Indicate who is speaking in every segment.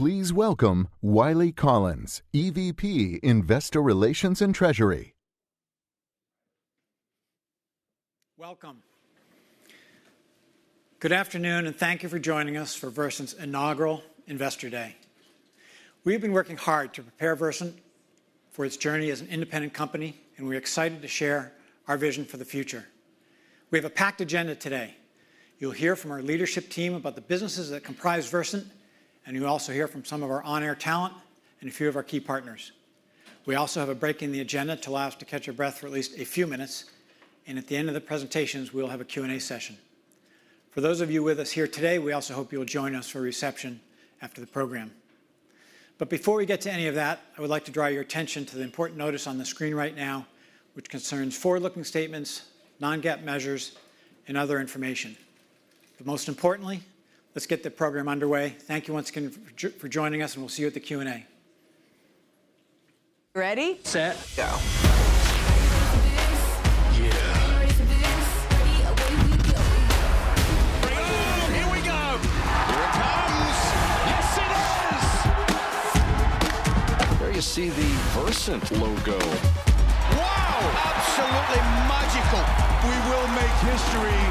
Speaker 1: Please welcome Wiley Collins, EVP Investor Relations and Treasury.
Speaker 2: Welcome. Good afternoon, and thank you for joining us for Versant's inaugural Investor Day. We've been working hard to prepare Versant for its journey as an independent company, and we're excited to share our vision for the future. We have a packed agenda today. You'll hear from our leadership team about the businesses that comprise Versant, and you'll also hear from some of our on-air talent and a few of our key partners. We also have a break in the agenda to allow us to catch our breath for at least a few minutes, and at the end of the presentations, we'll have a Q&A session. For those of you with us here today, we also hope you'll join us for a reception after the program. But before we get to any of that, I would like to draw your attention to the important notice on the screen right now, which concerns forward-looking statements, non-GAAP measures, and other information. But most importantly, let's get the program underway. Thank you once again for joining us, and we'll see you at the Q&A.
Speaker 1: Ready?
Speaker 2: Set.
Speaker 1: Go. Yeah. Ready to dance. Ready. Ready to dance. Ready to dance. Boom. Here we go. Here it comes. Yes, it is. There you see the Versant logo. Wow. Absolutely magical. We will make history.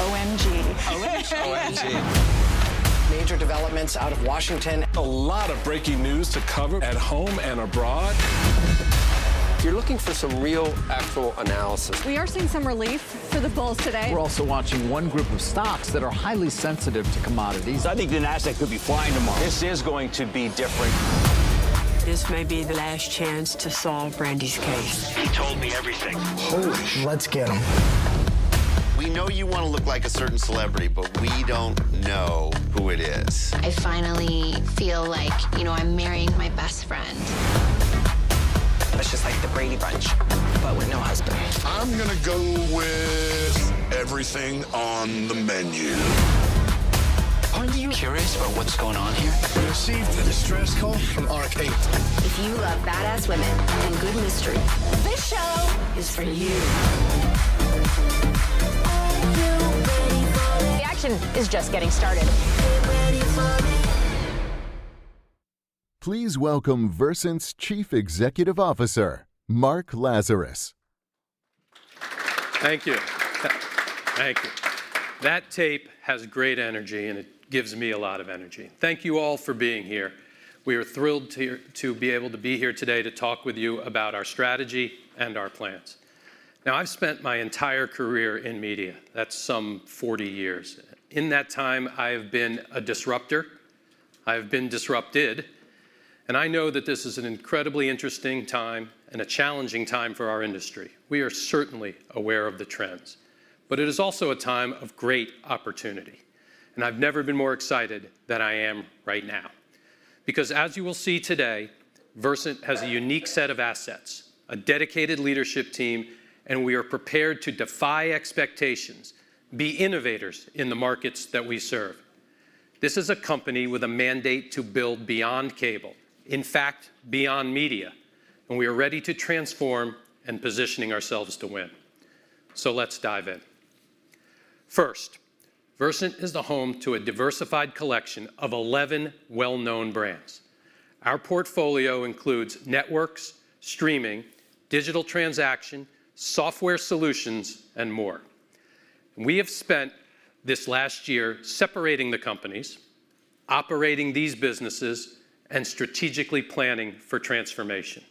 Speaker 1: Ready to dance. Oh, take it. Oh, go, go. Bummer. Here comes the world champion. Oh, my goodness. The red carpet is heating up. Yeah. OMG. OMG. OMG. Major developments out of Washington. A lot of breaking news to cover at home and abroad. If you're looking for some real actual analysis. We are seeing some relief for the bulls today. We're also watching one group of stocks that are highly sensitive to commodities. I think the Nasdaq could be flying tomorrow. This is going to be different. This may be the last chance to solve Brandy's case. He told me everything. Holy. Let's get him. We know you want to look like a certain celebrity, but we don't know who it is. I finally feel like, you know, I'm marrying my best friend. It's just like the Brady Bunch, but with no husband. I'm going to go with everything on the menu. Are you curious about what's going on here? We received a distress call from Ark 8. If you love badass women and good mystery, this show is for you. Are you ready for? Reaction is just getting started. Are you ready for me? Please welcome Versant's Chief Executive Officer, Mark Lazarus.
Speaker 3: Thank you. Thank you. That tape has great energy, and it gives me a lot of energy. Thank you all for being here. We are thrilled to be able to be here today to talk with you about our strategy and our plans. Now, I've spent my entire career in media. That's some 40 years. In that time, I have been a disrupter. I have been disrupted, and I know that this is an incredibly interesting time and a challenging time for our industry. We are certainly aware of the trends, but it is also a time of great opportunity, and I've never been more excited than I am right now because, as you will see today, Versant has a unique set of assets, a dedicated leadership team, and we are prepared to defy expectations, be innovators in the markets that we serve. This is a company with a mandate to build beyond cable, in fact, beyond media, and we are ready to transform and positioning ourselves to win, so let's dive in. First, Versant is the home to a diversified collection of 11 well-known brands. Our portfolio includes networks, streaming, digital transaction, software solutions, and more. We have spent this last year separating the companies, operating these businesses, and strategically planning for transformation.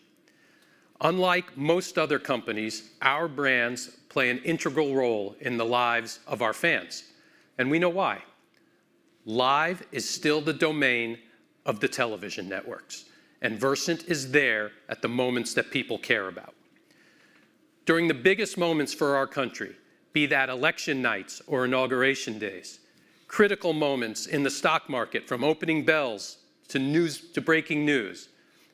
Speaker 3: Unlike most other companies, our brands play an integral role in the lives of our fans, and we know why. Live is still the domain of the television networks, and Versant is there at the moments that people care about. During the biggest moments for our country, be that election nights or inauguration days, critical moments in the stock market from opening bells to news to breaking news,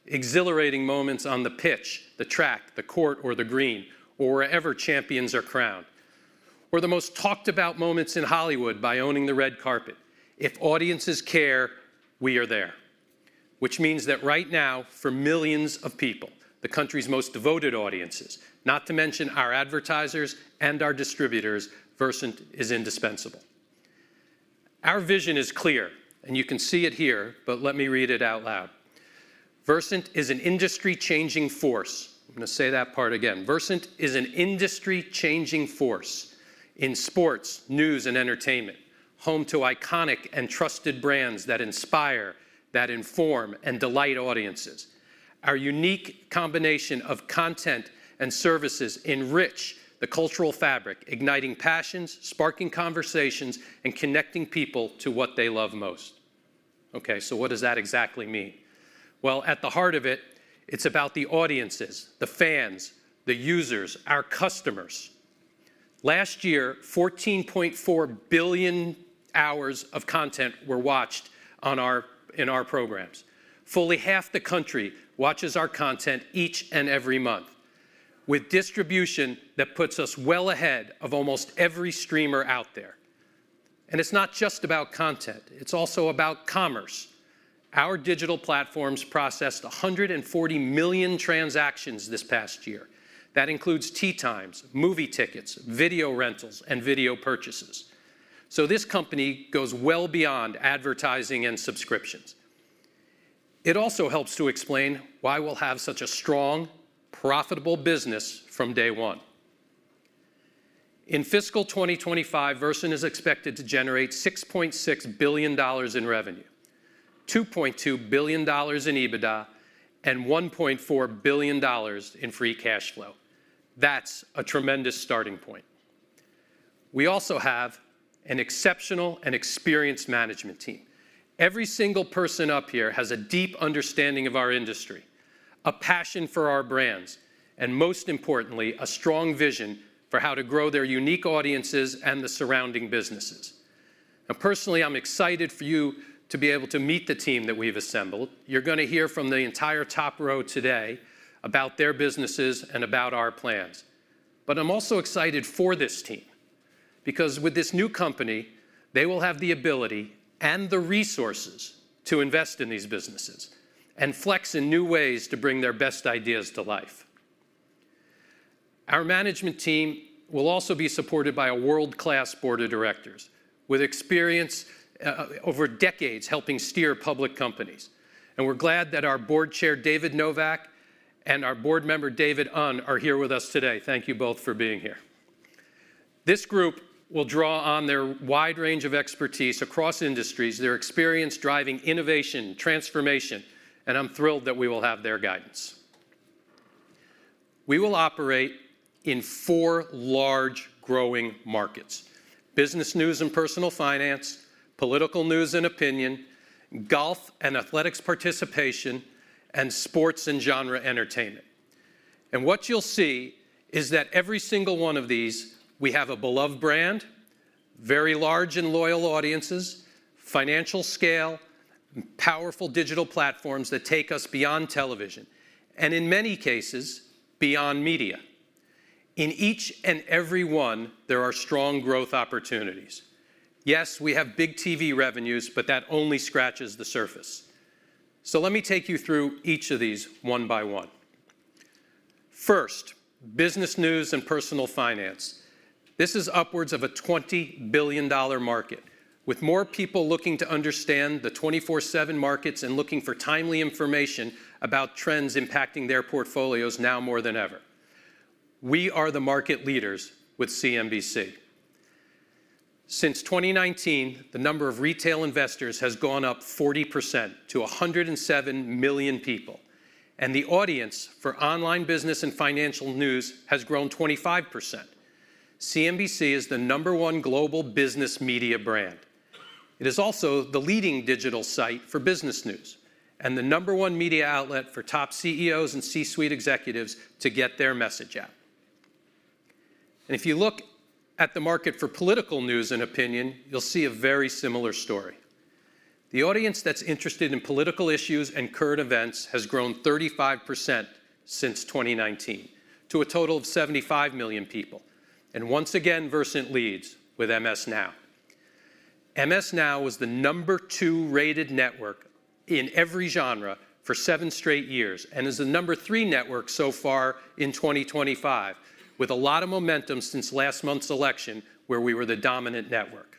Speaker 3: exhilarating moments on the pitch, the track, the court, or the green, or wherever champions are crowned, or the most talked-about moments in Hollywood by owning the red carpet, if audiences care, we are there, which means that right now, for millions of people, the country's most devoted audiences, not to mention our advertisers and our distributors, Versant is indispensable. Our vision is clear, and you can see it here, but let me read it out loud. Versant is an industry-changing force. I'm going to say that part again. Versant is an industry-changing force in sports, news, and entertainment, home to iconic and trusted brands that inspire, that inform, and delight audiences. Our unique combination of content and services enrich the cultural fabric, igniting passions, sparking conversations, and connecting people to what they love most. Okay, so what does that exactly mean? Well, at the heart of it, it's about the audiences, the fans, the users, our customers. Last year, 14.4 billion hours of content were watched in our programs. Fully half the country watches our content each and every month, with distribution that puts us well ahead of almost every streamer out there, and it's not just about content. It's also about commerce. Our digital platforms processed 140 million transactions this past year. That includes tee times, movie tickets, video rentals, and video purchases, so this company goes well beyond advertising and subscriptions. It also helps to explain why we'll have such a strong, profitable business from day one. In fiscal 2025, Versant is expected to generate $6.6 billion in revenue, $2.2 billion in EBITDA, and $1.4 billion in free cash flow. That's a tremendous starting point. We also have an exceptional and experienced management team. Every single person up here has a deep understanding of our industry, a passion for our brands, and most importantly, a strong vision for how to grow their unique audiences and the surrounding businesses. Now, personally, I'm excited for you to be able to meet the team that we've assembled. You're going to hear from the entire top row today about their businesses and about our plans. But I'm also excited for this team because, with this new company, they will have the ability and the resources to invest in these businesses and flex in new ways to bring their best ideas to life. Our management team will also be supported by a world-class board of directors with experience over decades helping steer public companies, and we're glad that our Board Chair, David Novak, and our Board Member, David Eun, are here with us today. Thank you both for being here. This group will draw on their wide range of expertise across industries, their experience driving innovation and transformation, and I'm thrilled that we will have their guidance. We will operate in four large growing markets: business news and personal finance, political news and opinion, golf and athletics participation, and sports and genre entertainment, and what you'll see is that every single one of these, we have a beloved brand, very large and loyal audiences, financial scale, powerful digital platforms that take us beyond television, and in many cases, beyond media. In each and every one, there are strong growth opportunities. Yes, we have big TV revenues, but that only scratches the surface, so let me take you through each of these one-by-one. First, business news and personal finance. This is upwards of a $20 billion market, with more people looking to understand the 24/7 markets and looking for timely information about trends impacting their portfolios now more than ever. We are the market leaders with CNBC. Since 2019, the number of retail investors has gone up 40% to 107 million people, and the audience for online business and financial news has grown 25%. CNBC is the number one global business media brand. It is also the leading digital site for business news and the number one media outlet for top CEOs and C-suite executives to get their message out, and if you look at the market for political news and opinion, you'll see a very similar story. The audience that's interested in political issues and current events has grown 35% since 2019 to a total of 75 million people, and once again, MS NOW was the number two rated network in every genre for seven straight years and is the number three network so far in 2025, with a lot of momentum since last month's election, where we were the dominant network.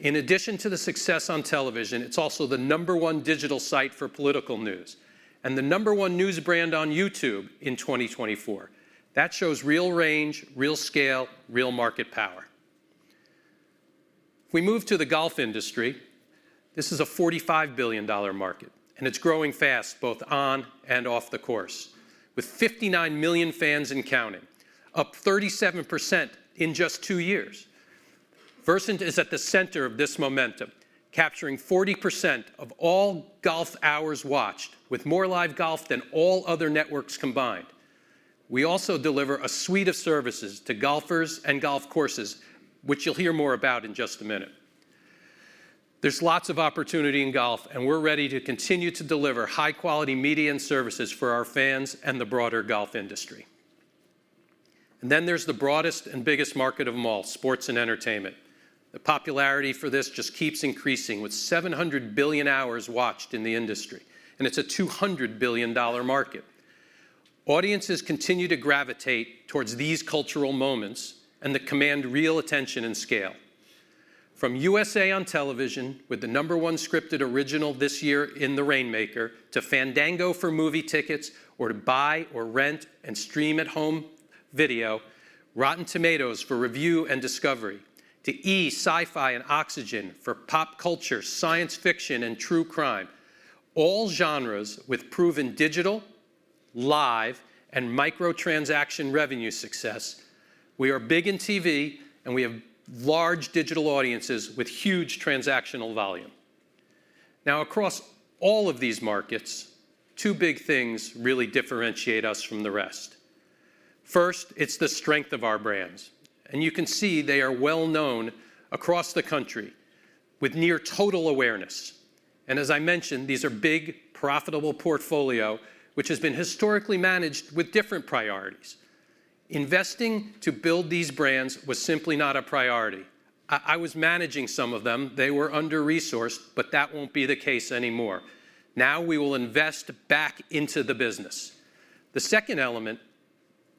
Speaker 3: In addition to the success on television, it's also the number one digital site for political news and the number one news brand on YouTube in 2024. That shows real range, real scale, real market power. We move to the golf industry. This is a $45 billion market, and it's growing fast both on and off the course, with 59 million fans and counting, up 37% in just two years. Versant is at the center of this momentum, capturing 40% of all golf hours watched, with more live golf than all other networks combined. We also deliver a suite of services to golfers and golf courses, which you'll hear more about in just a minute. There's lots of opportunity in golf, and we're ready to continue to deliver high-quality media and services for our fans and the broader golf industry. And then there's the broadest and biggest market of them all, sports and entertainment. The popularity for this just keeps increasing with 700 billion hours watched in the industry, and it's a $200 billion market. Audiences continue to gravitate toward these cultural moments, and that command real attention and scale. From USA on television with the number one scripted original this year in The Rainmaker to Fandango for movie tickets or to buy or rent and stream at-home video, Rotten Tomatoes for review and discovery, to E! Syfy and Oxygen for pop culture, science fiction, and true crime, all genres with proven digital, live, and microtransaction revenue success, we are big in TV, and we have large digital audiences with huge transactional volume. Now, across all of these markets, two big things really differentiate us from the rest. First, it's the strength of our brands, and you can see they are well-known across the country with near-total awareness, and as I mentioned, these are big, profitable portfolios, which have been historically managed with different priorities. Investing to build these brands was simply not a priority. I was managing some of them. They were under-resourced, but that won't be the case anymore. Now we will invest back into the business. The second element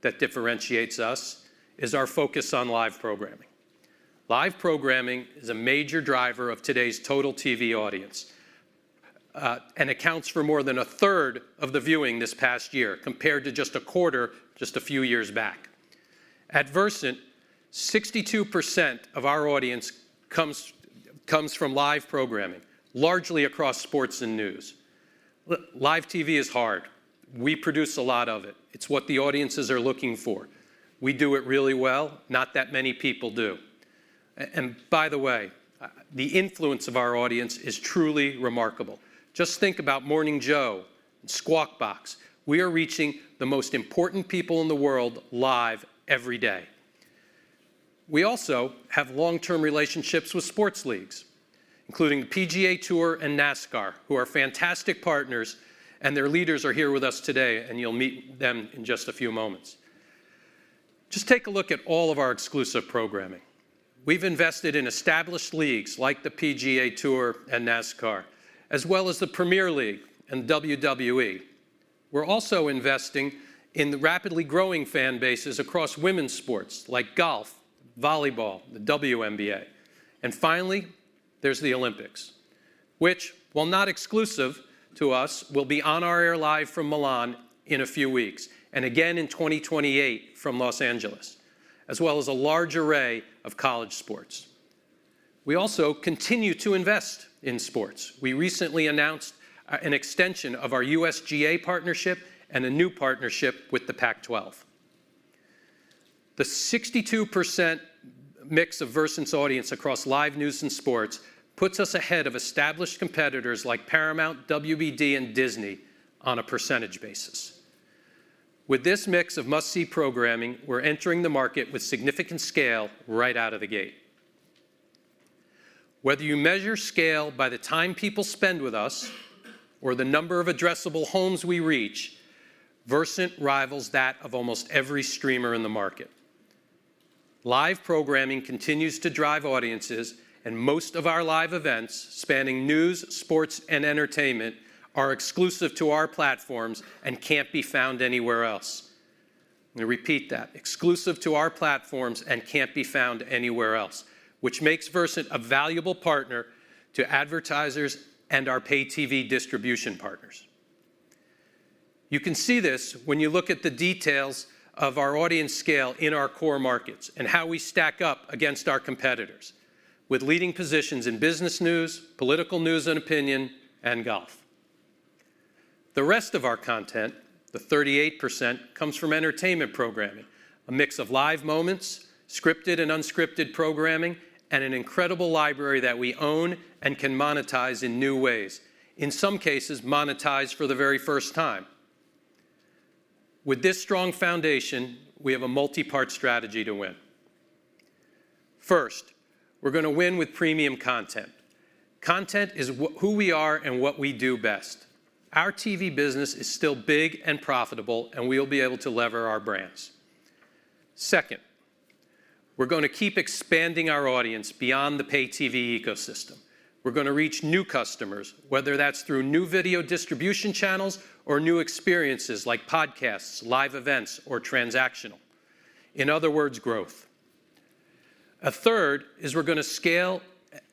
Speaker 3: that differentiates us is our focus on live programming. Live programming is a major driver of today's total TV audience and accounts for more than a third of the viewing this past year compared to just a quarter just a few years back. At Versant, 62% of our audience comes from live programming, largely across sports and news. Live TV is hard. We produce a lot of it. It's what the audiences are looking for. We do it really well. Not that many people do. And by the way, the influence of our audience is truly remarkable. Just think about Morning Joe and Squawk Box. We are reaching the most important people in the world live every day. We also have long-term relationships with sports leagues, including the PGA Tour and NASCAR, who are fantastic partners, and their leaders are here with us today, and you'll meet them in just a few moments. Just take a look at all of our exclusive programming. We've invested in established leagues like the PGA Tour and NASCAR, as well as the Premier League and WWE. We're also investing in the rapidly growing fan bases across women's sports like golf, volleyball, the WNBA. And finally, there's the Olympics, which, while not exclusive to us, will be on our air live from Milan in a few weeks and again in 2028 from Los Angeles, as well as a large array of college sports. We also continue to invest in sports. We recently announced an extension of our USGA partnership and a new partnership with the Pac-12. The 62% mix of Versant's audience across live news and sports puts us ahead of established competitors like Paramount, WBD, and Disney on a percentage basis. With this mix of must-see programming, we're entering the market with significant scale right out of the gate. Whether you measure scale by the time people spend with us or the number of addressable homes we reach, Versant rivals that of almost every streamer in the market. Live programming continues to drive audiences, and most of our live events spanning news, sports, and entertainment are exclusive to our platforms and can't be found anywhere else. I'm going to repeat that: exclusive to our platforms and can't be found anywhere else, which makes Versant a valuable partner to advertisers and our pay-TV distribution partners. You can see this when you look at the details of our audience scale in our core markets and how we stack up against our competitors with leading positions in business news, political news and opinion, and golf. The rest of our content, the 38%, comes from entertainment programming, a mix of live moments, scripted and unscripted programming, and an incredible library that we own and can monetize in new ways, in some cases monetized for the very first time. With this strong foundation, we have a multi-part strategy to win. First, we're going to win with premium content. Content is who we are and what we do best. Our TV business is still big and profitable, and we'll be able to lever our brands. Second, we're going to keep expanding our audience beyond the pay-TV ecosystem. We're going to reach new customers, whether that's through new video distribution channels or new experiences like podcasts, live events, or transactional. In other words, growth. A third is we're going to scale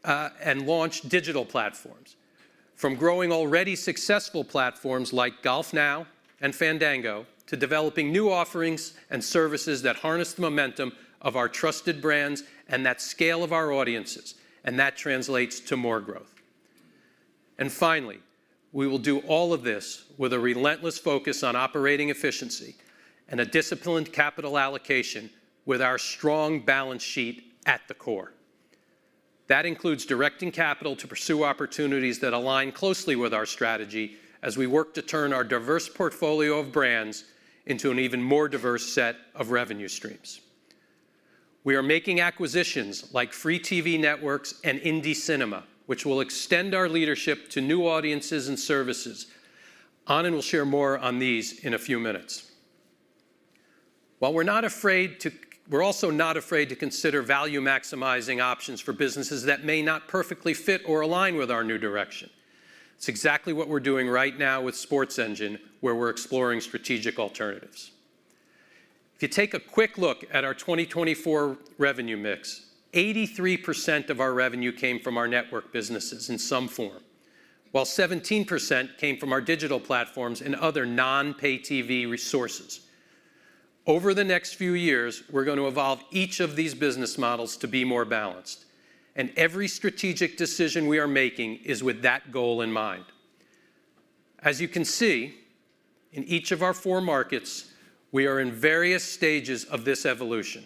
Speaker 3: and launch digital platforms from growing already successful platforms like GolfNow and Fandango to developing new offerings and services that harness the momentum of our trusted brands and that scale of our audiences, and that translates to more growth. And finally, we will do all of this with a relentless focus on operating efficiency and a disciplined capital allocation with our strong balance sheet at the core. That includes directing capital to pursue opportunities that align closely with our strategy as we work to turn our diverse portfolio of brands into an even more diverse set of revenue streams. We are making acquisitions like Free TV Networks and IndieCinema, which will extend our leadership to new audiences and services. Anand will share more on these in a few minutes. While we're not afraid to, we're also not afraid to consider value-maximizing options for businesses that may not perfectly fit or align with our new direction. It's exactly what we're doing right now with SportsEngine, where we're exploring strategic alternatives. If you take a quick look at our 2024 revenue mix, 83% of our revenue came from our network businesses in some form, while 17% came from our digital platforms and other non-pay-TV resources. Over the next few years, we're going to evolve each of these business models to be more balanced, and every strategic decision we are making is with that goal in mind. As you can see, in each of our four markets, we are in various stages of this evolution,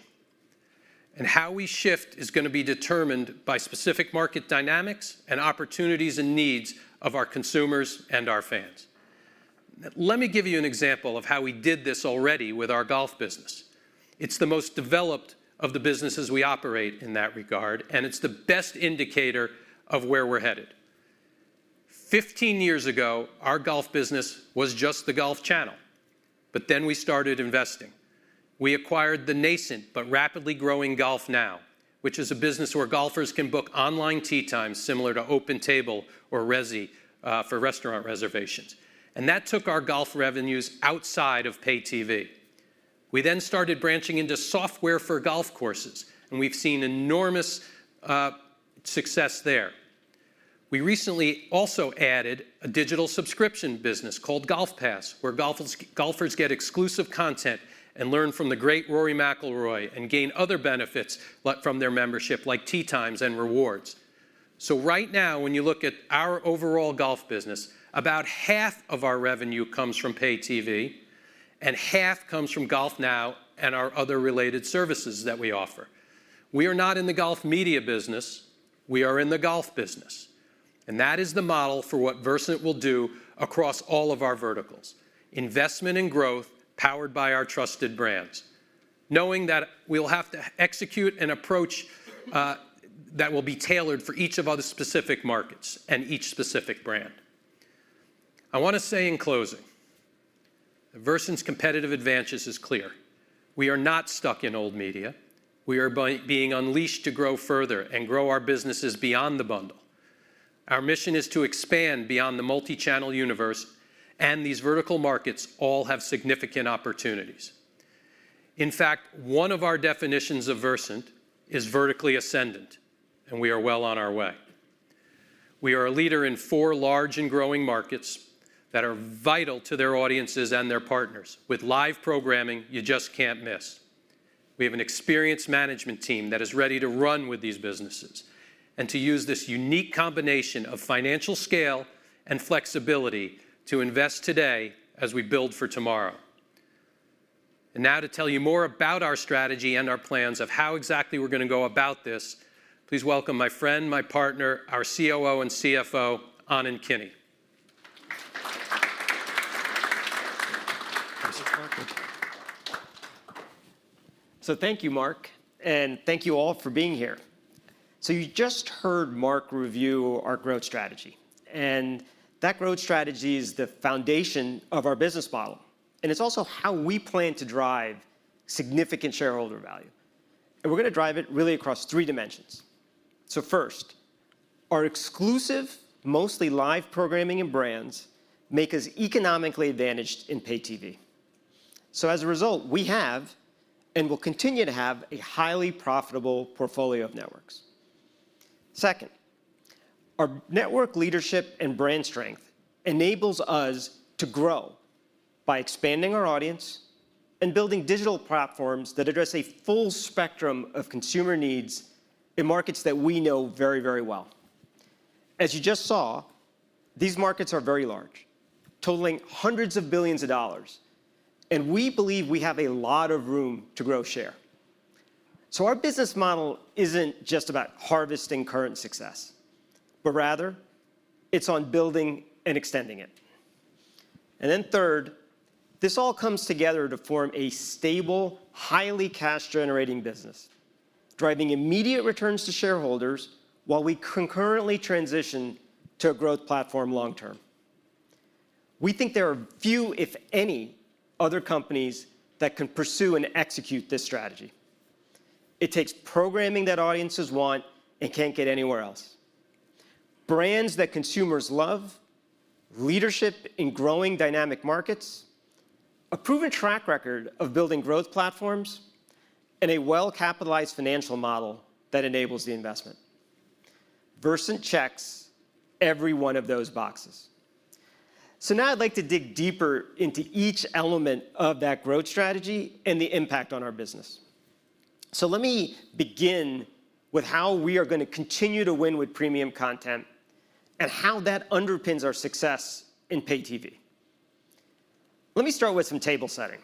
Speaker 3: and how we shift is going to be determined by specific market dynamics and opportunities and needs of our consumers and our fans. Let me give you an example of how we did this already with our golf business. It's the most developed of the businesses we operate in that regard, and it's the best indicator of where we're headed. Fifteen years ago, our golf business was just the Golf Channel, but then we started investing. We acquired the nascent but rapidly growing GolfNow, which is a business where golfers can book online tee times similar to OpenTable or Resy for restaurant reservations. And that took our golf revenues outside of pay-TV. We then started branching into software for golf courses, and we've seen enormous success there. We recently also added a digital subscription business called GolfPass, where golfers get exclusive content and learn from the great Rory McIlroy and gain other benefits from their membership, like tee times and rewards. So right now, when you look at our overall golf business, about half of our revenue comes from pay-TV, and half comes from GolfNow and our other related services that we offer. We are not in the golf media business. We are in the golf business. And that is the model for what Versant will do across all of our verticals: investment and growth powered by our trusted brands, knowing that we'll have to execute an approach that will be tailored for each of our specific markets and each specific brand. I want to say in closing, Versant's competitive advantage is clear. We are not stuck in old media. We are being unleashed to grow further and grow our businesses beyond the bundle. Our mission is to expand beyond the multi-channel universe, and these vertical markets all have significant opportunities. In fact, one of our definitions of Versant is vertically ascendant, and we are well on our way. We are a leader in four large and growing markets that are vital to their audiences and their partners, with live programming you just can't miss. We have an experienced management team that is ready to run with these businesses and to use this unique combination of financial scale and flexibility to invest today as we build for tomorrow, and now, to tell you more about our strategy and our plans of how exactly we're going to go about this, please welcome my friend, my partner, our COO and CFO, Anand Kini.
Speaker 4: So thank you, Mark, and thank you all for being here. So you just heard Mark review our growth strategy. And that growth strategy is the foundation of our business model, and it's also how we plan to drive significant shareholder value. And we're going to drive it really across three dimensions. So first, our exclusive, mostly live programming and brands make us economically advantaged in Pay-TV. So as a result, we have and will continue to have a highly profitable portfolio of networks. Second, our network leadership and brand strength enables us to grow by expanding our audience and building digital platforms that address a full spectrum of consumer needs in markets that we know very, very well. As you just saw, these markets are very large, totaling hundreds of billions of dollars, and we believe we have a lot of room to grow share. So our business model isn't just about harvesting current success, but rather it's on building and extending it. And then third, this all comes together to form a stable, highly cash-generating business, driving immediate returns to shareholders while we concurrently transition to a growth platform long-term. We think there are few, if any, other companies that can pursue and execute this strategy. It takes programming that audiences want and can't get anywhere else: brands that consumers love, leadership in growing dynamic markets, a proven track record of building growth platforms, and a well-capitalized financial model that enables the investment. Versant checks every one of those boxes. So now I'd like to dig deeper into each element of that growth strategy and the impact on our business. So let me begin with how we are going to continue to win with premium content and how that underpins our success in pay-TV. Let me start with some table setting.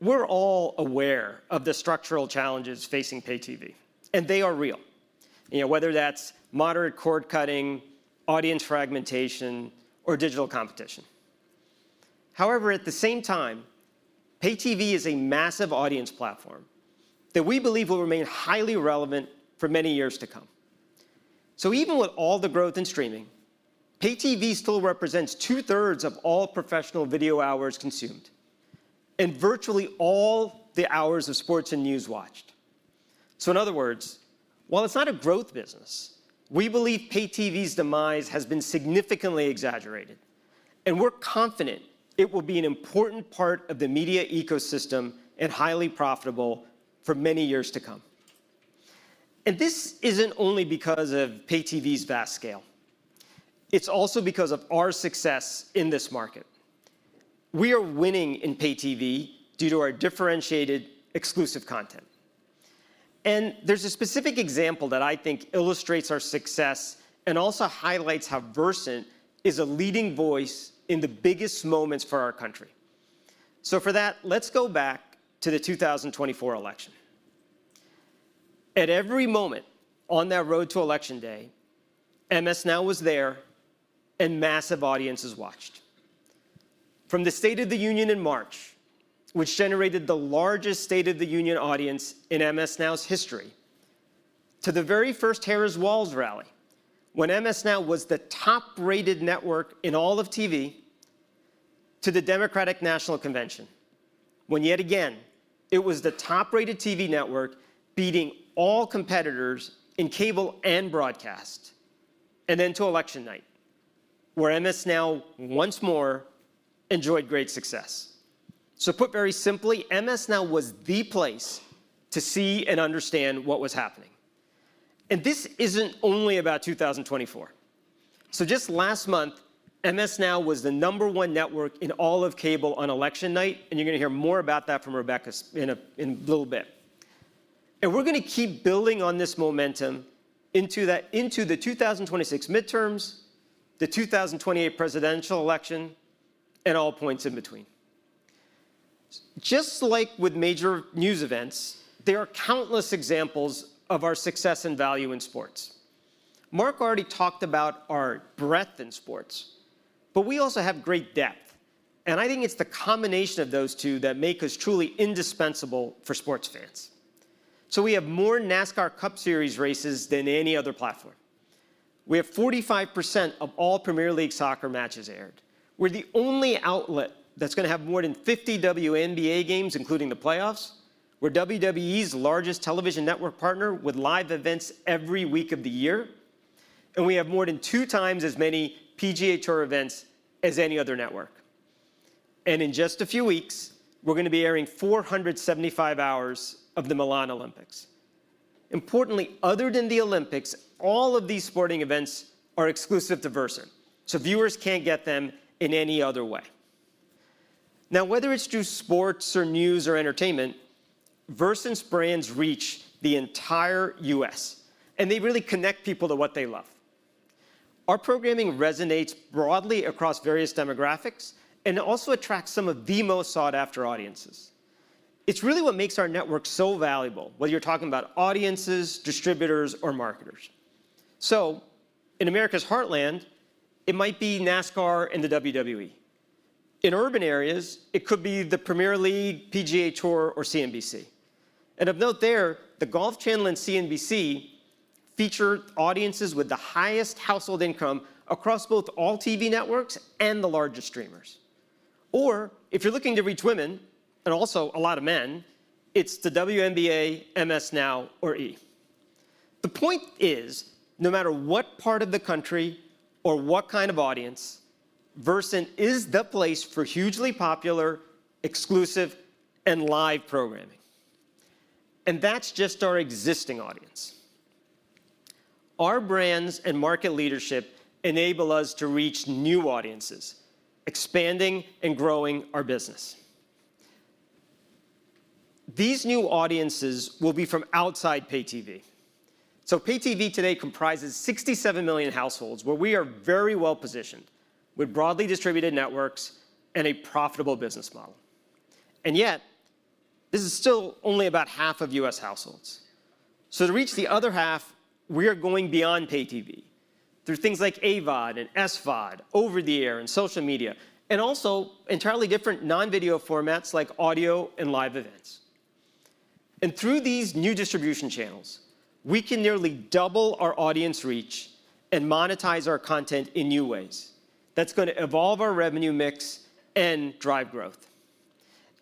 Speaker 4: We're all aware of the structural challenges facing pay-TV, and they are real, whether that's moderate cord cutting, audience fragmentation, or digital competition. However, at the same time, pay-TV is a massive audience platform that we believe will remain highly relevant for many years to come. So even with all the growth in streaming, pay-TV still represents two-thirds of all professional video hours consumed and virtually all the hours of sports and news watched. So in other words, while it's not a growth business, we believe pay-TV's demise has been significantly exaggerated, and we're confident it will be an important part of the media ecosystem and highly profitable for many years to come. And this isn't only because of pay-TV's vast scale. It's also because of our success in this market. We are winning in pay-TV due to our differentiated exclusive content. There's a specific example that I think illustrates our success and also highlights how Versant is a leading voice in the biggest moments for our country. For that, let's go back to the 2024 election. At every moment on that road MS NOW was there and massive audiences watched. From the State of the Union in March, which generated the largest State of the MS NOW's history, to the very first MS NOW was the top-rated network in all of TV, to the Democratic National Convention when yet again it was the top-rated TV network beating all competitors in cable and broadcast, and then to MS NOW once more enjoyed great success. MS NOW was the place to see and understand what was happening. This isn't only about 2024. So MS NOW was the number one network in all of cable on election night, and you're going to hear more about that from Rebecca in a little bit. And we're going to keep building on this momentum into the 2026 midterms, the 2028 presidential election, and all points in between. Just like with major news events, there are countless examples of our success and value in sports. Mark already talked about our breadth in sports, but we also have great depth, and I think it's the combination of those two that make us truly indispensable for sports fans. So we have more NASCAR Cup Series races than any other platform. We have 45% of all Premier League soccer matches aired. We're the only outlet that's going to have more than 50 WNBA games, including the playoffs. Where WWE's largest television network partner with live events every week of the year, and we have more than two times as many PGA Tour events as any other network, and in just a few weeks, we're going to be airing 475 hours of the Milan Olympics. Importantly, other than the Olympics, all of these sporting events are exclusive to Versant, so viewers can't get them in any other way. Now, whether it's through sports or news or entertainment, Versant's brands reach the entire U.S., and they really connect people to what they love. Our programming resonates broadly across various demographics and also attracts some of the most sought-after audiences. It's really what makes our network so valuable, whether you're talking about audiences, distributors, or marketers, so in America's heartland, it might be NASCAR and the WWE. In urban areas, it could be the Premier League, PGA Tour, or CNBC. And of note there, the Golf Channel and CNBC feature audiences with the highest household income across both all TV networks and the largest streamers. Or if you're looking to reach women and also a lot of men, MS NOW, or e!. the point is, no matter what part of the country or what kind of audience, Versant is the place for hugely popular, exclusive, and live programming. And that's just our existing audience. Our brands and market leadership enable us to reach new audiences, expanding and growing our business. These new audiences will be from outside pay-TV. So pay-TV today comprises 67 million households, where we are very well positioned with broadly distributed networks and a profitable business model. And yet, this is still only about half of U.S. households. So to reach the other half, we are going beyond pay-TV through things like AVOD and SVOD, over-the-air and social media, and also entirely different non-video formats like audio and live events. And through these new distribution channels, we can nearly double our audience reach and monetize our content in new ways. That's going to evolve our revenue mix and drive growth.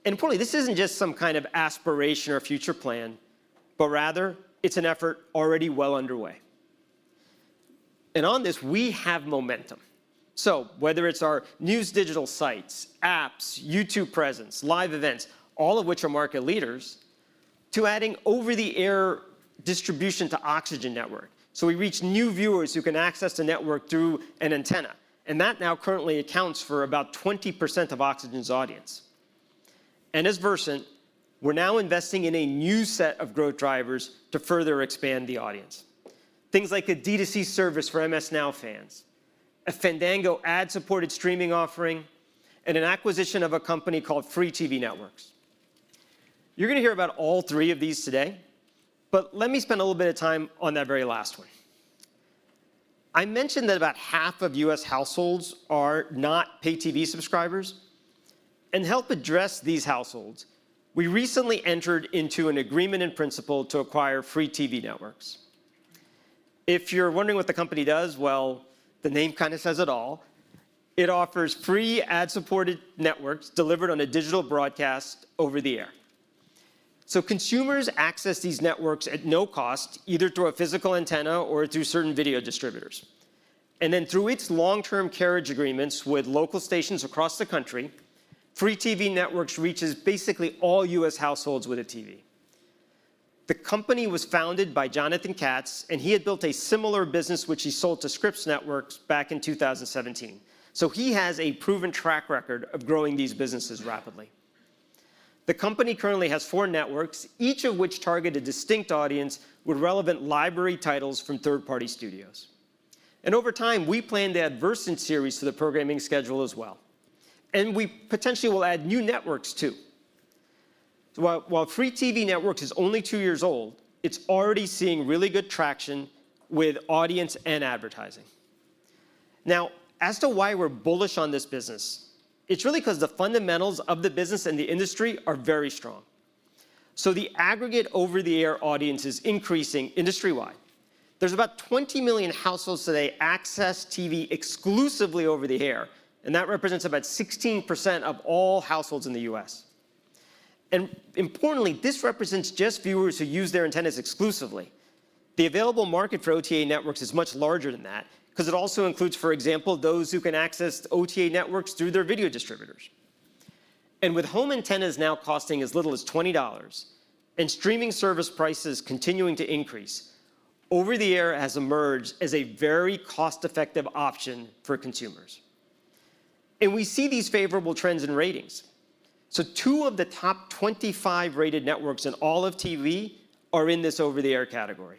Speaker 4: And importantly, this isn't just some kind of aspiration or future plan, but rather it's an effort already well underway. And on this, we have momentum. So whether it's our news digital sites, apps, YouTube presence, live events, all of which are market leaders, to adding over-the-air distribution to Oxygen Network. So we reach new viewers who can access the network through an antenna. And that now currently accounts for about 20% of Oxygen's audience. And as Versant, we're now investing in a new set of growth drivers to further expand the audience: things like a MS NOW fans, a fandango ad-supported streaming offering, and an acquisition of a company called Free TV Networks. You're going to hear about all three of these today, but let me spend a little bit of time on that very last one. I mentioned that about half of U.S. households are not pay-TV subscribers. And to help address these households, we recently entered into an agreement in principle to acquire Free TV Networks. If you're wondering what the company does, well, the name kind of says it all. It offers free ad-supported networks delivered on a digital broadcast over the air. So consumers access these networks at no cost, either through a physical antenna or through certain video distributors. And then through its long-term carriage agreements with local stations across the country, Free TV Networks reaches basically all U.S. households with a TV. The company was founded by Jonathan Katz, and he had built a similar business, which he sold to Scripps Networks back in 2017. So he has a proven track record of growing these businesses rapidly. The company currently has four networks, each of which target a distinct audience with relevant library titles from third-party studios. And over time, we plan to add Versant Series to the programming schedule as well. And we potentially will add new networks too. While Free TV Networks is only two years old, it's already seeing really good traction with audience and advertising. Now, as to why we're bullish on this business, it's really because the fundamentals of the business and the industry are very strong. So the aggregate over-the-air audience is increasing industry-wide. There's about 20 million households today access TV exclusively over-the-air, and that represents about 16% of all households in the U.S. And importantly, this represents just viewers who use their antennas exclusively. The available market for OTA networks is much larger than that because it also includes, for example, those who can access OTA networks through their video distributors. And with home antennas now costing as little as $20 and streaming service prices continuing to increase, over-the-air has emerged as a very cost-effective option for consumers. And we see these favorable trends in ratings. So two of the top 25 rated networks in all of TV are in this over-the-air category.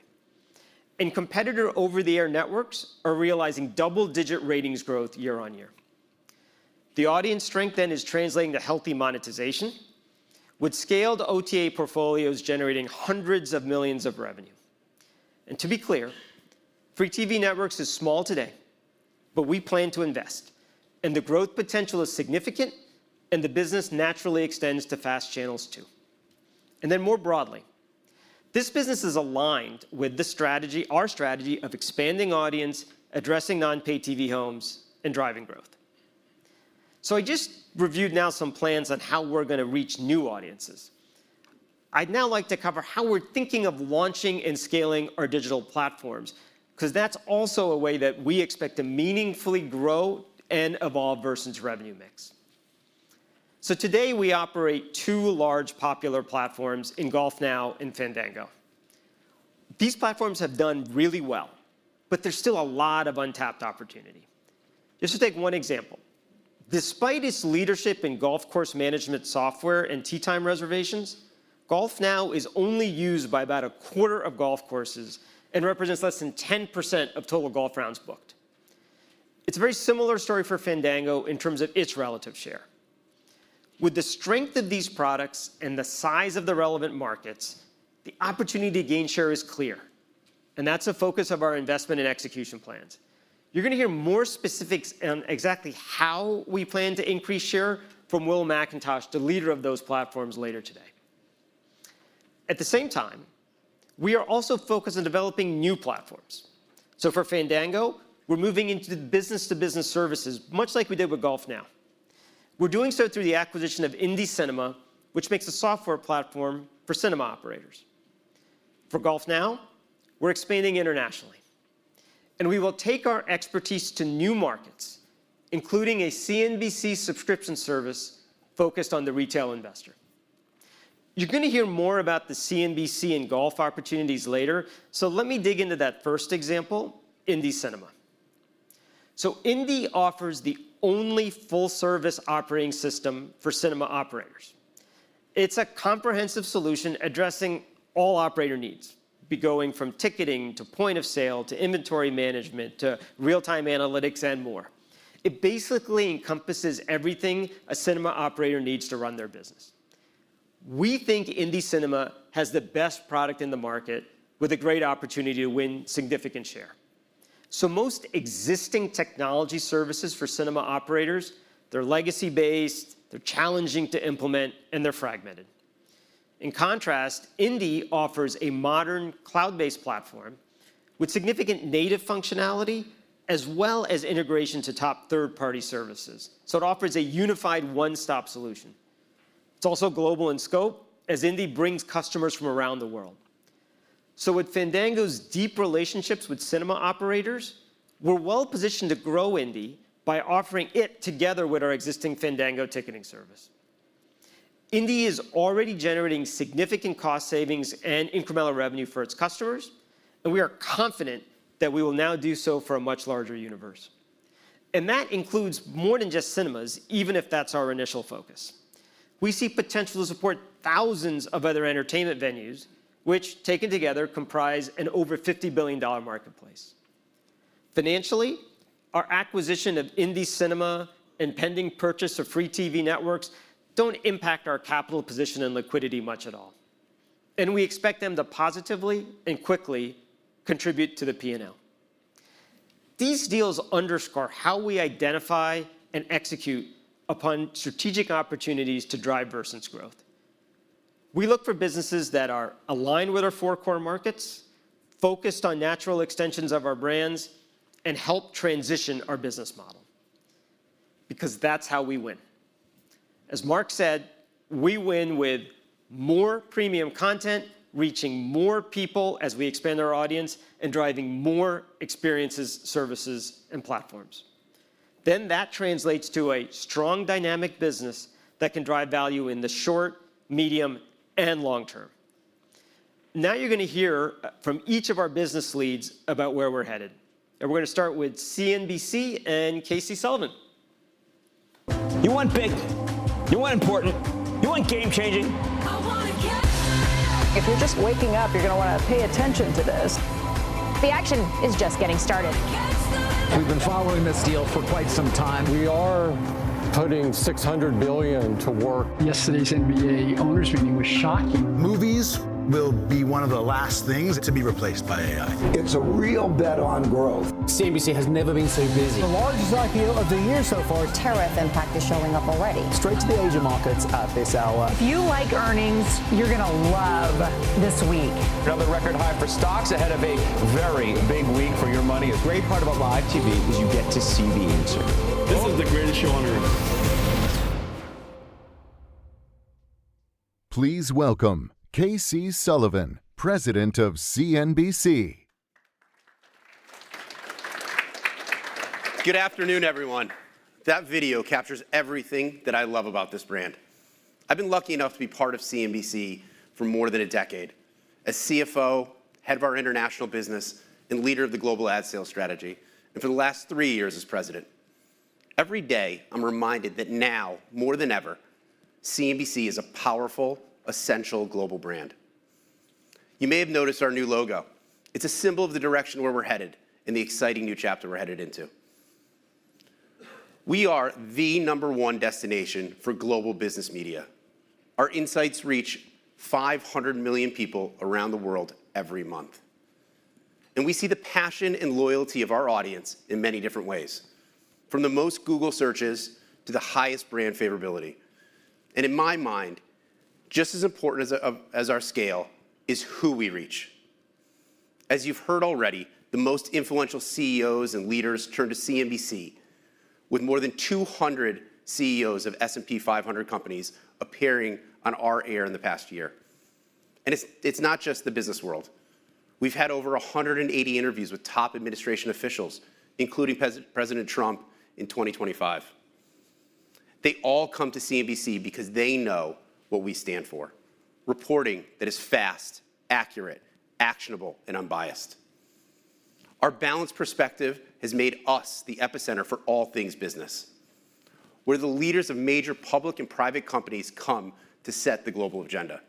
Speaker 4: And competitor over-the-air networks are realizing double-digit ratings growth year-on-year. The audience strength then is translating to healthy monetization, with scaled OTA portfolios generating hundreds of millions of revenue, and to be clear, Free TV Networks is small today, but we plan to invest, and the growth potential is significant, and the business naturally extends to FAST channels too, and then more broadly, this business is aligned with our strategy of expanding audience, addressing non-pay-TV homes, and driving growth, so I just reviewed now some plans on how we're going to reach new audiences. I'd now like to cover how we're thinking of launching and scaling our digital platforms because that's also a way that we expect to meaningfully grow and evolve Versant's revenue mix, so today we operate two large popular platforms in GolfNow and Fandango. These platforms have done really well, but there's still a lot of untapped opportunity. Just to take one example, despite its leadership in golf course management software and tee time reservations, GolfNow is only used by about a quarter of golf courses and represents less than 10% of total golf rounds booked. It's a very similar story for Fandango in terms of its relative share. With the strength of these products and the size of the relevant markets, the opportunity to gain share is clear, and that's a focus of our investment and execution plans. You're going to hear more specifics on exactly how we plan to increase share from Will McIntosh, the leader of those platforms, later today. At the same time, we are also focused on developing new platforms. So for Fandango, we're moving into the business-to-business services, much like we did with GolfNow. We're doing so through the acquisition of IndieCinema, which makes a software platform for cinema operators. For GolfNow, we're expanding internationally, and we will take our expertise to new markets, including a CNBC subscription service focused on the retail investor. You're going to hear more about the CNBC and golf opportunities later, so let me dig into that first example, IndieCinema. So Indie offers the only full-service operating system for cinema operators. It's a comprehensive solution addressing all operator needs, going from ticketing to point of sale to inventory management to real-time analytics and more. It basically encompasses everything a cinema operator needs to run their business. We think IndieCinema has the best product in the market with a great opportunity to win significant share. So most existing technology services for cinema operators, they're legacy-based, they're challenging to implement, and they're fragmented. In contrast, Indie offers a modern cloud-based platform with significant native functionality as well as integration to top third-party services. So it offers a unified one-stop solution. It's also global in scope, as Indie brings customers from around the world. So with Fandango's deep relationships with cinema operators, we're well positioned to grow Indie by offering it together with our existing Fandango ticketing service. Indie is already generating significant cost savings and incremental revenue for its customers, and we are confident that we will now do so for a much larger universe. And that includes more than just cinemas, even if that's our initial focus. We see potential to support thousands of other entertainment venues, which taken together comprise an over $50 billion marketplace. Financially, our acquisition of IndieCinema and pending purchase of Free TV Networks don't impact our capital position and liquidity much at all. And we expect them to positively and quickly contribute to the P&L. These deals underscore how we identify and execute upon strategic opportunities to drive Versant's growth. We look for businesses that are aligned with our four-core markets, focused on natural extensions of our brands, and help transition our business model, because that's how we win. As Mark said, we win with more premium content reaching more people as we expand our audience and driving more experiences, services, and platforms. Then that translates to a strong, dynamic business that can drive value in the short, medium, and long term. Now you're going to hear from each of our business leads about where we're headed. And we're going to start with CNBC and Casey Sullivan.
Speaker 1: You want big. You want important. You want game-changing. If you're just waking up, you're going to want to pay attention to this. The action is just getting started. We've been following this deal for quite some time. We are putting $600 billion to work. Yesterday's NBA owners meeting was shocking. Movies will be one of the last things to be replaced by AI. It's a real bet on growth. CNBC has never been so busy. The largest IPO of the year so far. Tariff impact is showing up already. Straight to the Asia markets at this hour. If you like earnings, you're going to love this week. Another record high for stocks ahead of a very big week for your money. A great part about live TV is you get to see the answer. This is the greatest show on earth. Please welcome Casey Sullivan, President of CNBC.
Speaker 5: Good afternoon, everyone. That video captures everything that I love about this brand. I've been lucky enough to be part of CNBC for more than a decade as CFO, head of our international business, and leader of the global ad sales strategy, and for the last three years as president. Every day, I'm reminded that now, more than ever, CNBC is a powerful, essential global brand. You may have noticed our new logo. It's a symbol of the direction where we're headed and the exciting new chapter we're headed into. We are the number one destination for global business media. Our insights reach 500 million people around the world every month. And in my mind, just as important as our scale is who we reach. As you've heard already, the most influential CEOs and leaders turn to CNBC, with more than 200 CEOs of S&P 500 companies appearing on our air in the past year, and it's not just the business world. We've had over 180 interviews with top administration officials, including President Trump in 2025. They all come to CNBC because they know what we stand for: reporting that is fast, accurate, actionable, and unbiased. Our balanced perspective has made us the epicenter for all things business, where the leaders of major public and private companies come to set the global agenda,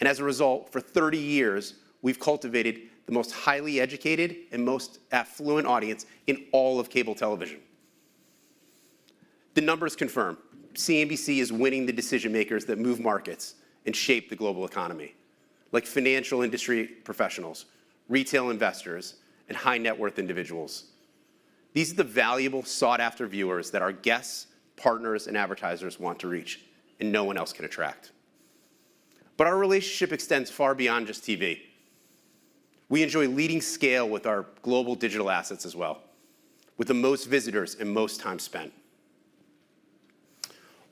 Speaker 5: and as a result, for 30 years, we've cultivated the most highly educated and most affluent audience in all of cable television. The numbers confirm CNBC is winning the decision-makers that move markets and shape the global economy, like financial industry professionals, retail investors, and high-net-worth individuals. These are the valuable, sought-after viewers that our guests, partners, and advertisers want to reach, and no one else can attract, but our relationship extends far beyond just TV. We enjoy leading scale with our global digital assets as well, with the most visitors and most time spent.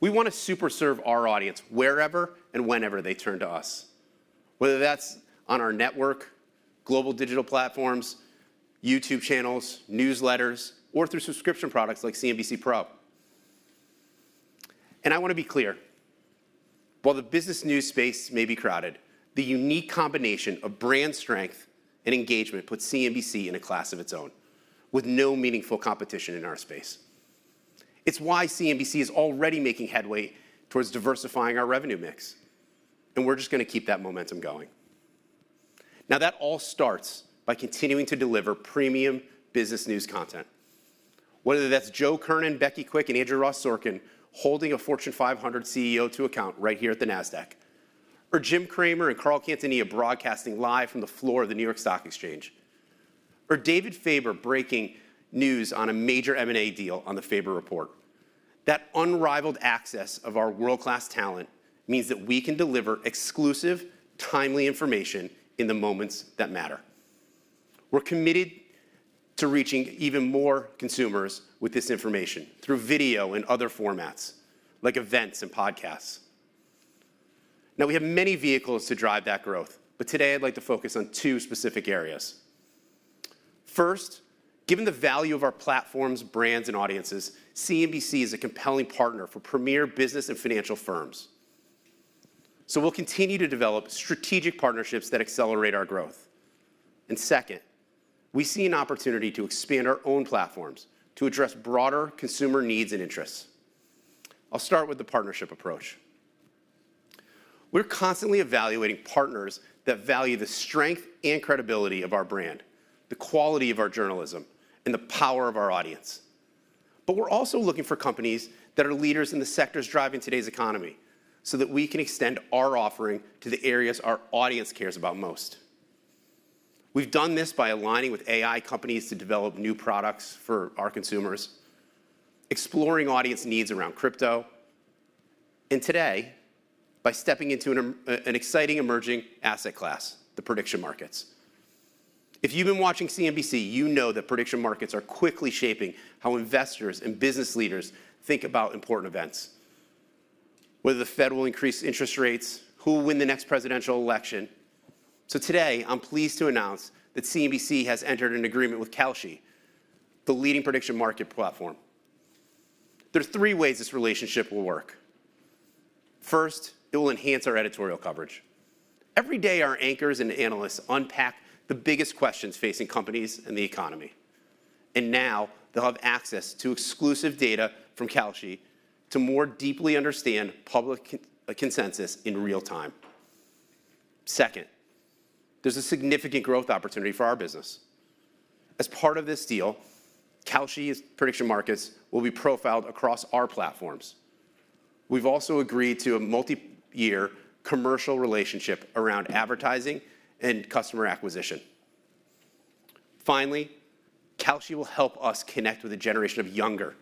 Speaker 5: We want to super serve our audience wherever and whenever they turn to us, whether that's on our network, global digital platforms, YouTube channels, newsletters, or through subscription products like CNBC Pro, and I want to be clear. While the business news space may be crowded, the unique combination of brand strength and engagement puts CNBC in a class of its own, with no meaningful competition in our space. It's why CNBC is already making headway towards diversifying our revenue mix, and we're just going to keep that momentum going. Now, that all starts by continuing to deliver premium business news content, whether that's Joe Kernan, Becky Quick, and Andrew Ross Sorkin holding a Fortune 500 CEO to account right here at the Nasdaq, or Jim Cramer and Carl Quintanilla broadcasting live from the floor of the New York Stock Exchange, or David Faber breaking news on a major M&A deal on the Faber Report. That unrivaled access of our world-class talent means that we can deliver exclusive, timely information in the moments that matter. We're committed to reaching even more consumers with this information through video and other formats, like events and podcasts. Now, we have many vehicles to drive that growth, but today I'd like to focus on two specific areas. First, given the value of our platforms, brands, and audiences, CNBC is a compelling partner for premier business and financial firms. So we'll continue to develop strategic partnerships that accelerate our growth. And second, we see an opportunity to expand our own platforms to address broader consumer needs and interests. I'll start with the partnership approach. We're constantly evaluating partners that value the strength and credibility of our brand, the quality of our journalism, and the power of our audience. But we're also looking for companies that are leaders in the sectors driving today's economy so that we can extend our offering to the areas our audience cares about most. We've done this by aligning with AI companies to develop new products for our consumers, exploring audience needs around crypto, and today by stepping into an exciting emerging asset class, the prediction markets. If you've been watching CNBC, you know that prediction markets are quickly shaping how investors and business leaders think about important events, whether the Fed will increase interest rates, who will win the next presidential election. So today, I'm pleased to announce that CNBC has entered an agreement with Kalshi, the leading prediction market platform. There are three ways this relationship will work. First, it will enhance our editorial coverage. Every day, our anchors and analysts unpack the biggest questions facing companies and the economy. And now they'll have access to exclusive data from Kalshi to more deeply understand public consensus in real time. Second, there's a significant growth opportunity for our business. As part of this deal, Kalshi's prediction markets will be profiled across our platforms. We've also agreed to a multi-year commercial relationship around advertising and customer acquisition. Finally, Kalshi will help us connect with a generation of younger,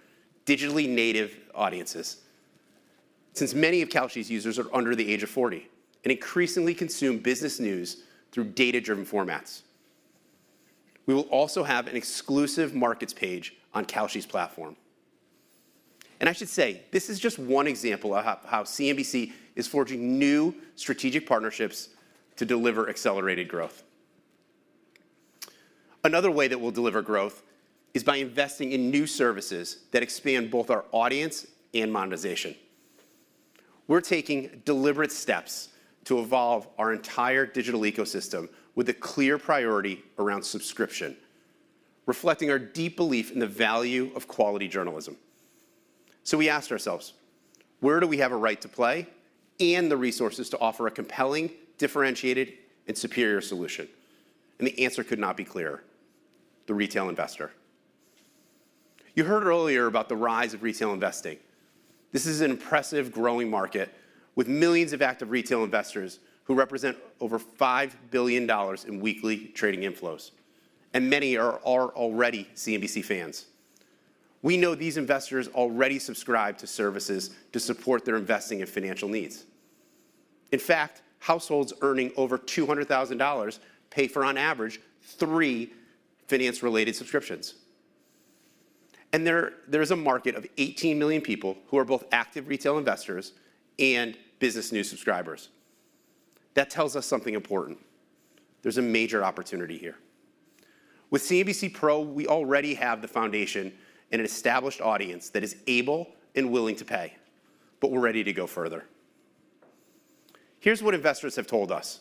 Speaker 5: digitally native audiences. Since many of Kalshi's users are under the age of 40 and increasingly consume business news through data-driven formats, we will also have an exclusive markets page on Kalshi's platform. And I should say this is just one example of how CNBC is forging new strategic partnerships to deliver accelerated growth. Another way that we'll deliver growth is by investing in new services that expand both our audience and monetization. We're taking deliberate steps to evolve our entire digital ecosystem with a clear priority around subscription, reflecting our deep belief in the value of quality journalism. So we asked ourselves, where do we have a right to play and the resources to offer a compelling, differentiated, and superior solution? And the answer could not be clearer: the retail investor. You heard earlier about the rise of retail investing. This is an impressive growing market with millions of active retail investors who represent over $5 billion in weekly trading inflows, and many are already CNBC fans. We know these investors already subscribe to services to support their investing and financial needs. In fact, households earning over $200,000 pay for, on average, three finance-related subscriptions, and there is a market of 18 million people who are both active retail investors and business news subscribers. That tells us something important. There's a major opportunity here. With CNBC Pro, we already have the foundation and an established audience that is able and willing to pay, but we're ready to go further. Here's what investors have told us.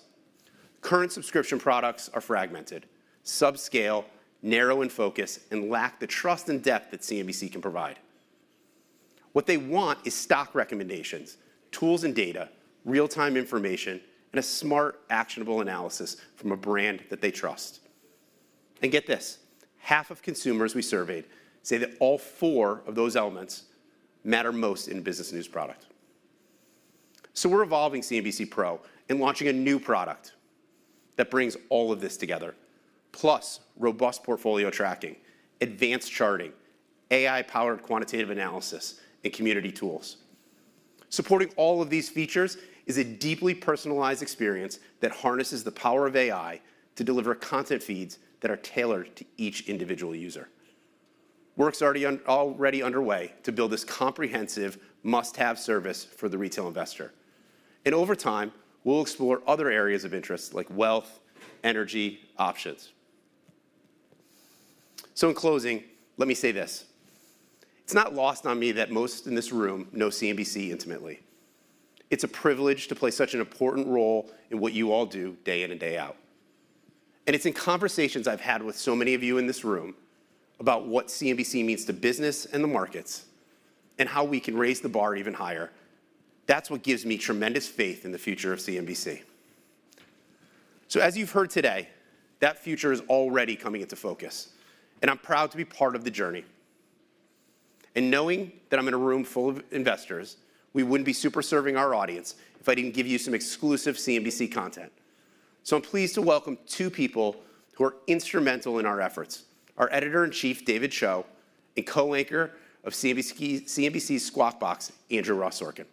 Speaker 5: Current subscription products are fragmented, subscale, narrow in focus, and lack the trust and depth that CNBC can provide. What they want is stock recommendations, tools and data, real-time information, and a smart, actionable analysis from a brand that they trust. And get this: half of consumers we surveyed say that all four of those elements matter most in a business news product. So we're evolving CNBC Pro and launching a new product that brings all of this together, plus robust portfolio tracking, advanced charting, AI-powered quantitative analysis, and community tools. Supporting all of these features is a deeply personalized experience that harnesses the power of AI to deliver content feeds that are tailored to each individual user. Work's already underway to build this comprehensive must-have service for the retail investor. And over time, we'll explore other areas of interest like wealth, energy, options. So in closing, let me say this: it's not lost on me that most in this room know CNBC intimately. It's a privilege to play such an important role in what you all do day in and day out. And it's in conversations I've had with so many of you in this room about what CNBC means to business and the markets and how we can raise the bar even higher. That's what gives me tremendous faith in the future of CNBC. So as you've heard today, that future is already coming into focus. And I'm proud to be part of the journey. And knowing that I'm in a room full of investors, we wouldn't be super serving our audience if I didn't give you some exclusive CNBC content. So I'm pleased to welcome two people who are instrumental in our efforts: our Editor-in-Chief, David Cho, and Co-anchor of CNBC's Squawk Box, Andrew Ross Sorkin.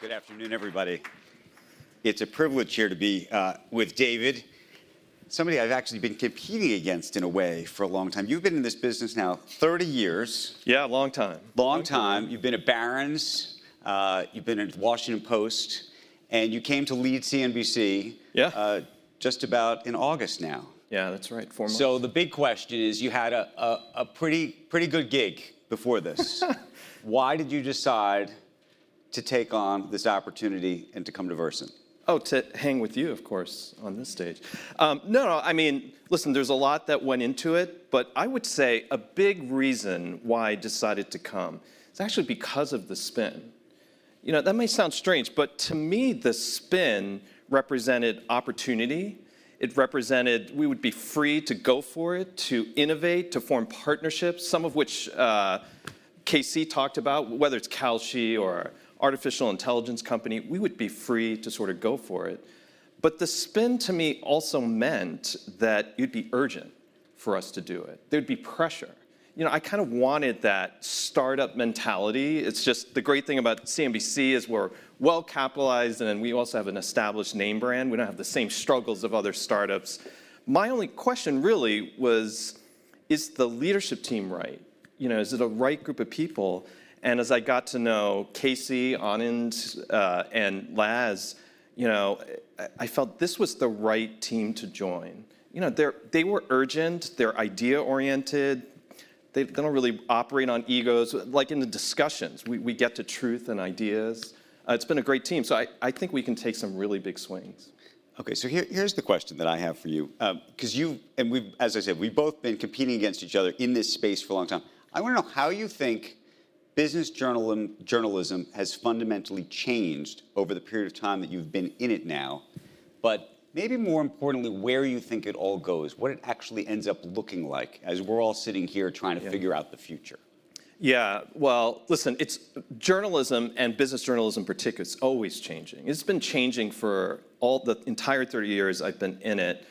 Speaker 6: Thank you. Good afternoon, everybody. It's a privilege here to be with David, somebody I've actually been competing against in a way for a long time. You've been in this business now 30 years.
Speaker 7: Yeah, long time.
Speaker 6: Long time. You've been at Barron's, you've been at Washington Post, and you came to lead CNBC. Just about in August now.
Speaker 7: Yeah, that's right. Four months.
Speaker 6: So the big question is you had a pretty good gig before this. Why did you decide to take on this opportunity and to come to Versant?
Speaker 7: Oh, to hang with you, of course, on this stage. No, no. I mean, listen, there's a lot that went into it, but I would say a big reason why I decided to come is actually because of the spin. You know, that may sound strange, but to me, the spin represented opportunity. It represented we would be free to go for it, to innovate, to form partnerships, some of which Casey talked about, whether it's Kalshi or an artificial intelligence company. We would be free to sort of go for it. But the spin, to me, also meant that you'd be urgent for us to do it. There'd be pressure. You know, I kind of wanted that startup mentality. It's just the great thing about CNBC is we're well-capitalized, and then we also have an established name brand. We don't have the same struggles of other startups. My only question really was, is the leadership team right? You know, is it a right group of people? And as I got to know Casey, Anand, and Laz, you know, I felt this was the right team to join. You know, they were urgent, they're idea-oriented, they don't really operate on egos. Like in the discussions, we get to truth and ideas. It's been a great team. So I think we can take some really big swings.
Speaker 6: Okay, so here's the question that I have for you. Because you've, and we've, as I said, we've both been competing against each other in this space for a long time. I want to know how you think business journalism has fundamentally changed over the period of time that you've been in it now, but maybe more importantly, where you think it all goes, what it actually ends up looking like as we're all sitting here trying to figure out the future.
Speaker 7: Yeah, well, listen, it's journalism and business journalism in particular, it's always changing. It's been changing for all the entire 30 years I've been in it.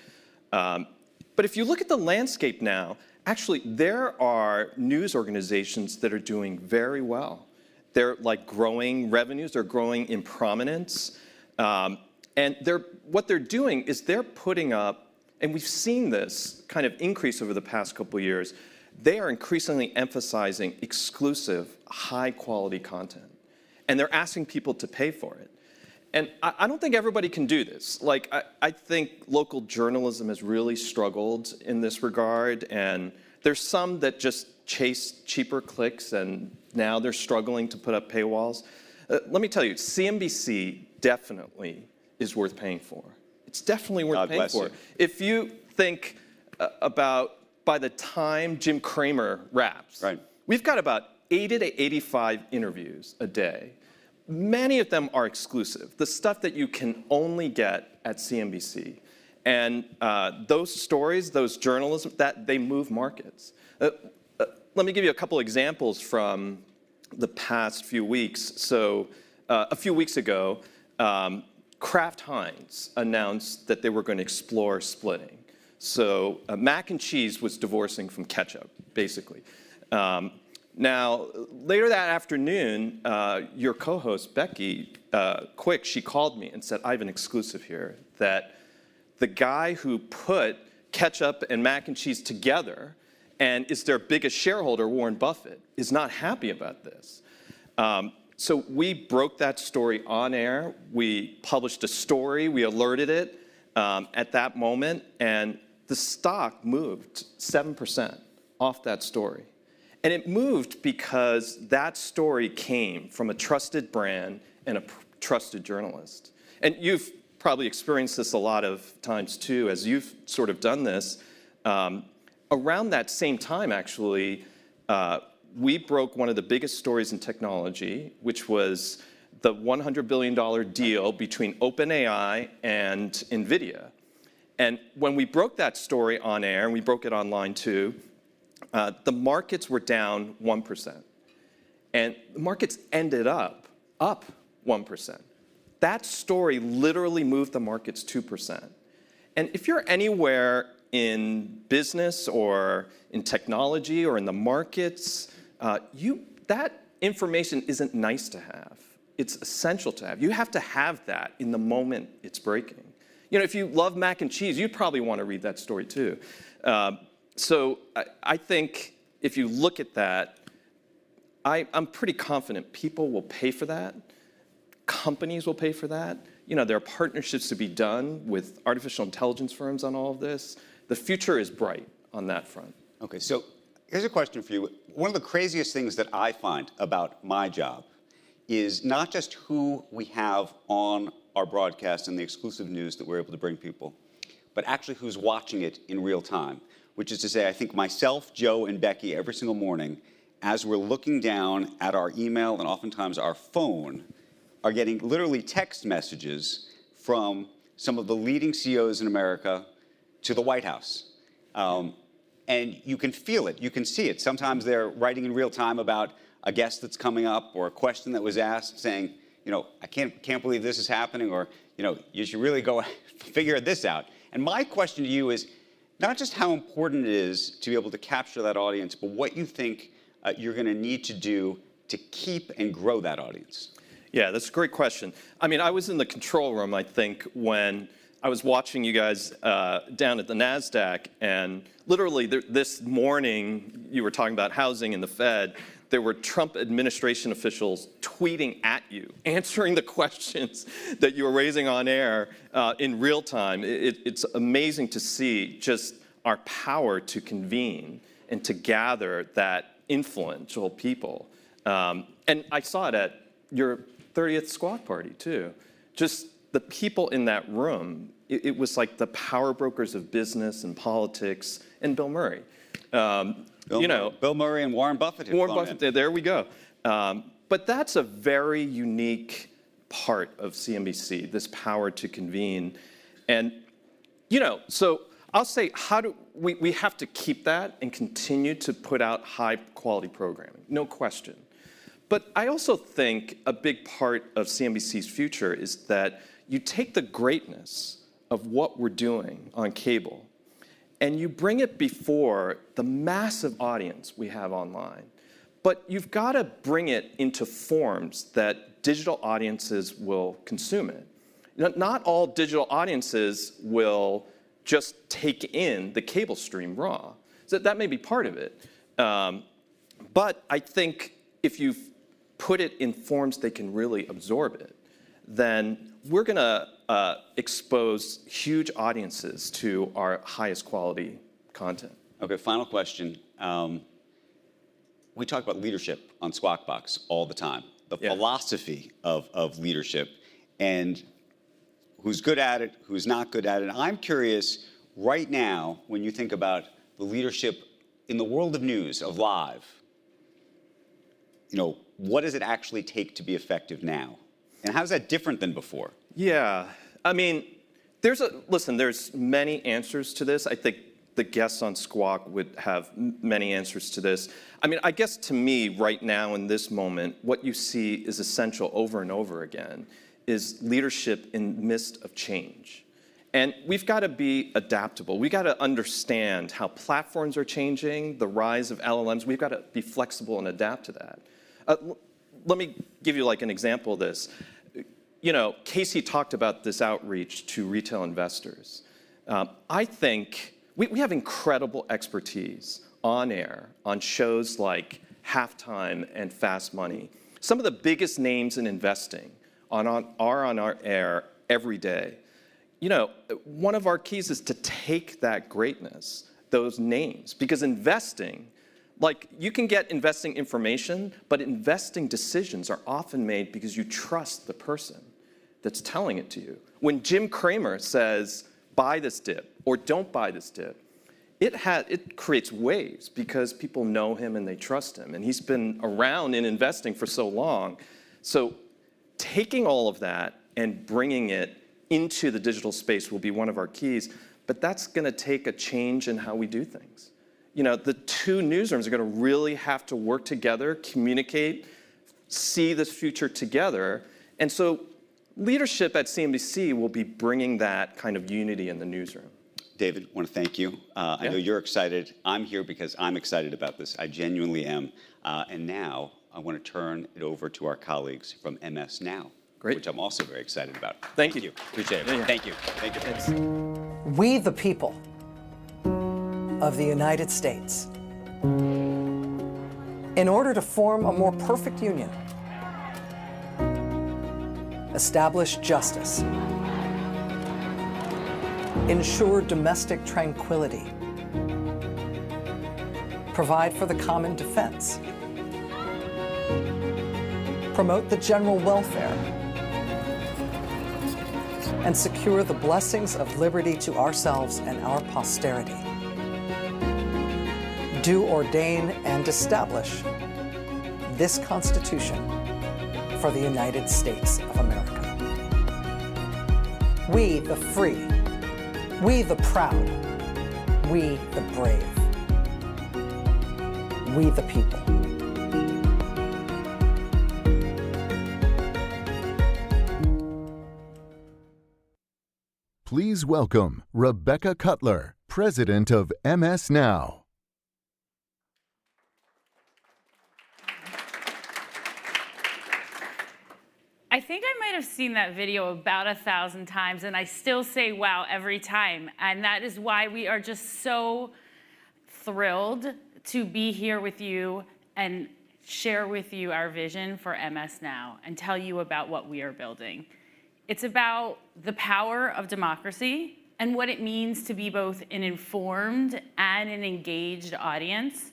Speaker 7: But if you look at the landscape now, actually, there are news organizations that are doing very well. They're like growing revenues, they're growing in prominence. And what they're doing is they're putting up, and we've seen this kind of increase over the past couple of years, they are increasingly emphasizing exclusive, high-quality content. And they're asking people to pay for it. And I don't think everybody can do this. Like, I think local journalism has really struggled in this regard. And there's some that just chase cheaper clicks, and now they're struggling to put up paywalls. Let me tell you, CNBC definitely is worth paying for. It's definitely worth paying for. If you think about by the time Jim Cramer wraps, we've got about 80-85 interviews a day. Many of them are exclusive, the stuff that you can only get at CNBC. Those stories, those journalism, they move markets. Let me give you a couple of examples from the past few weeks. A few weeks ago, Kraft Heinz announced that they were going to explore splitting. Mac and Cheese was divorcing from ketchup, basically. Later that afternoon, your co-host, Becky Quick, she called me and said, "I have an exclusive here that the guy who put ketchup and Mac and Cheese together and is their biggest shareholder, Warren Buffett, is not happy about this." We broke that story on air. We published a story, we alerted it at that moment, and the stock moved 7% off that story. It moved because that story came from a trusted brand and a trusted journalist. You've probably experienced this a lot of times too, as you've sort of done this. Around that same time, actually, we broke one of the biggest stories in technology, which was the $100 billion deal between OpenAI and NVIDIA, and when we broke that story on air, and we broke it online too, the markets were down 1%, and the markets ended up up 1%. That story literally moved the markets 2%, and if you're anywhere in business or in technology or in the markets, that information isn't nice to have. It's essential to have. You have to have that in the moment it's breaking. You know, if you love Mac and Cheese, you'd probably want to read that story too, so I think if you look at that, I'm pretty confident people will pay for that. Companies will pay for that. You know, there are partnerships to be done with artificial intelligence firms on all of this. The future is bright on that front.
Speaker 6: Okay, so here's a question for you. One of the craziest things that I find about my job is not just who we have on our broadcast and the exclusive news that we're able to bring people, but actually who's watching it in real time. Which is to say, I think myself, Joe, and Becky every single morning, as we're looking down at our email and oftentimes our phone, are getting literally text messages from some of the leading CEOs in America to the White House, and you can feel it, you can see it. Sometimes they're writing in real time about a guest that's coming up or a question that was asked saying, you know, "I can't believe this is happening," or, you know, "You should really go figure this out." And my question to you is not just how important it is to be able to capture that audience, but what you think you're going to need to do to keep and grow that audience.
Speaker 7: Yeah, that's a great question. I mean, I was in the control room, I think, when I was watching you guys down at the NASDAQ. And literally this morning, you were talking about housing and the Fed. There were Trump administration officials tweeting at you, answering the questions that you were raising on air in real time. It's amazing to see just our power to convene and to gather that influential people. I saw it at your 30th Squawk party too. Just the people in that room, it was like the power brokers of business and politics and Bill Murray. You know.
Speaker 6: Bill Murray and Warren Buffett at the time.
Speaker 7: Warren Buffett, there we go. But that's a very unique part of CNBC, this power to convene. And, you know, so I'll say how do we have to keep that and continue to put out high-quality programming, no question. But I also think a big part of CNBC's future is that you take the greatness of what we're doing on cable and you bring it before the massive audience we have online. But you've got to bring it into forms that digital audiences will consume it. Not all digital audiences will just take in the cable stream raw. So that may be part of it. But I think if you put it in forms they can really absorb it, then we're going to expose huge audiences to our highest quality content.
Speaker 6: Okay, final question. We talk about leadership on Squawk Box all the time, the philosophy of leadership and who's good at it, who's not good at it. I'm curious right now, when you think about the leadership in the world of news, of live, you know, what does it actually take to be effective now? And how is that different than before?
Speaker 7: Yeah, I mean, there's a, listen, there's many answers to this. I think the guests on Squawk would have many answers to this. I mean, I guess to me right now in this moment, what you see is essential over and over again is leadership in the midst of change. And we've got to be adaptable. We've got to understand how platforms are changing, the rise of LLMs. We've got to be flexible and adapt to that. Let me give you like an example of this. You know, Casey talked about this outreach to retail investors. I think we have incredible expertise on air on shows like Halftime and Fast Money. Some of the biggest names in investing are on our air every day. You know, one of our keys is to take that greatness, those names, because investing, like you can get investing information, but investing decisions are often made because you trust the person that's telling it to you. When Jim Cramer says, "Buy this dip," or "Don't buy this dip," it creates waves because people know him and they trust him and he's been around in investing for so long. So taking all of that and bringing it into the digital space will be one of our keys. But that's going to take a change in how we do things. You know, the two newsrooms are going to really have to work together, communicate, see this future together, and so leadership at CNBC will be bringing that kind of unity in the newsroom.
Speaker 6: David, I want to thank you. I know you're excited. I'm here because I'm excited about this. I genuinely am, and now I want to turn it over to MS NOW, which i'm also very excited about.
Speaker 7: Thank you. Appreciate it.
Speaker 6: Thank you. Thank you. Thanks.
Speaker 1: We the people of the United States, in order to form a more perfect union, establish justice, ensure domestic tranquility, provide for the common defense, promote the general welfare, and secure the blessings of liberty to ourselves and our posterity, do ordain and establish this Constitution for the United States of America. We the free, we the proud, we the brave, we the people. Please welcome Rebecca kutler, president of MS NOW.
Speaker 8: I think I might have seen that video about a thousand times, and I still say wow every time. And that is why we are just so thrilled to be here with you and share with you MS NOW and tell you about what we are building. It's about the power of democracy and what it means to be both an informed and an engaged audience.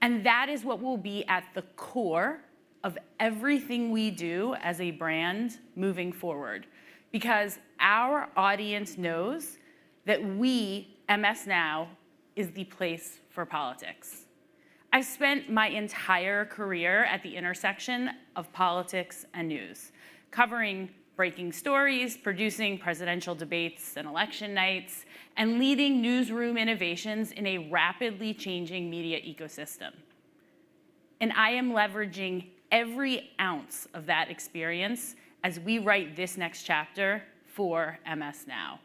Speaker 8: That is what will be at the core of everything we do as a brand moving forward. Because our audience MS NOW, is the place for politics. I spent my entire career at the intersection of politics and news, covering breaking stories, producing presidential debates and election nights, and leading newsroom innovations in a rapidly changing media ecosystem. And I am leveraging every ounce of that experience as we write this MS NOW.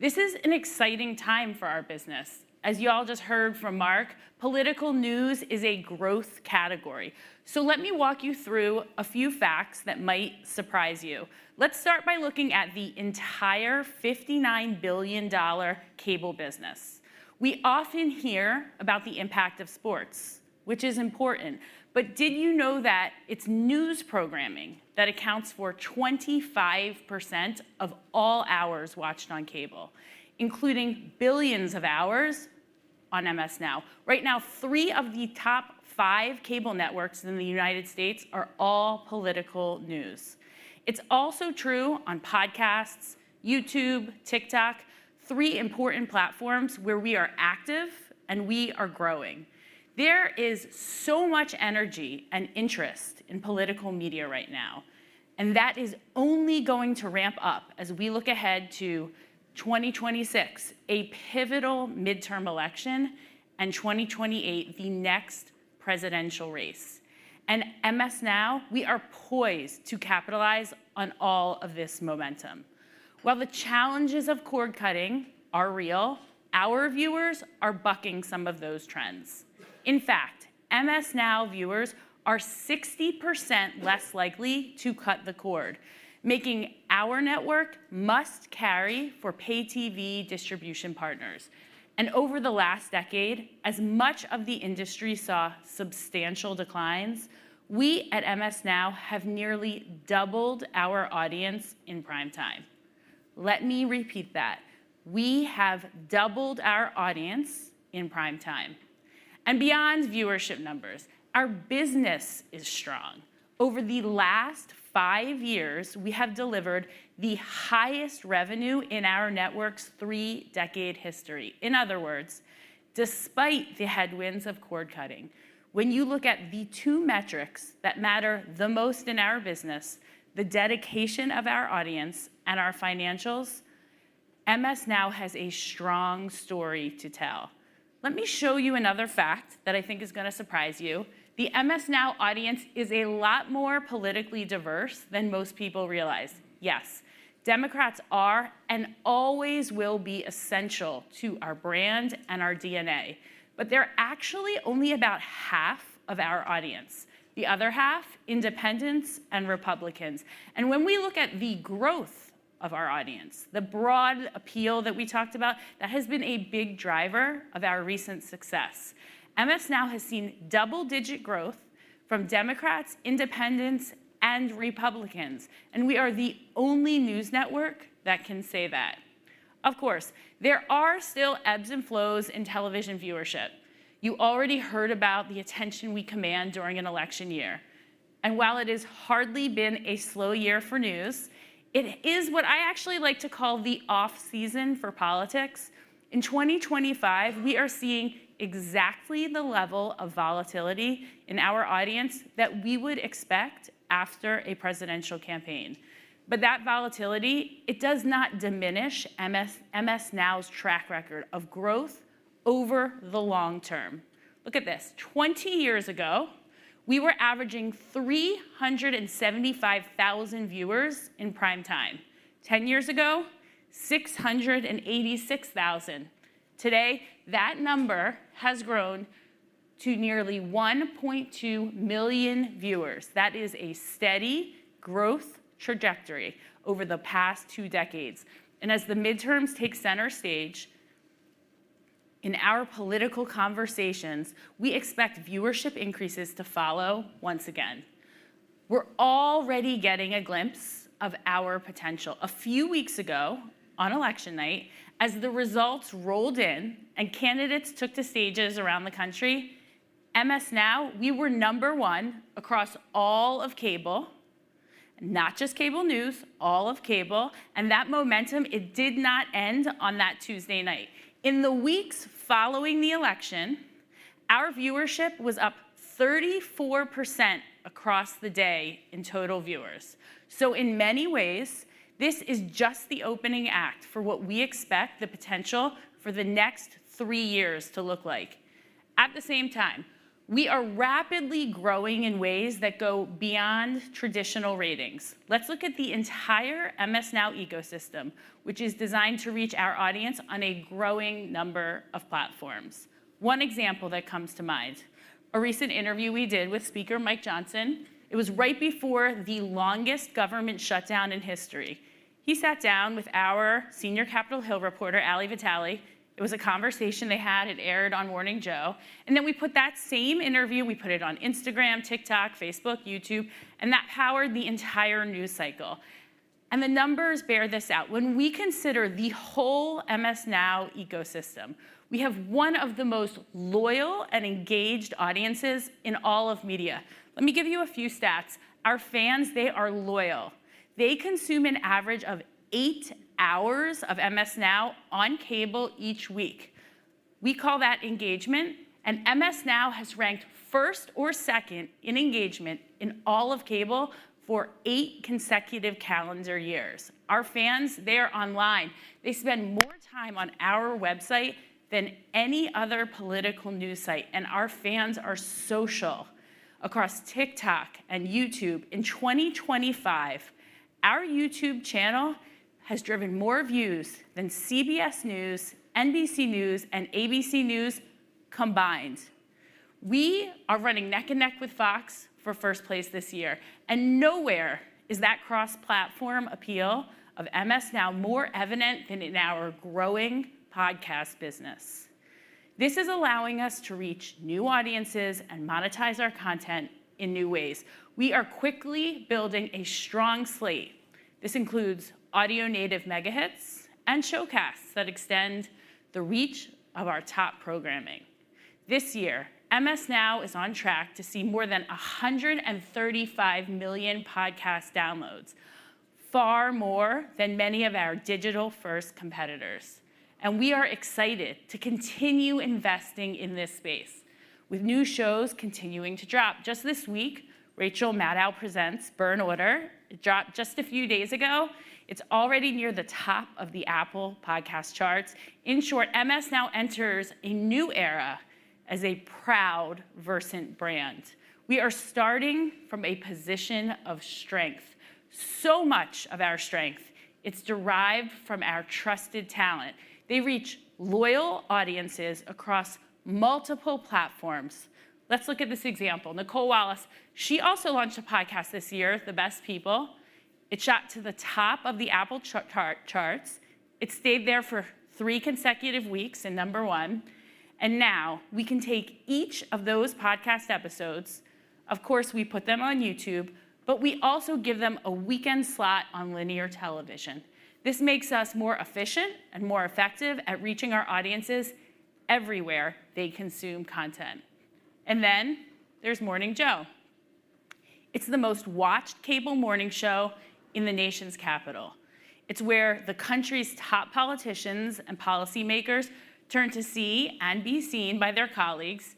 Speaker 8: this is an exciting time for our business. As you all just heard from Mark, political news is a growth category. So let me walk you through a few facts that might surprise you. Let's start by looking at the entire $59 billion cable business. We often hear about the impact of sports, which is important. But did you know that it's news programming that accounts for 25% of all hours watched on cable, including billions MS NOW? right now, three of the top five cable networks in the United States are all political news. It's also true on podcasts, YouTube, TikTok, three important platforms where we are active and we are growing. There is so much energy and interest in political media right now. And that is only going to ramp up as we look ahead to 2026, a pivotal midterm election, and 2028, the next MS NOW, we are poised to capitalize on all of this momentum. While the challenges of cord cutting are real, our viewers are bucking some of those MS NOW viewers are 60% less likely to cut the cord, making our network must carry for pay TV distribution partners. And over the last decade, as much of the industry saw substantial MS NOW have nearly doubled our audience in prime time. Let me repeat that. We have doubled our audience in prime time. And beyond viewership numbers, our business is strong. Over the last five years, we have delivered the highest revenue in our network's three-decade history. In other words, despite the headwinds of cord cutting, when you look at the two metrics that matter the most in our business, the dedication of our audience MS NOW has a strong story to tell. Let me show you another fact that I think is going to MS NOW audience is a lot more politically diverse than most people realize. Yes, Democrats are and always will be essential to our brand and our DNA. But they're actually only about half of our audience. The other half, independents and Republicans. And when we look at the growth of our audience, the broad appeal that we talked about, that has been a big driver of MS NOW has seen double-digit growth from Democrats, independents, and Republicans. And we are the only news network that can say that. Of course, there are still ebbs and flows in television viewership. You already heard about the attention we command during an election year. And while it has hardly been a slow year for news, it is what I actually like to call the off-season for politics. In 2025, we are seeing exactly the level of volatility in our audience that we would expect after a presidential campaign. But that volatility, it MS NOW's track record of growth over the long term. Look at this. 20 years ago, we were averaging 375,000 viewers in prime time. 10 years ago, 686,000. Today, that number has grown to nearly 1.2 million viewers. That is a steady growth trajectory over the past two decades. And as the midterms take center stage in our political conversations, we expect viewership increases to follow once again. We're already getting a glimpse of our potential. A few weeks ago on election night, as the results rolled in and candidates took to stages MS NOW, we were number one across all of cable, not just cable news, all of cable. And that momentum, it did not end on that Tuesday night. In the weeks following the election, our viewership was up 34% across the day in total viewers. So in many ways, this is just the opening act for what we expect the potential for the next three years to look like. At the same time, we are rapidly growing in ways that go beyond traditional ratings. Let's look at the entire MS NOW ecosystem, which is designed to reach our audience on a growing number of platforms. One example that comes to mind, a recent interview we did with Speaker Mike Johnson. It was right before the longest government shutdown in history. He sat down with our senior Capitol Hill reporter, Ali Vitali. It was a conversation they had. It aired on Morning Joe, and then we put that same interview, we put it on Instagram, TikTok, Facebook, YouTube, and that powered the entire news cycle, and the numbers bear this out. When we consider the whole MS NOW ecosystem, we have one of the most loyal and engaged audiences in all of media. Let me give you a few stats. Our fans, they are loyal. They consume an average of eight hours of MS NOW on cable each week. We call that engagement. And MS NOW has ranked first or second in engagement in all of cable for eight consecutive calendar years. Our fans, they are online. They spend more time on our website than any other political news site. And our fans are social across TikTok and YouTube. In 2025, our YouTube channel has driven more views than CBS News, NBC News, and ABC News combined. We are running neck and neck with Fox for first place this year. And nowhere is that cross-platform appeal of MS NOW more evident than in our growing podcast business. This is allowing us to reach new audiences and monetize our content in new ways. We are quickly building a strong slate. This includes audio-native megahits and showcasts that extend the reach of our top programming. This year, MS NOW is on track to see more than 135 million podcast downloads, far more than many of our digital-first competitors. And we are excited to continue investing in this space, with new shows continuing to drop. Just this week, Rachel Maddow presents Burn Order. It dropped just a few days ago. It's already near the top of the Apple Podcasts charts. In short, MS NOW enters a new era as a proud Versant brand. We are starting from a position of strength. So much of our strength, it's derived from our trusted talent. They reach loyal audiences across multiple platforms. Let's look at this example. Nicolle Wallace. She also launched a podcast this year, The Best People. It shot to the top of the Apple charts. It stayed there for three consecutive weeks in number one, and now we can take each of those podcast episodes. Of course, we put them on YouTube, but we also give them a weekend slot on linear television. This makes us more efficient and more effective at reaching our audiences everywhere they consume content, and then there's Morning Joe. It's the most watched cable morning show in the nation's capital. It's where the country's top politicians and policymakers turn to see and be seen by their colleagues.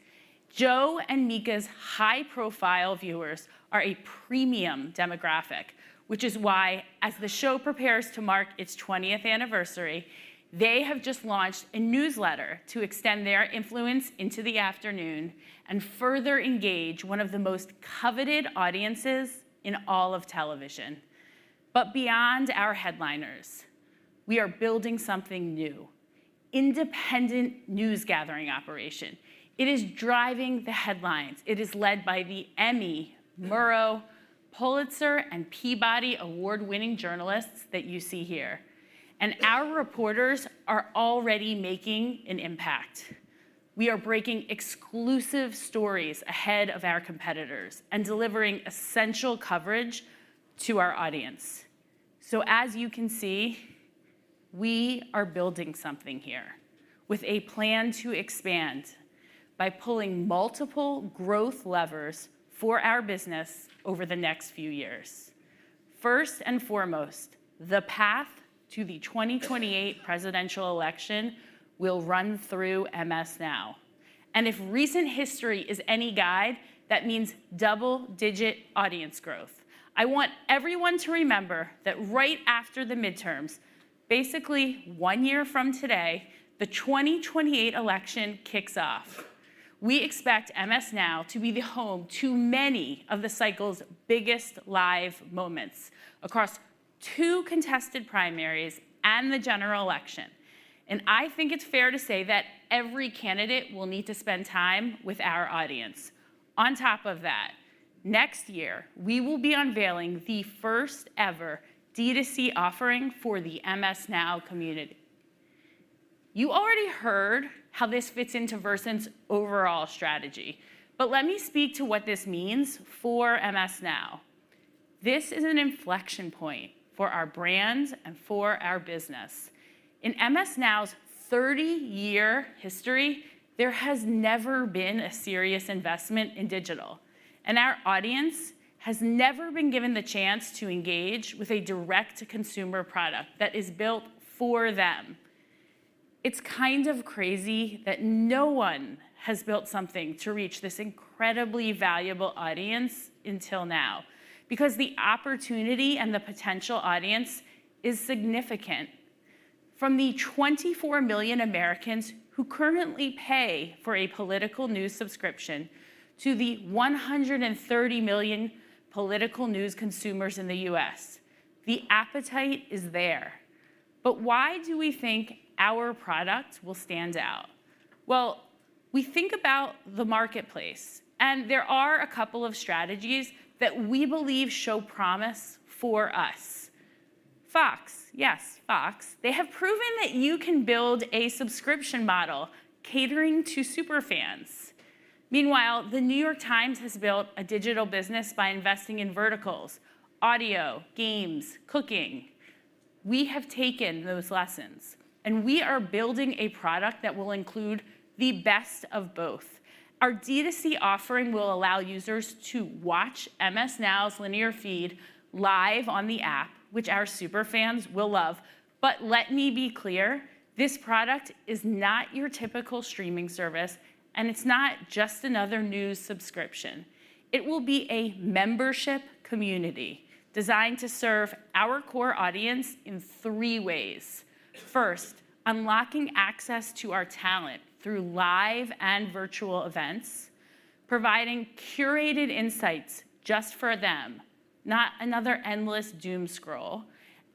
Speaker 8: Joe and Mika's high-profile viewers are a premium demographic, which is why, as the show prepares to mark its 20th anniversary, they have just launched a newsletter to extend their influence into the afternoon and further engage one of the most coveted audiences in all of television, but beyond our headliners, we are building something new, an independent news-gathering operation. It is driving the headlines. It is led by the Emmy, Murrow, Pulitzer, and Peabody Award-winning journalists that you see here, and our reporters are already making an impact. We are breaking exclusive stories ahead of our competitors and delivering essential coverage to our audience, so as you can see, we are building something here with a plan to expand by pulling multiple growth levers for our business over the next few years. First and foremost, the path to the 2028 presidential election will run through MS NOW. And if recent history is any guide, that means double-digit audience growth. I want everyone to remember that right after the midterms, basically one year from today, the 2028 election kicks off. We expect MS NOW to be the home to many of the cycle's biggest live moments across two contested primaries and the general election. And I think it's fair to say that every candidate will need to spend time with our audience. On top of that, next year, we will be unveiling the first-ever D2C offering for the MS NOW community. You already heard how this fits into Versant's overall strategy. But let me speak to what this means for MS NOW. This is an inflection point for our brand and for our business. In MS NOW's 30-year history, there has never been a serious investment in digital. Our audience has never been given the chance to engage with a direct-to-consumer product that is built for them. It's kind of crazy that no one has built something to reach this incredibly valuable audience until now, because the opportunity and the potential audience is significant. From the 24 million Americans who currently pay for a political news subscription to the 130 million political news consumers in the U.S., the appetite is there. But why do we think our product will stand out? Well, we think about the marketplace. And there are a couple of strategies that we believe show promise for us. Fox, yes, Fox, they have proven that you can build a subscription model catering to superfans. Meanwhile, The New York Times has built a digital business by investing in verticals, audio, games, cooking. We have taken those lessons. We are building a product that will include the best of both. Our D2C offering will allow users to watch MS NOW's linear feed live on the app, which our superfans will love. Let me be clear, this product is not your typical streaming service. It's not just another news subscription. It will be a membership community designed to serve our core audience in three ways. First, unlocking access to our talent through live and virtual events, providing curated insights just for them, not another endless doom scroll,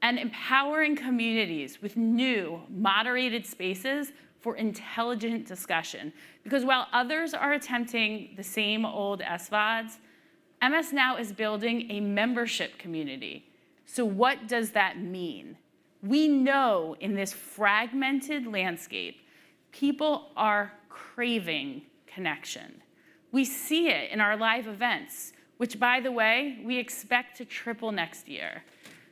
Speaker 8: and empowering communities with new moderated spaces for intelligent discussion. Because while others are attempting the same old SVODs, MS NOW is building a membership community. What does that mean? We know in this fragmented landscape, people are craving connection. We see it in our live events, which, by the way, we expect to triple next year.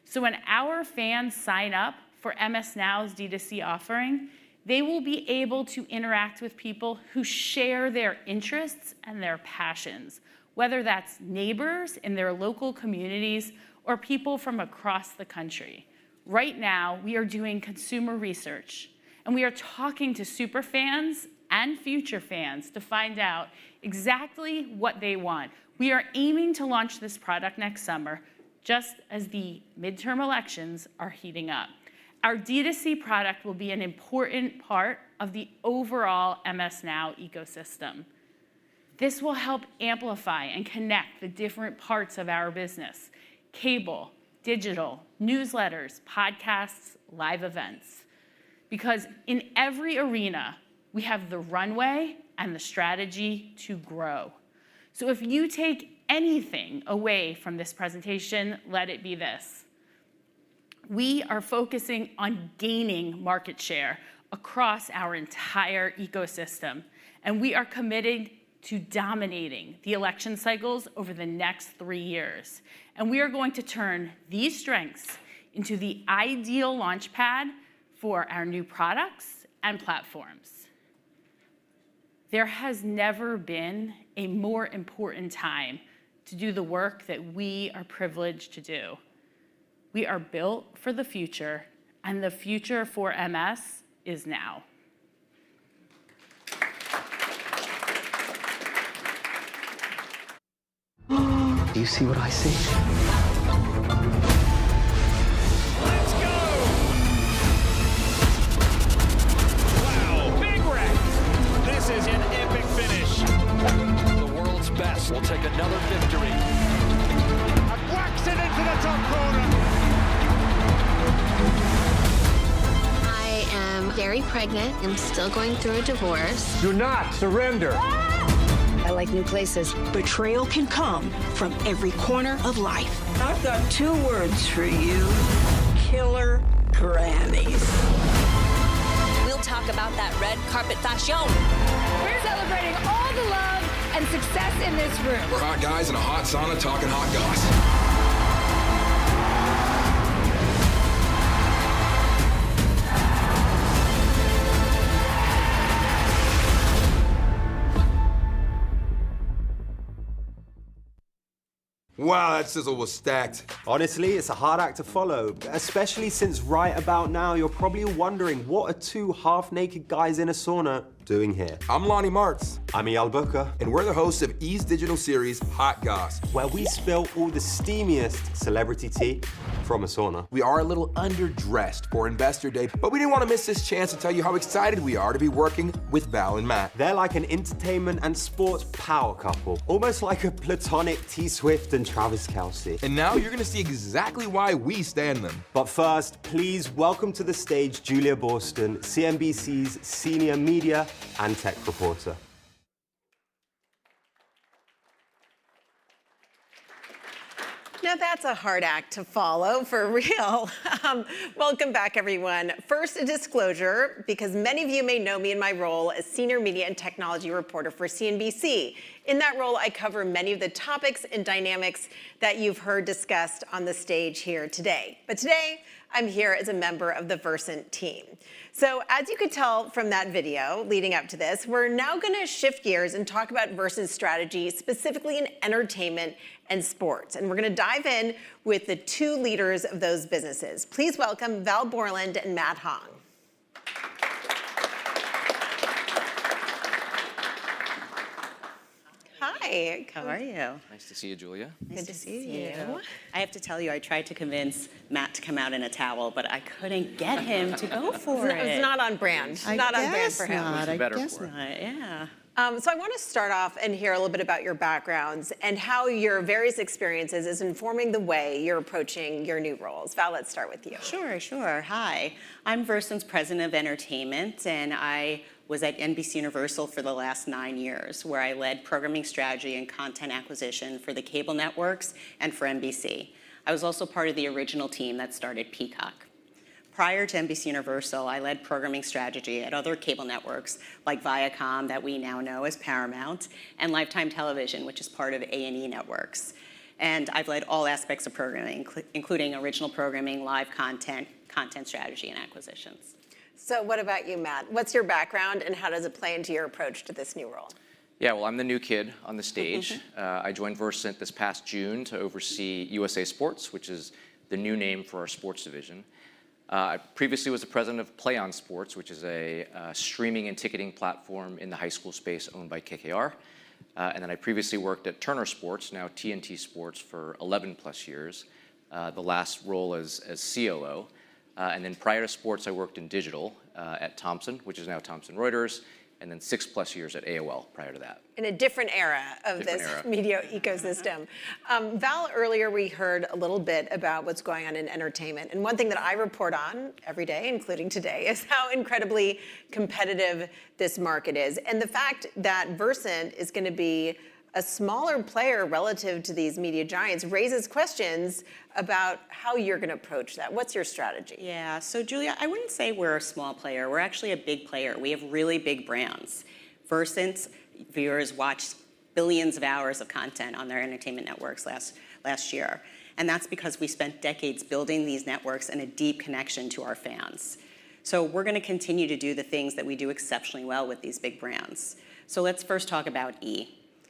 Speaker 8: So when our fans sign up for MS NOW's D2C offering, they will be able to interact with people who share their interests and their passions, whether that's neighbors in their local communities or people from across the country. Right now, we are doing consumer research. And we are talking to superfans and future fans to find out exactly what they want. We are aiming to launch this product next summer, just as the midterm elections are heating up. Our D2C product will be an important part of the overall MS NOW ecosystem. This will help amplify and connect the different parts of our business: cable, digital, newsletters, podcasts, live events. Because in every arena, we have the runway and the strategy to grow. So if you take anything away from this presentation, let it be this. We are focusing on gaining market share across our entire ecosystem. And we are committed to dominating the election cycles over the next three years. And we are going to turn these strengths into the ideal launchpad for our new products and platforms. There has never been a more important time to do the work that we are privileged to do. We are built for the future. And the future for MS is now.
Speaker 1: Do you see what I see? Let's go. Wow. Big wreck. This is an epic finish. The world's best will take another victory. A quacksit into the top corner. I am very pregnant. I'm still going through a divorce. Do not surrender. I like new places. Betrayal can come from every corner of life. I've got two words for you: killer grannies. We'll talk about that red carpet fashion. We're celebrating all the love and success in this room. Hot guys in a hot sauna talking hot goss.
Speaker 9: Wow, that sizzle was stacked. Honestly, it's a hard act to follow, especially since right about now, you're probably wondering what are two half-naked guys in a sauna doing here.
Speaker 10: I'm Lonnie Martz.
Speaker 9: I'm Eyal Booker. And we're the hosts of E!'s digital series, Hot Goss, where we spill all the steamiest celebrity tea from a sauna. We are a little underdressed for Investor Day, but we didn't want to miss this chance to tell you how excited we are to be working with Val and Matt. They're like an entertainment and sports power couple, almost like a platonic T. Swift and Travis Kelce. And now you're going to see exactly why we stan them. But first, please welcome to the stage Julia Boorstin, CNBC's senior media and tech reporter.
Speaker 11: Now, that's a hard act to follow, for real. Welcome back, everyone. First, a disclosure, because many of you may know me in my role as senior media and technology reporter for CNBC. In that role, I cover many of the topics and dynamics that you've heard discussed on the stage here today. But today, I'm here as a member of the Versant team. So, as you could tell from that video leading up to this, we're now going to shift gears and talk about Versant's strategy, specifically in entertainment and sports. And we're going to dive in with the two leaders of those businesses. Please welcome Val Boreland and Matt Hong.Hi. How are you?
Speaker 12: Nice to see you, Julia.
Speaker 11: Good to see you.
Speaker 13: I have to tell you, I tried to convince Matt to come out in a towel, but I couldn't get him to go for it. It's not on brand. It's not on brand for him. That's not it. Yeah.
Speaker 11: So I want to start off and hear a little bit about your backgrounds and how your various experiences are informing the way you're approaching your new roles. Val, let's start with you.
Speaker 13: Sure, sure. Hi. I'm Versant's President of Entertainment. And I was at NBCUniversal for the last nine years, where I led programming strategy and content acquisition for the cable networks and for NBC. I was also part of the original team that started Peacock. Prior to NBCUniversal, I led programming strategy at other cable networks like Viacom, that we now know as Paramount, and Lifetime Television, which is part of A&E Networks. And I've led all aspects of programming, including original programming, live content, content strategy, and acquisitions.
Speaker 11: So what about you, Matt? What's your background? And how does it play into your approach to this new role?
Speaker 12: Yeah, well, I'm the new kid on the stage. I joined Versant this past June to oversee USA Sports, which is the new name for our sports division. I previously was the president of PlayOn Sports, which is a streaming and ticketing platform in the high school space owned by KKR. And then I previously worked at Turner Sports, now TNT Sports, for 11-+ years, the last role as COO. And then prior to sports, I worked in digital at Thomson, which is now Thomson Reuters, and then six-+ years at AOL prior to that.
Speaker 11: In a different era of this media ecosystem. Val, earlier, we heard a little bit about what's going on in entertainment. And one thing that I report on every day, including today, is how incredibly competitive this market is. And the fact that Versant is going to be a smaller player relative to these media giants raises questions about how you're going to approach that. What's your strategy?
Speaker 13: Yeah. So, Julia, I wouldn't say we're a small player. We're actually a big player. We have really big brands. Versant's viewers watched billions of hours of content on their entertainment networks last year. And that's because we spent decades building these networks and a deep connection to our fans. So we're going to continue to do the things that we do exceptionally well with these big brands. So let's first talk about E!.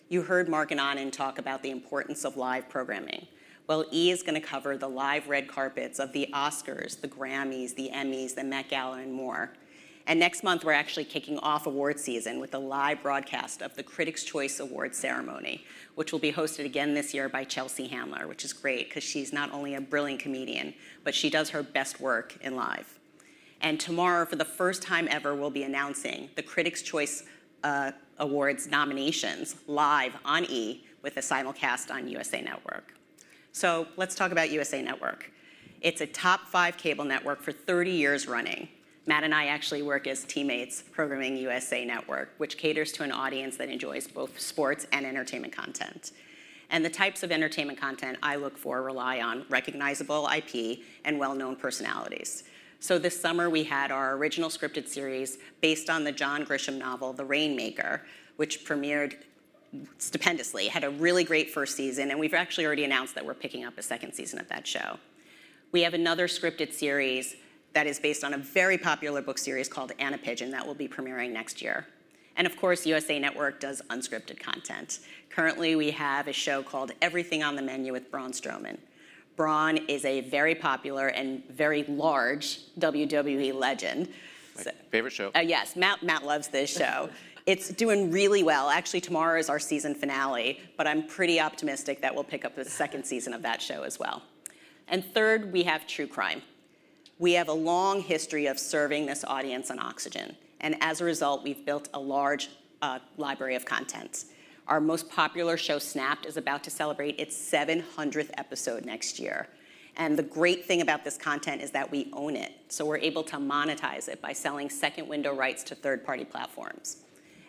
Speaker 13: You heard Mark and Anand talk about the importance of live programming. Well, E! is going to cover the live red carpets of the Oscars, the Grammys, the Emmys, the Met Gala and more. And next month, we're actually kicking off awards season with a live broadcast of the Critics' Choice Awards ceremony, which will be hosted again this year by Chelsea Handler, which is great because she's not only a brilliant comedian, but she does her best work in live. And tomorrow, for the first time ever, we'll be announcing the Critics' Choice Awards nominations live on E with a simulcast on USA Network. So let's talk about USA Network. It's a top-five cable network for 30 years running. Matt and I actually work as teammates programming USA Network, which caters to an audience that enjoys both sports and entertainment content. And the types of entertainment content I look for rely on recognizable IP and well-known personalities. So this summer, we had our original scripted series based on the John Grisham novel, The Rainmaker, which premiered stupendously, had a really great first season. And we've actually already announced that we're picking up a second season of that show. We have another scripted series that is based on a very popular book series called Anna Pigeon that will be premiering next year. And of course, USA Network does unscripted content. Currently, we have a show called Everything on the Menu with Braun Strowman. Braun is a very popular and very large WWE legend. Favorite show. Yes, Matt loves this show. It's doing really well. Actually, tomorrow is our season finale. But I'm pretty optimistic that we'll pick up the second season of that show as well. And third, we have true crime. We have a long history of serving this audience on Oxygen. And as a result, we've built a large library of content. Our most popular show, Snapped, is about to celebrate its 700th episode next year. And the great thing about this content is that we own it. So we're able to monetize it by selling second-window rights to third-party platforms.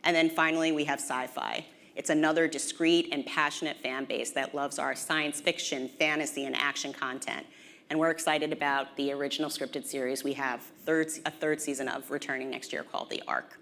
Speaker 13: And then finally, we have Syfy. It's another discrete and passionate fan base that loves our science fiction, fantasy, and action content. And we're excited about the original scripted series. We have a third season of returning next year called The Ark.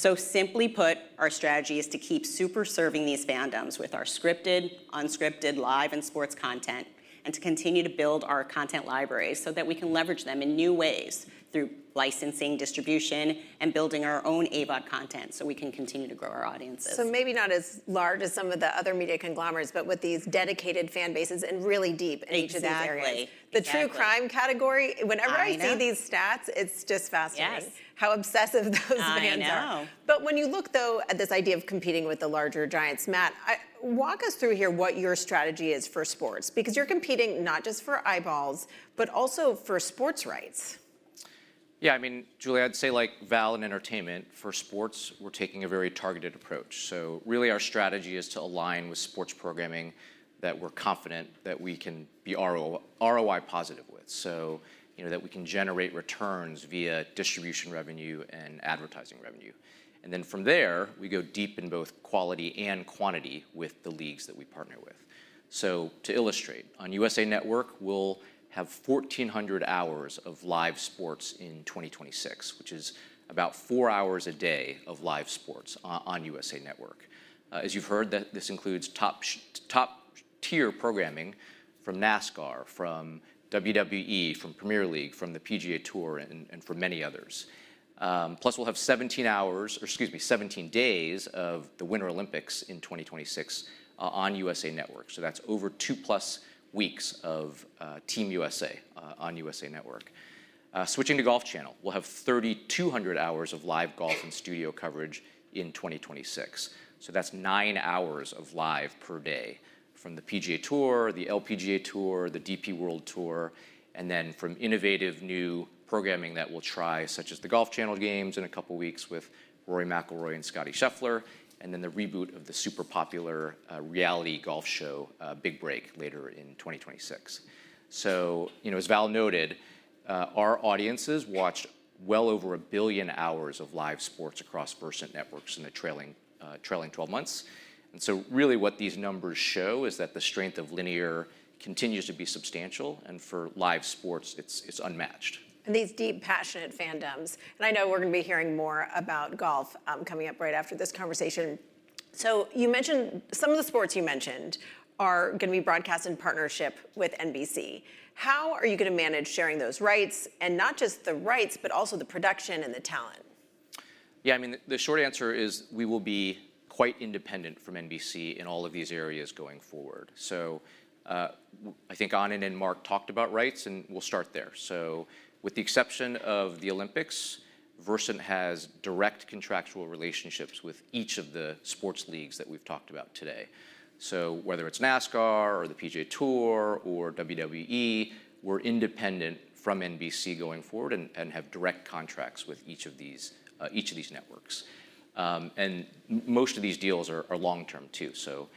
Speaker 13: So simply put, our strategy is to keep super serving these fandoms with our scripted, unscripted, live, and sports content and to continue to build our content library so that we can leverage them in new ways through licensing, distribution, and building our own AVOD content so we can continue to grow our audiences.
Speaker 11: So maybe not as large as some of the other media conglomerates, but with these dedicated fan bases and really deep into that area. The true crime category, whenever I see these stats, it's just fascinating. How obsessive those fans are.
Speaker 13: I know.
Speaker 11: But when you look, though, at this idea of competing with the larger giants, Matt, walk us through here what your strategy is for sports. Because you're competing not just for eyeballs, but also for sports rights.
Speaker 12: Yeah, I mean, Julia, I'd say like Val and Entertainment, for sports, we're taking a very targeted approach. So really, our strategy is to align with sports programming that we're confident that we can be ROI positive with, so that we can generate returns via distribution revenue and advertising revenue. And then from there, we go deep in both quality and quantity with the leagues that we partner with. So to illustrate, on USA Network, we'll have 1,400 hours of live sports in 2026, which is about four hours a day of live sports on USA Network. As you've heard, this includes top-tier programming from NASCAR, from WWE, from Premier League, from the PGA Tour, and from many others. +, we'll have 17 hours, or excuse me, 17 days of the Winter Olympics in 2026 on USA Network. So that's over 2+ weeks of Team USA on USA Network. Switching to Golf Channel, we'll have 3,200 hours of live golf and studio coverage in 2026. So that's nine hours of live per day from the PGA Tour, the LPGA Tour, the DP World Tour, and then from innovative new programming that we'll try, such as the Golf Channel Games in a couple of weeks with Rory McIlroy and Scottie Scheffler, and then the reboot of the super popular reality golf show, Big Break, later in 2026. So as Val noted, our audiences watched well over a billion hours of live sports across Versant networks in the trailing 12 months. And so really, what these numbers show is that the strength of linear continues to be substantial. And for live sports, it's unmatched.
Speaker 11: And these deep, passionate fandoms. And I know we're going to be hearing more about golf coming up right after this conversation. So you mentioned some of the sports you mentioned are going to be broadcast in partnership with NBC. How are you going to manage sharing those rights, and not just the rights, but also the production and the talent?
Speaker 12: Yeah, I mean, the short answer is we will be quite independent from NBC in all of these areas going forward. So I think Anand and Mark talked about rights, and we'll start there. So with the exception of the Olympics, Versant has direct contractual relationships with each of the sports leagues that we've talked about today. So whether it's NASCAR or the PGA Tour or WWE, we're independent from NBC going forward and have direct contracts with each of these networks. And most of these deals are long-term, too, so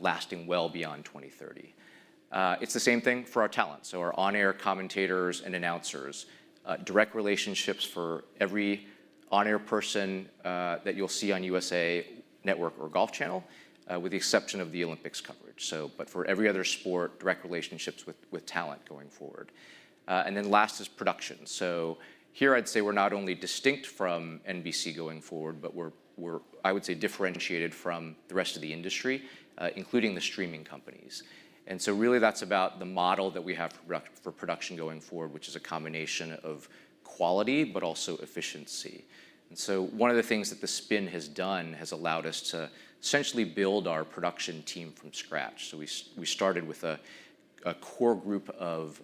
Speaker 12: lasting well beyond 2030. It's the same thing for our talent. So, our on-air commentators and announcers, direct relationships for every on-air person that you'll see on USA Network or Golf Channel, with the exception of the Olympics coverage. But for every other sport, direct relationships with talent going forward. And then last is production. So here, I'd say we're not only distinct from NBC going forward, but we're, I would say, differentiated from the rest of the industry, including the streaming companies. And so really, that's about the model that we have for production going forward, which is a combination of quality but also efficiency. And so one of the things that the spin has done has allowed us to essentially build our production team from scratch. So we started with a core group of,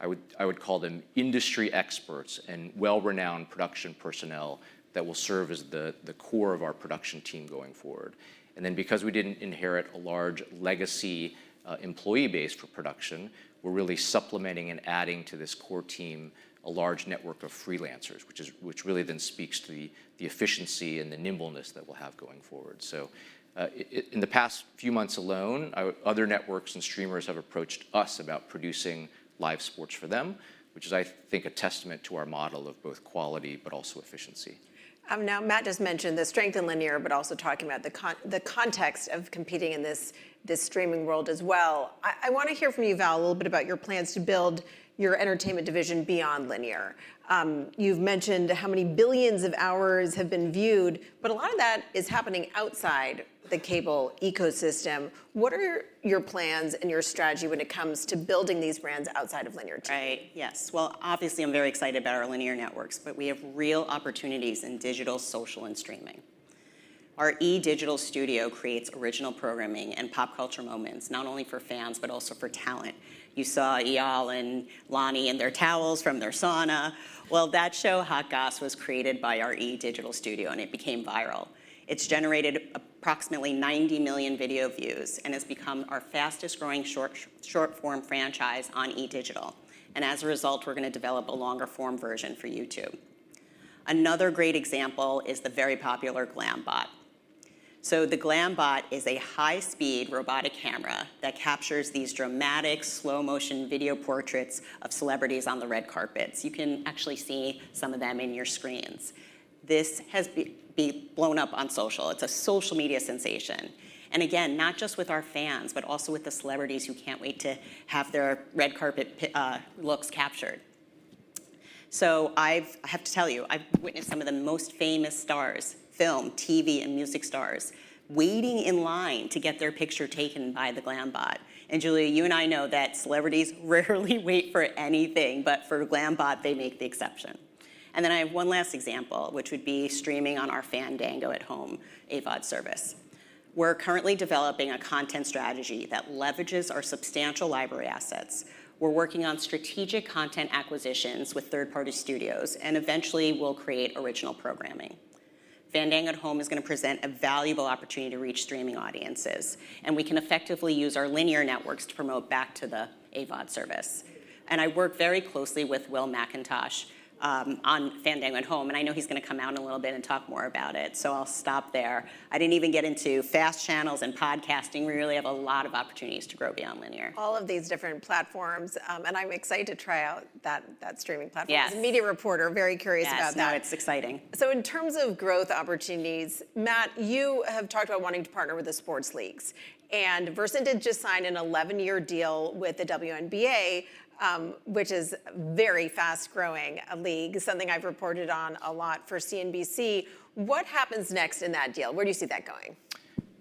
Speaker 12: I would call them, industry experts and well-renowned production personnel that will serve as the core of our production team going forward. And then because we didn't inherit a large legacy employee base for production, we're really supplementing and adding to this core team a large network of freelancers, which really then speaks to the efficiency and the nimbleness that we'll have going forward. So in the past few months alone, other networks and streamers have approached us about producing live sports for them, which is, I think, a testament to our model of both quality but also efficiency.
Speaker 11: Now, Matt just mentioned the strength in linear, but also talking about the context of competing in this streaming world as well. I want to hear from you, Val, a little bit about your plans to build your entertainment division beyond linear. You've mentioned how many billions of hours have been viewed, but a lot of that is happening outside the cable ecosystem. What are your plans and your strategy when it comes to building these brands outside of linear?
Speaker 13: Right. Yes, well, obviously, I'm very excited about our linear networks, but we have real opportunities in digital, social, and streaming. Our E! digital studio creates original programming and pop culture moments, not only for fans, but also for talent. You saw Eyal and Lonnie in their towels from their sauna, well, that show, Hot Goss, was created by our E! digital studio, and it became viral. It's generated approximately 90 million video views and has become our fastest-growing short-form franchise on E! digital. And as a result, we're going to develop a longer-form version for YouTube. Another great example is the very popular GlamBot. So the GlamBot is a high-speed robotic camera that captures these dramatic slow-motion video portraits of celebrities on the red carpets. You can actually see some of them in your screens. This has blown up on social. It's a social media sensation. And again, not just with our fans, but also with the celebrities who can't wait to have their red carpet looks captured. So I have to tell you, I've witnessed some of the most famous stars, film, TV, and music stars waiting in line to get their picture taken by the GlamBot. And Julia, you and I know that celebrities rarely wait for anything, but for GlamBot, they make the exception. And then I have one last example, which would be streaming on our Fandango at Home AVOD service. We're currently developing a content strategy that leverages our substantial library assets. We're working on strategic content acquisitions with third-party studios, and eventually, we'll create original programming. Fandango at Home is going to present a valuable opportunity to reach streaming audiences. And we can effectively use our linear networks to promote back to the AVOD service. And I work very closely with Will McIntosh on Fandango at Home. And I know he's going to come out in a little bit and talk more about it. So I'll stop there. I didn't even get into FAST channels and podcasting. We really have a lot of opportunities to grow beyond linear. All of these different platforms. And I'm excited to try out that streaming platform. As a media reporter, very curious about that. Yes, I know. It's exciting.
Speaker 11: So in terms of growth opportunities, Matt, you have talked about wanting to partner with the sports leagues. And Versant did just sign an 11-year deal with the WNBA, which is a very fast-growing league, something I've reported on a lot for CNBC. What happens next in that deal? Where do you see that going?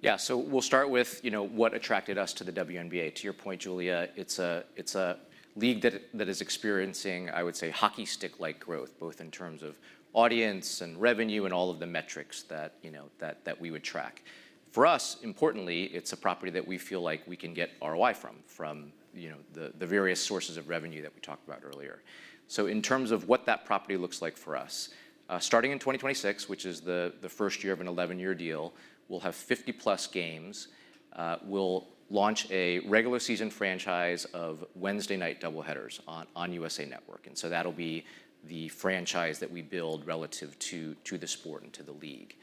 Speaker 12: Yeah, so we'll start with what attracted us to the WNBA. To your point, Julia, it's a league that is experiencing, I would say, hockey stick-like growth, both in terms of audience and revenue and all of the metrics that we would track. For us, importantly, it's a property that we feel like we can get ROI from, from the various sources of revenue that we talked about earlier. So in terms of what that property looks like for us, starting in 2026, which is the first year of an 11-year deal, we'll have 50-+ games. We'll launch a regular season franchise of Wednesday night double headers on USA Network. And so that'll be the franchise that we build relative to the sport and to the league.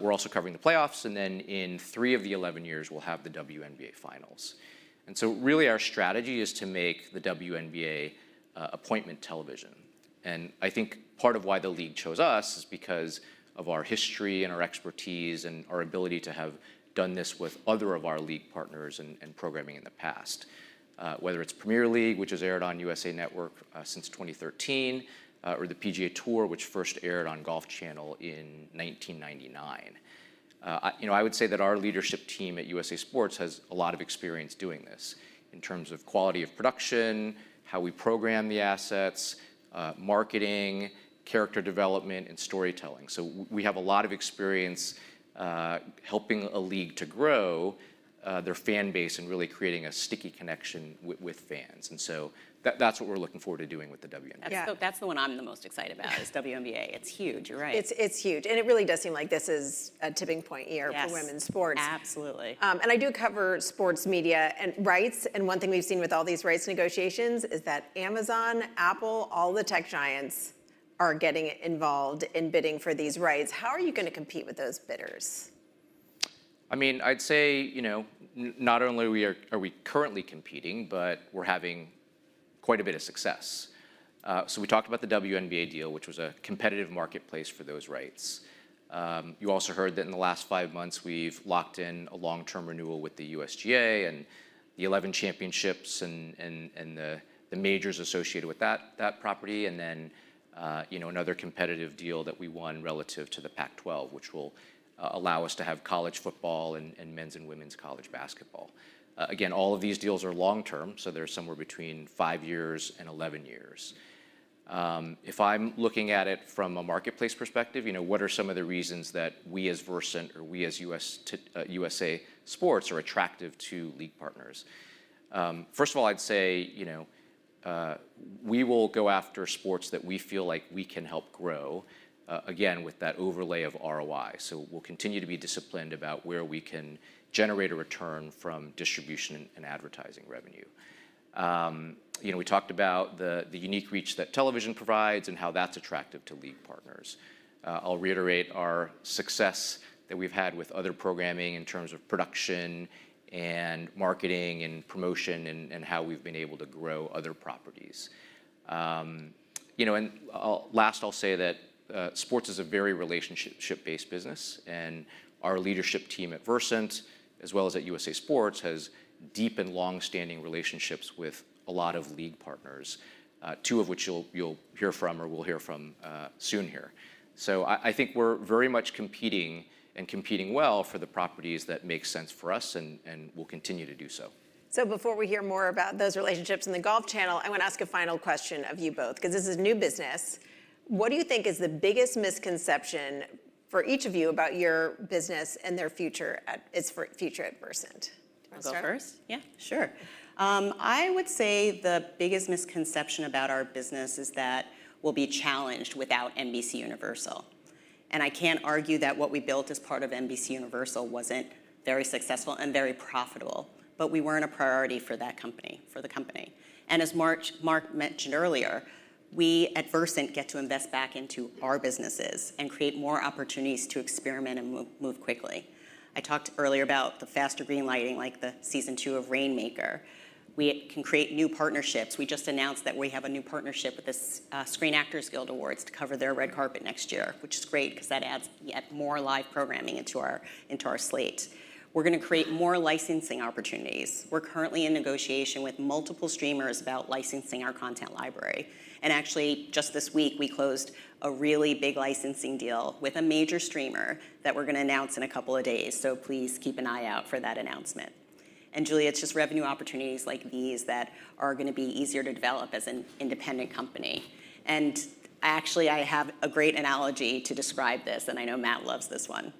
Speaker 12: We're also covering the playoffs. And then in three of the 11 years, we'll have the WNBA Finals. Our strategy is to make the WNBA appointment television. I think part of why the league chose us is because of our history and our expertise and our ability to have done this with other of our league partners and programming in the past, whether it's Premier League, which has aired on USA Network since 2013, or the PGA Tour, which first aired on Golf Channel in 1999. I would say that our leadership team at USA Sports has a lot of experience doing this in terms of quality of production, how we program the assets, marketing, character development, and storytelling. We have a lot of experience helping a league to grow their fan base and really creating a sticky connection with fans. That's what we're looking forward to doing with the WNBA.
Speaker 13: That's the one I'm the most excited about: WNBA. It's huge. You're right.
Speaker 11: It's huge. And it really does seem like this is a tipping point year for women's sports.
Speaker 13: Yes, absolutely.
Speaker 11: And I do cover sports media and rights. And one thing we've seen with all these rights negotiations is that Amazon, Apple, all the tech giants are getting involved in bidding for these rights. How are you going to compete with those bidders?
Speaker 12: I mean, I'd say not only are we currently competing, but we're having quite a bit of success. So we talked about the WNBA deal, which was a competitive marketplace for those rights. You also heard that in the last five months, we've locked in a long-term renewal with the USGA and the 11 championships and the majors associated with that property, and then another competitive deal that we won relative to the PAC 12, which will allow us to have college football and men's and women's college basketball. Again, all of these deals are long-term, so they're somewhere between five years and 11 years. If I'm looking at it from a marketplace perspective, what are some of the reasons that we as Versant or we as USA Sports are attractive to league partners? First of all, I'd say we will go after sports that we feel like we can help grow, again, with that overlay of ROI. So we'll continue to be disciplined about where we can generate a return from distribution and advertising revenue. We talked about the unique reach that television provides and how that's attractive to league partners. I'll reiterate our success that we've had with other programming in terms of production and marketing and promotion and how we've been able to grow other properties. And last, I'll say that sports is a very relationship-based business. And our leadership team at Versant, as well as at USA Sports, has deep and long-standing relationships with a lot of league partners, two of which you'll hear from or we'll hear from soon here. So I think we're very much competing and competing well for the properties that make sense for us and will continue to do so.
Speaker 11: So before we hear more about those relationships and the Golf Channel, I want to ask a final question of you both, because this is new business. What do you think is the biggest misconception for each of you about your business and their future at Versant?
Speaker 13: I'll go first.
Speaker 11: Yeah, sure.
Speaker 13: I would say the biggest misconception about our business is that we'll be challenged without NBCUniversal, and I can't argue that what we built as part of NBCUniversal wasn't very successful and very profitable, but we weren't a priority for the company, and as Mark mentioned earlier, we at Versant get to invest back into our businesses and create more opportunities to experiment and move quickly. I talked earlier about the faster green lighting, like the season two of Rainmaker. We can create new partnerships. We just announced that we have a new partnership with the Screen Actors Guild Awards to cover their red carpet next year, which is great because that adds yet more live programming into our slate. We're going to create more licensing opportunities. We're currently in negotiation with multiple streamers about licensing our content library. And actually, just this week, we closed a really big licensing deal with a major streamer that we're going to announce in a couple of days. So please keep an eye out for that announcement. And Julia, it's just revenue opportunities like these that are going to be easier to develop as an independent company. And actually, I have a great analogy to describe this, and I know Matt loves this one.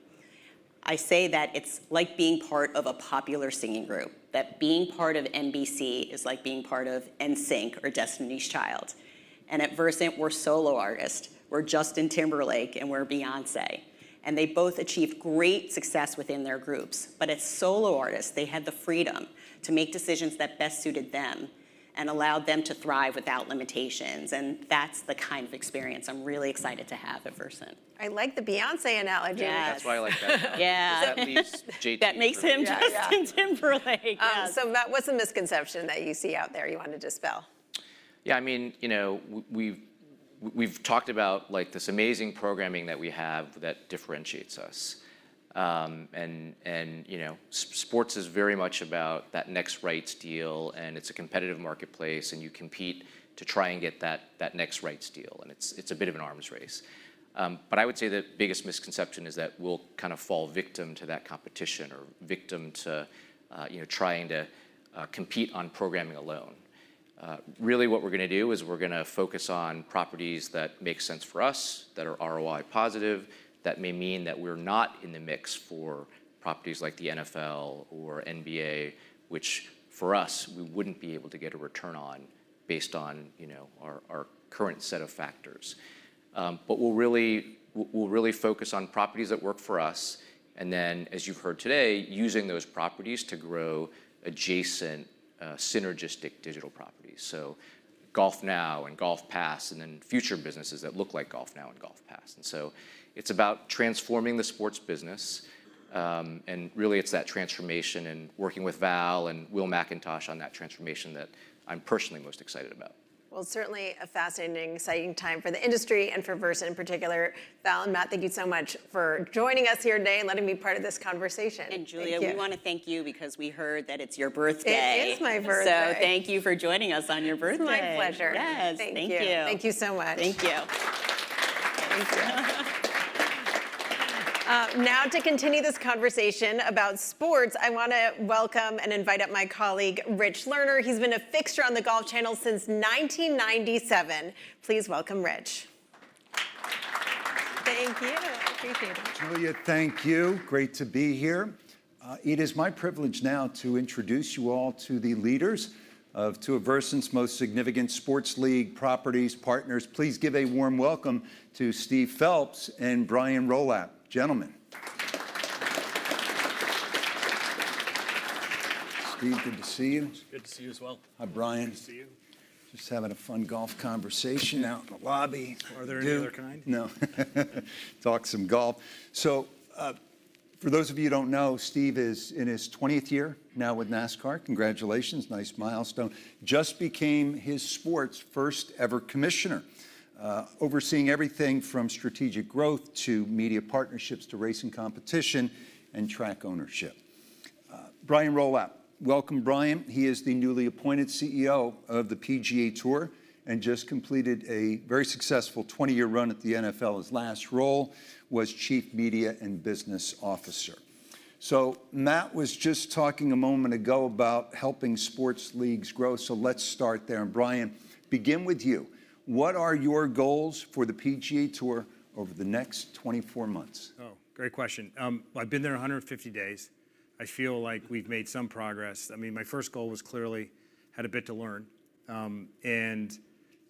Speaker 13: I say that it's like being part of a popular singing group, that being part of NBC is like being part of NSYNC or Destiny's Child. And at Versant, we're solo artists. We're Justin Timberlake and we're Beyoncé. And they both achieve great success within their groups. But as solo artists, they had the freedom to make decisions that best suited theM&Allowed them to thrive without limitations. and that's the kind of experience I'm really excited to have at Versant. I like the Beyoncé analogy. Yeah, that's why I like that. Yeah. That makes him Justin Timberlake.
Speaker 11: So Matt, what's the misconception that you see out there you want to dispel?
Speaker 12: Yeah, I mean, we've talked about this amazing programming that we have that differentiates us. and sports is very much about that next rights deal, and it's a competitive marketplace, and you compete to try and get that next rights deal. and it's a bit of an arms race. but I would say the biggest misconception is that we'll kind of fall victim to that competition or victim to trying to compete on programming alone. Really, what we're going to do is we're going to focus on properties that make sense for us, that are ROI positive, that may mean that we're not in the mix for properties like the NFL or NBA, which for us, we wouldn't be able to get a return on based on our current set of factors, but we'll really focus on properties that work for us, and then, as you've heard today, using those properties to grow adjacent synergistic digital properties, so GolfNow and GolfPass and then future businesses that look like GolfNow and GolfPass, and so it's about transforming the sports business, and really, it's that transformation and working with Val and Will McIntosh on that transformation that I'm personally most excited about
Speaker 11: Well, it's certainly a fascinating, exciting time for the industry and for Versant in particular. Val and Matt, thank you so much for joining us here today and letting me be part of this conversation.
Speaker 13: And Julia, we want to thank you because we heard that it's your birthday. It is my birthday. So thank you for joining us on your birthday. My pleasure.
Speaker 11: Yes.
Speaker 13: Thank you.
Speaker 11: Thank you so much.
Speaker 13: Thank you. Thank you.
Speaker 11: Now, to continue this conversation about sports, I want to welcome and invite up my colleague, Rich Lerner. He's been a fixture on the Golf Channel since 1997. Please welcome Rich. Thank you. Appreciate it.
Speaker 14: Julia, thank you. Great to be here. It is my privilege now to introduce you all to the leaders of two of Versant's most significant sports league properties, partners. Please give a warm welcome to Steve Phelps and Brian Rolapp, gentlemen. Steve, good to see you.
Speaker 15: Good to see you as well.
Speaker 14: Hi, Brian.
Speaker 16: Good to see you.
Speaker 14: Just having a fun golf conversation out in the lobby. Are there any other kind? No. Talk some golf. So for those of you who don't know, Steve is in his 20th year now with NASCAR. Congratulations. Nice milestone. Just became his sport's first-ever commissioner, overseeing everything from strategic growth to media partnerships to racing competition and track ownership. Brian Rolapp, welcome, Brian. He is the newly appointed CEO of the PGA Tour and just completed a very successful 20-year run at the NFL. His last role was Chief Media and Business Officer. So Matt was just talking a moment ago about helping sports leagues grow. So let's start there. And Brian, begin with you. What are your goals for the PGA Tour over the next 24 months?
Speaker 16: Oh, great question. I've been there 150 days. I feel like we've made some progress. I mean, my first goal was clearly, I had a bit to learn, and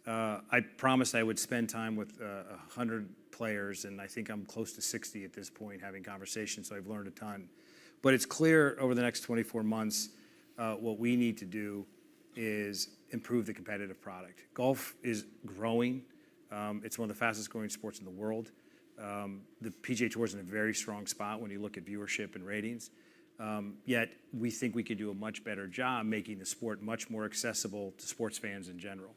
Speaker 16: I promised I would spend time with 100 players, and I think I'm close to 60 at this point having conversations, so I've learned a ton, but it's clear over the next 24 months what we need to do is improve the competitive product. Golf is growing. It's one of the fastest-growing sports in the world. The PGA Tour is in a very strong spot when you look at viewership and ratings. Yet we think we can do a much better job making the sport much more accessible to sports fans in general,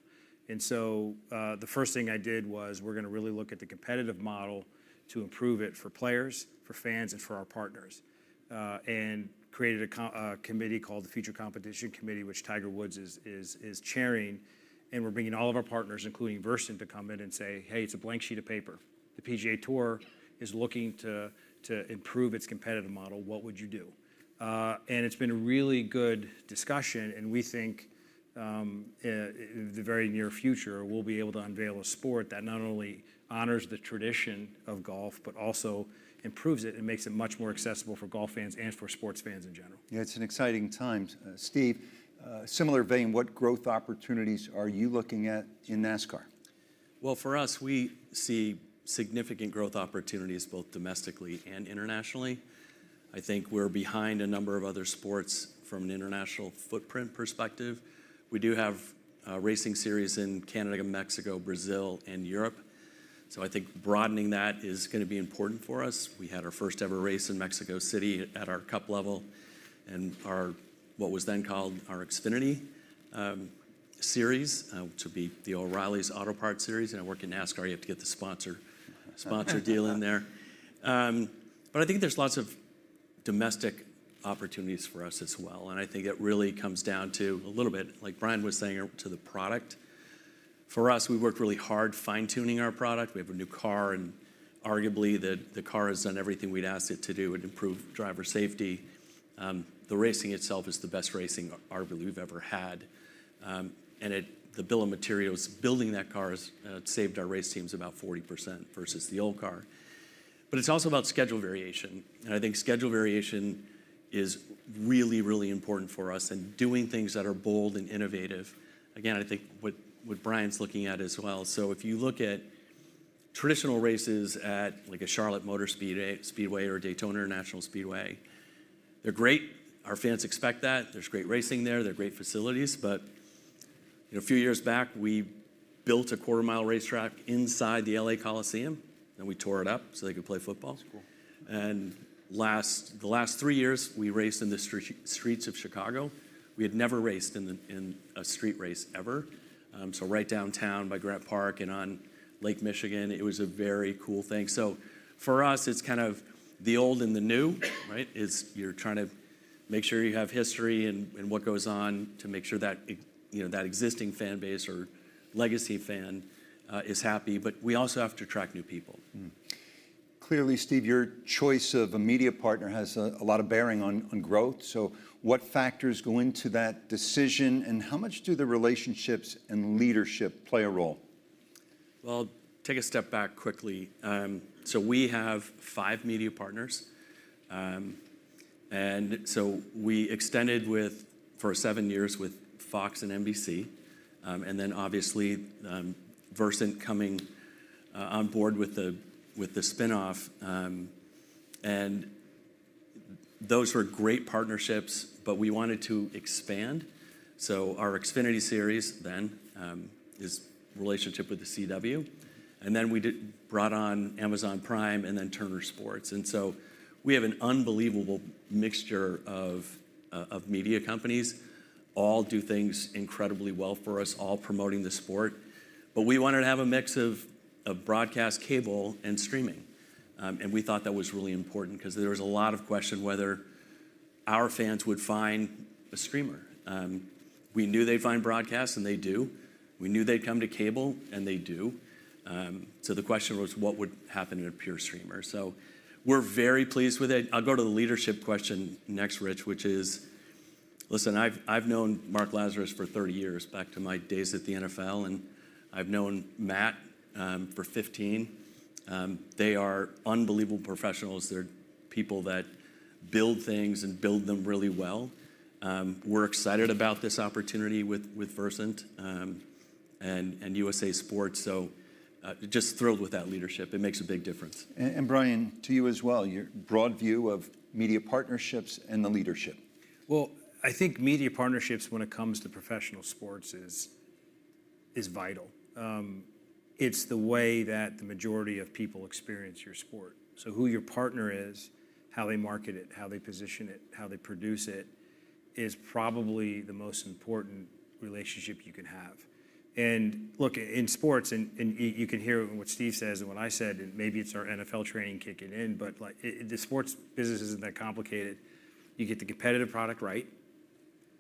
Speaker 16: and so the first thing I did was we're going to really look at the competitive model to improve it for players, for fans, and for our partners, and created a committee called the Future Competition Committee, which Tiger Woods is chairing. And we're bringing all of our partners, including Versant, to come in and say, "Hey, it's a blank sheet of paper. The PGA Tour is looking to improve its competitive model. What would you do?" And it's been a really good discussion. And we think in the very near future, we'll be able to unveil a sport that not only honors the tradition of golf, but also improves it and makes it much more accessible for golf fans and for sports fans in general.
Speaker 14: Yeah, it's an exciting time. Steve, similar vein, what growth opportunities are you looking at in NASCAR?
Speaker 15: Well, for us, we see significant growth opportunities both domestically and internationally. I think we're behind a number of other sports from an international footprint perspective. We do have racing series in Canada, Mexico, Brazil, and Europe. So I think broadening that is going to be important for us. We had our first-ever race in Mexico City at our cup level and what was then called our Xfinity series, which would be the O'Reilly's Auto Parts series, and I work in NASCAR. You have to get the sponsor deal in there, but I think there's lots of domestic opportunities for us as well, and I think it really comes down to a little bit, like Brian was saying, to the product. For us, we worked really hard fine-tuning our product. We have a new car, and arguably the car has done everything we'd asked it to do. It improved driver safety. The racing itself is the best racing arguably we've ever had, and the bill of materials building that car has saved our race teams about 40% versus the old car, but it's also about schedule variation. And I think schedule variation is really, really important for us in doing things that are bold and innovative. Again, I think what Brian's looking at as well. So if you look at traditional races at like a Charlotte Motor Speedway or Daytona International Speedway, they're great. Our fans expect that. There's great racing there. They're great facilities. But a few years back, we built a quarter-mile racetrack inside the LA Coliseum, and we tore it up so they could play football. And the last three years, we raced in the streets of Chicago. We had never raced in a street race ever. So right downtown by Grant Park and on Lake Michigan, it was a very cool thing. So for us, it's kind of the old and the new, right? You're trying to make sure you have history and what goes on to make sure that existing fan base or legacy fan is happy. But we also have to attract new people.
Speaker 14: Clearly, Steve, your choice of a media partner has a lot of bearing on growth. So what factors go into that decision, and how much do the relationships and leadership play a role?
Speaker 15: Well, take a step back quickly. So we have five media partners. And so we extended for seven years with Fox and NBC, and then obviously Versant coming on board with the spinoff. And those were great partnerships, but we wanted to expand. So our Xfinity series, then its relationship with The CW. And then we brought on Amazon Prime and then Turner Sports. And so we have an unbelievable mixture of media companies all do things incredibly well for us, all promoting the sport. But we wanted to have a mix of broadcast, cable, and streaming. And we thought that was really important because there was a lot of question whether our fans would find a streamer. We knew they'd find broadcast, and they do. We knew they'd come to cable, and they do. So the question was, what would happen in a pure streamer? So we're very pleased with it. I'll go to the leadership question next, Rich, which is, listen, I've known Mark Lazarus for 30 years, back to my days at the NFL, and I've known Matt for 15. They are unbelievable professionals. They're people that build things and build them really well. We're excited about this opportunity with Versant and USA Sports. So just thrilled with that leadership. It makes a big difference.
Speaker 14: And Brian, to you as well, your broad view of media partnerships and the leadership.
Speaker 16: I think media partnerships, when it comes to professional sports, is vital. It's the way that the majority of people experience your sport. Who your partner is, how they market it, how they position it, how they produce it, is probably the most important relationship you can have. Look, in sports, and you can hear what Steve says and what I said, and maybe it's our NFL training kicking in, but the sports business isn't that complicated. You get the competitive product right.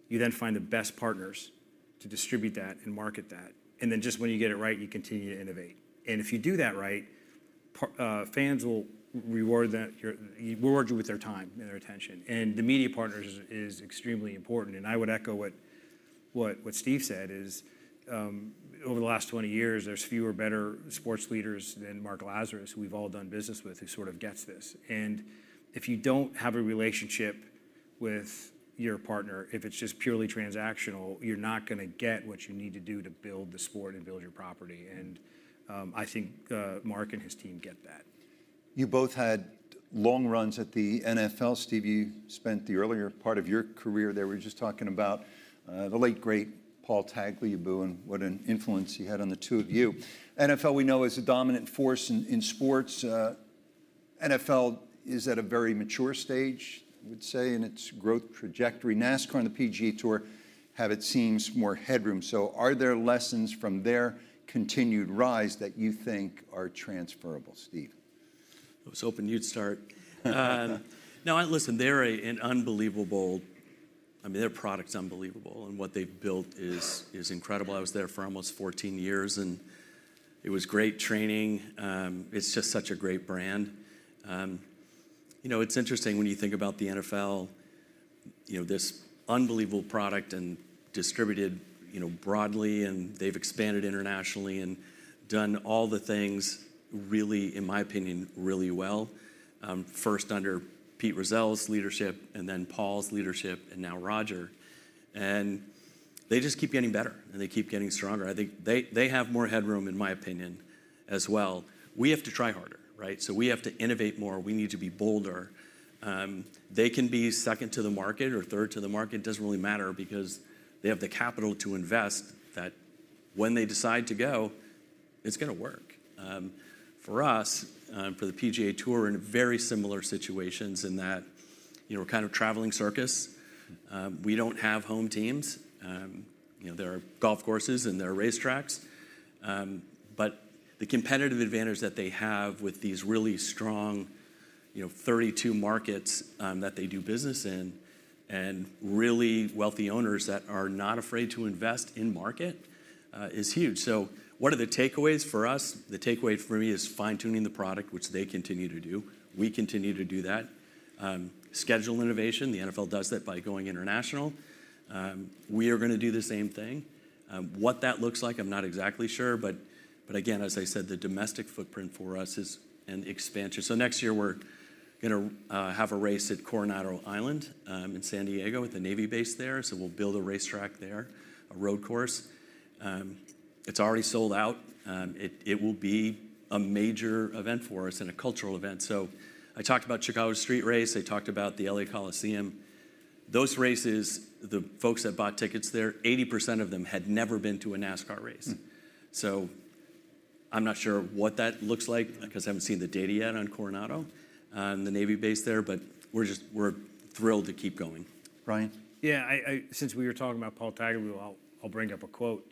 Speaker 16: You then find the best partners to distribute that and market that. Then just when you get it right, you continue to innovate. If you do that right, fans will reward you with their time and their attention. The media partners is extremely important. And I would echo what Steve said, is over the last 20 years, there's fewer better sports leaders than Mark Lazarus, who we've all done business with, who sort of gets this. And if you don't have a relationship with your partner, if it's just purely transactional, you're not going to get what you need to do to build the sport and build your property. And I think Mark and his team get that.
Speaker 14: You both had long runs at the NFL. Steve, you spent the earlier part of your career there. We were just talking about the late, great Paul Tagliabue, and what an influence he had on the two of you. NFL, we know, is a dominant force in sports. NFL is at a very mature stage, I would say, in its growth trajectory. NASCAR and the PGA Tour have, it seems, more headroom. So are there lessons from their continued rise that you think are transferable, Steve?
Speaker 15: I was hoping you'd start. No, listen, they're an unbelievable, I mean, their product's unbelievable, and what they've built is incredible. I was there for almost 14 years, and it was great training. It's just such a great brand. It's interesting when you think about the NFL, this unbelievable product and distributed broadly, and they've expanded internationally and done all the things, really, in my opinion, really well. First under Pete Rozelle's leadership, and then Paul's leadership, and now Roger. And they just keep getting better, and they keep getting stronger. I think they have more headroom, in my opinion, as well. We have to try harder, right? So we have to innovate more. We need to be bolder. They can be second to the market or third to the market. It doesn't really matter because they have the capital to invest that when they decide to go, it's going to work. For us, for the PGA Tour, we're in very similar situations in that we're kind of traveling circus. We don't have home teams. There are golf courses, and there are racetracks. But the competitive advantage that they have with these really strong 32 markets that they do business in and really wealthy owners that are not afraid to invest in market is huge. So what are the takeaways for us? The takeaway for me is fine-tuning the product, which they continue to do. We continue to do that. Schedule innovation. The NFL does that by going international. We are going to do the same thing. What that looks like, I'm not exactly sure. But again, as I said, the domestic footprint for us is an expansion. So next year, we're going to have a race at Coronado Island in San Diego at the Navy base there. So we'll build a racetrack there, a road course. It's already sold out. It will be a major event for us and a cultural event. So I talked about Chicago Street Race. I talked about the LA Coliseum. Those races, the folks that bought tickets there, 80% of them had never been to a NASCAR race. So I'm not sure what that looks like because I haven't seen the data yet on Coronado and the Navy base there. But we're thrilled to keep going.
Speaker 14: Brian. Yeah, since we were talking about Paul Tagliabue, I'll bring up a quote.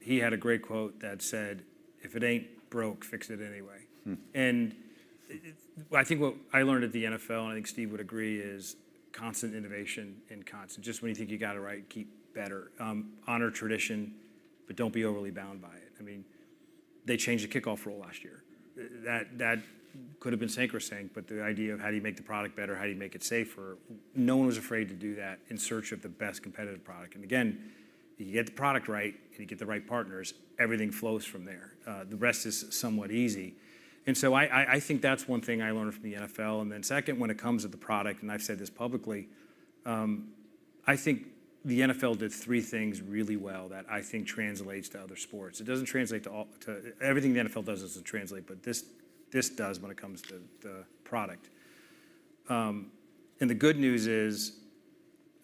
Speaker 14: He had a great quote that said, "If it ain't broke, fix it anyway." And I think what I learned at the NFL, and I think Steve would agree, is constant innovation and constant. Just when you think you got it right, keep better. Honor tradition, but don't be overly bound by it. I mean, they changed the kickoff rule last year. That could have been sacrosanct, but the idea of how do you make the product better, how do you make it safer, no one was afraid to do that in search of the best competitive product. And again, you get the product right, and you get the right partners, everything flows from there. The rest is somewhat easy. And so I think that's one thing I learned from the NFL. And then, second, when it comes to the product, and I've said this publicly, I think the NFL did three things really well that I think translates to other sports. It doesn't translate to everything the NFL does, but this does when it comes to the product. And the good news is,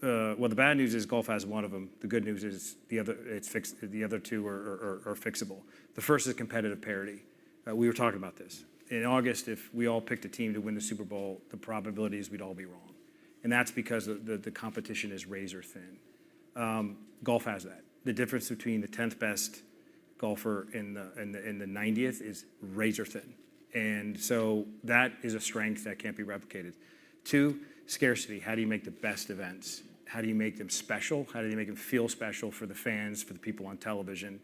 Speaker 14: well, the bad news is golf has one of them. The good news is the other two are fixable. The first is competitive parity. We were talking about this. In August, if we all picked a team to win the Super Bowl, the probabilities we'd all be wrong. And that's because the competition is razor thin. Golf has that. The difference between the 10th best golfer and the 90th is razor thing. And so that is a strength that can't be replicated. Two, scarcity. How do you make the best events? How do you make them special? How do they make them feel special for the fans, for the people on television?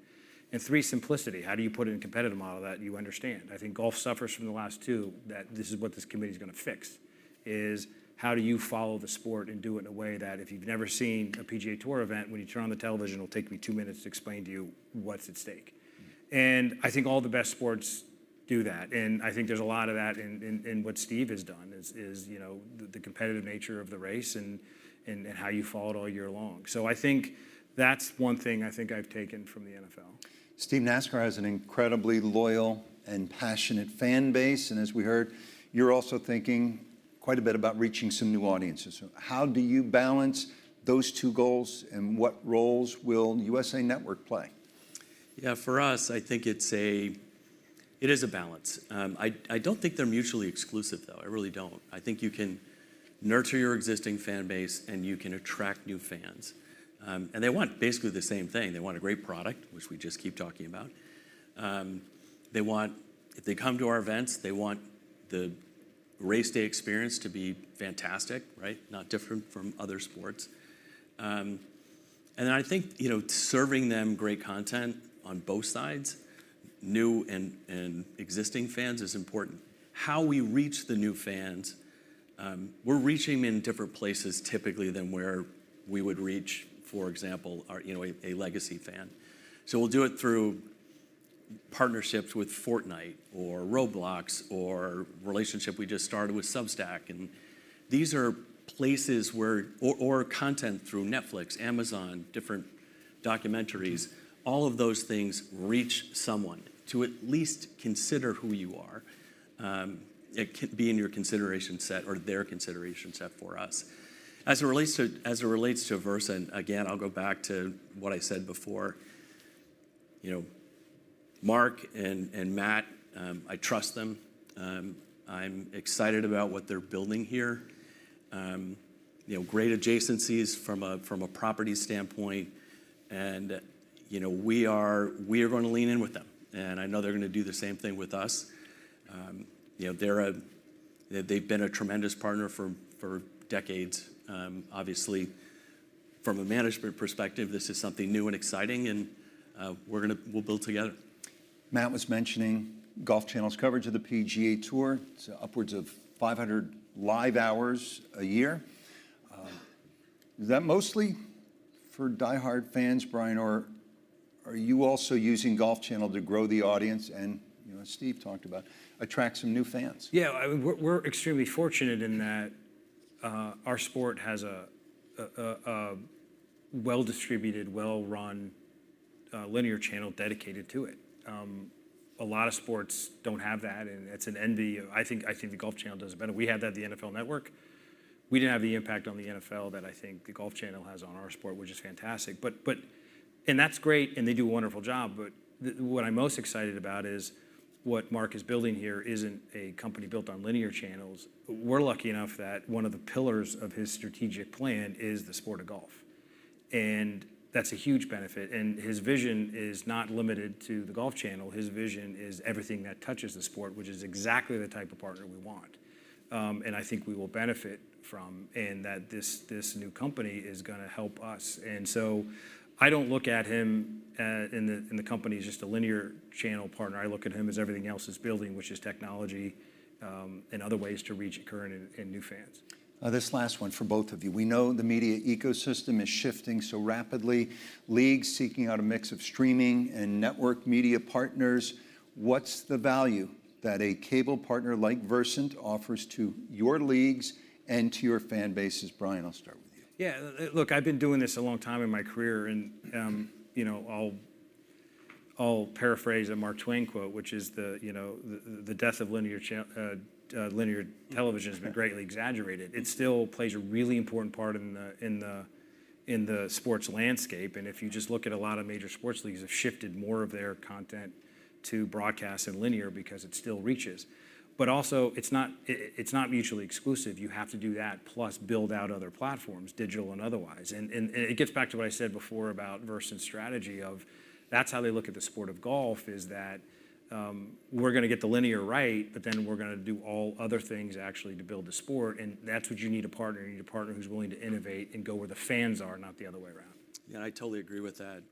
Speaker 14: And three, simplicity. How do you put it in a competitive model that you understand? I think golf suffers from the last two, that this is what this committee is going to fix is how do you follow the sport and do it in a way that if you've never seen a PGA Tour event, when you turn on the television, it'll take me two minutes to explain to you what's at stake. And I think all the best sports do that. And I think there's a lot of that in what Steve has done, is the competitive nature of the race and how you follow it all year long. So I think that's one thing I think I've taken from the NFL. Steve, NASCAR has an incredibly loyal and passionate fan base, and as we heard, you're also thinking quite a bit about reaching some new audiences. How do you balance those two goals, and what roles will USA Network play?
Speaker 15: Yeah, for us, I think it is a balance. I don't think they're mutually exclusive, though. I really don't. I think you can nurture your existing fan base, and you can attract new fans, and they want basically the same thing. They want a great product, which we just keep talking about. They want, if they come to our events, they want the race day experience to be fantastic, right? Not different from other sports, and then I think serving them great content on both sides, new and existing fans is important. How we reach the new fans, we're reaching in different places typically than where we would reach, for example, a legacy fan. So we'll do it through partnerships with Fortnite or Roblox or a relationship we just started with Substack. And these are places where our content through Netflix, Amazon, different documentaries, all of those things reach someone to at least consider who you are. It can be in your consideration set or their consideration set for us. As it relates to Versant, and again, I'll go back to what I said before, Mark and Matt, I trust them. I'm excited about what they're building here. Great adjacencies from a property standpoint. And we are going to lean in with them. And I know they're going to do the same thing with us. They've been a tremendous partner for decades. Obviously, from a management perspective, this is something new and exciting, and we'll build together.
Speaker 14: Matt was mentioning Golf Channel's coverage of the PGA Tour. It's upwards of 500 live hours a year. Is that mostly for diehard fans, Brian? Or are you also using Golf Channel to grow the audience? And Steve talked about attracting some new fans.
Speaker 16: Yeah, we're extremely fortunate in that our sport has a well-distributed, well-run linear channel dedicated to it. A lot of sports don't have that, and it's the envy. I think the Golf Channel does better. We have that at the NFL Network. We didn't have the impact on the NFL that I think the Golf Channel has on our sport, which is fantastic. And that's great, and they do a wonderful job. But what I'm most excited about is what Mark is building here isn't a company built on linear channels. We're lucky enough that one of the pillars of his strategic plan is the sport of golf, and that's a huge benefit, and his vision is not limited to the Golf Channel. His vision is everything that touches the sport, which is exactly the type of partner we want and I think we will benefit from, and that this new company is going to help us, and so I don't look at him in the company as just a linear channel partner. I look at him as everything else is building, which is technology and other ways to reach current and new fans. This last one for both of you. We know the media ecosystem is shifting so rapidly. Leagues seeking out a mix of streaming and network media partners. What's the value that a cable partner like Versant offers to your leagues and to your fan bases? Brian, I'll start with you. Yeah, look, I've been doing this a long time in my career, and I'll paraphrase a Mark Twain quote, which is the death of linear television has been greatly exaggerated. It still plays a really important part in the sports landscape, and if you just look at a lot of major sports leagues, they've shifted more of their content to broadcast in linear because it still reaches, but also, it's not mutually exclusive. You have to do that + build out other platforms, digital and otherwise, and it gets back to what I said before about Versant's strategy of that's how they look at the sport of golf is that we're going to get the linear right, but then we're going to do all other things actually to build the sport, and that's what you need a partner. You need a partner who's willing to innovate and go where the fans are, not the other way around.
Speaker 15: Yeah, I totally agree with that,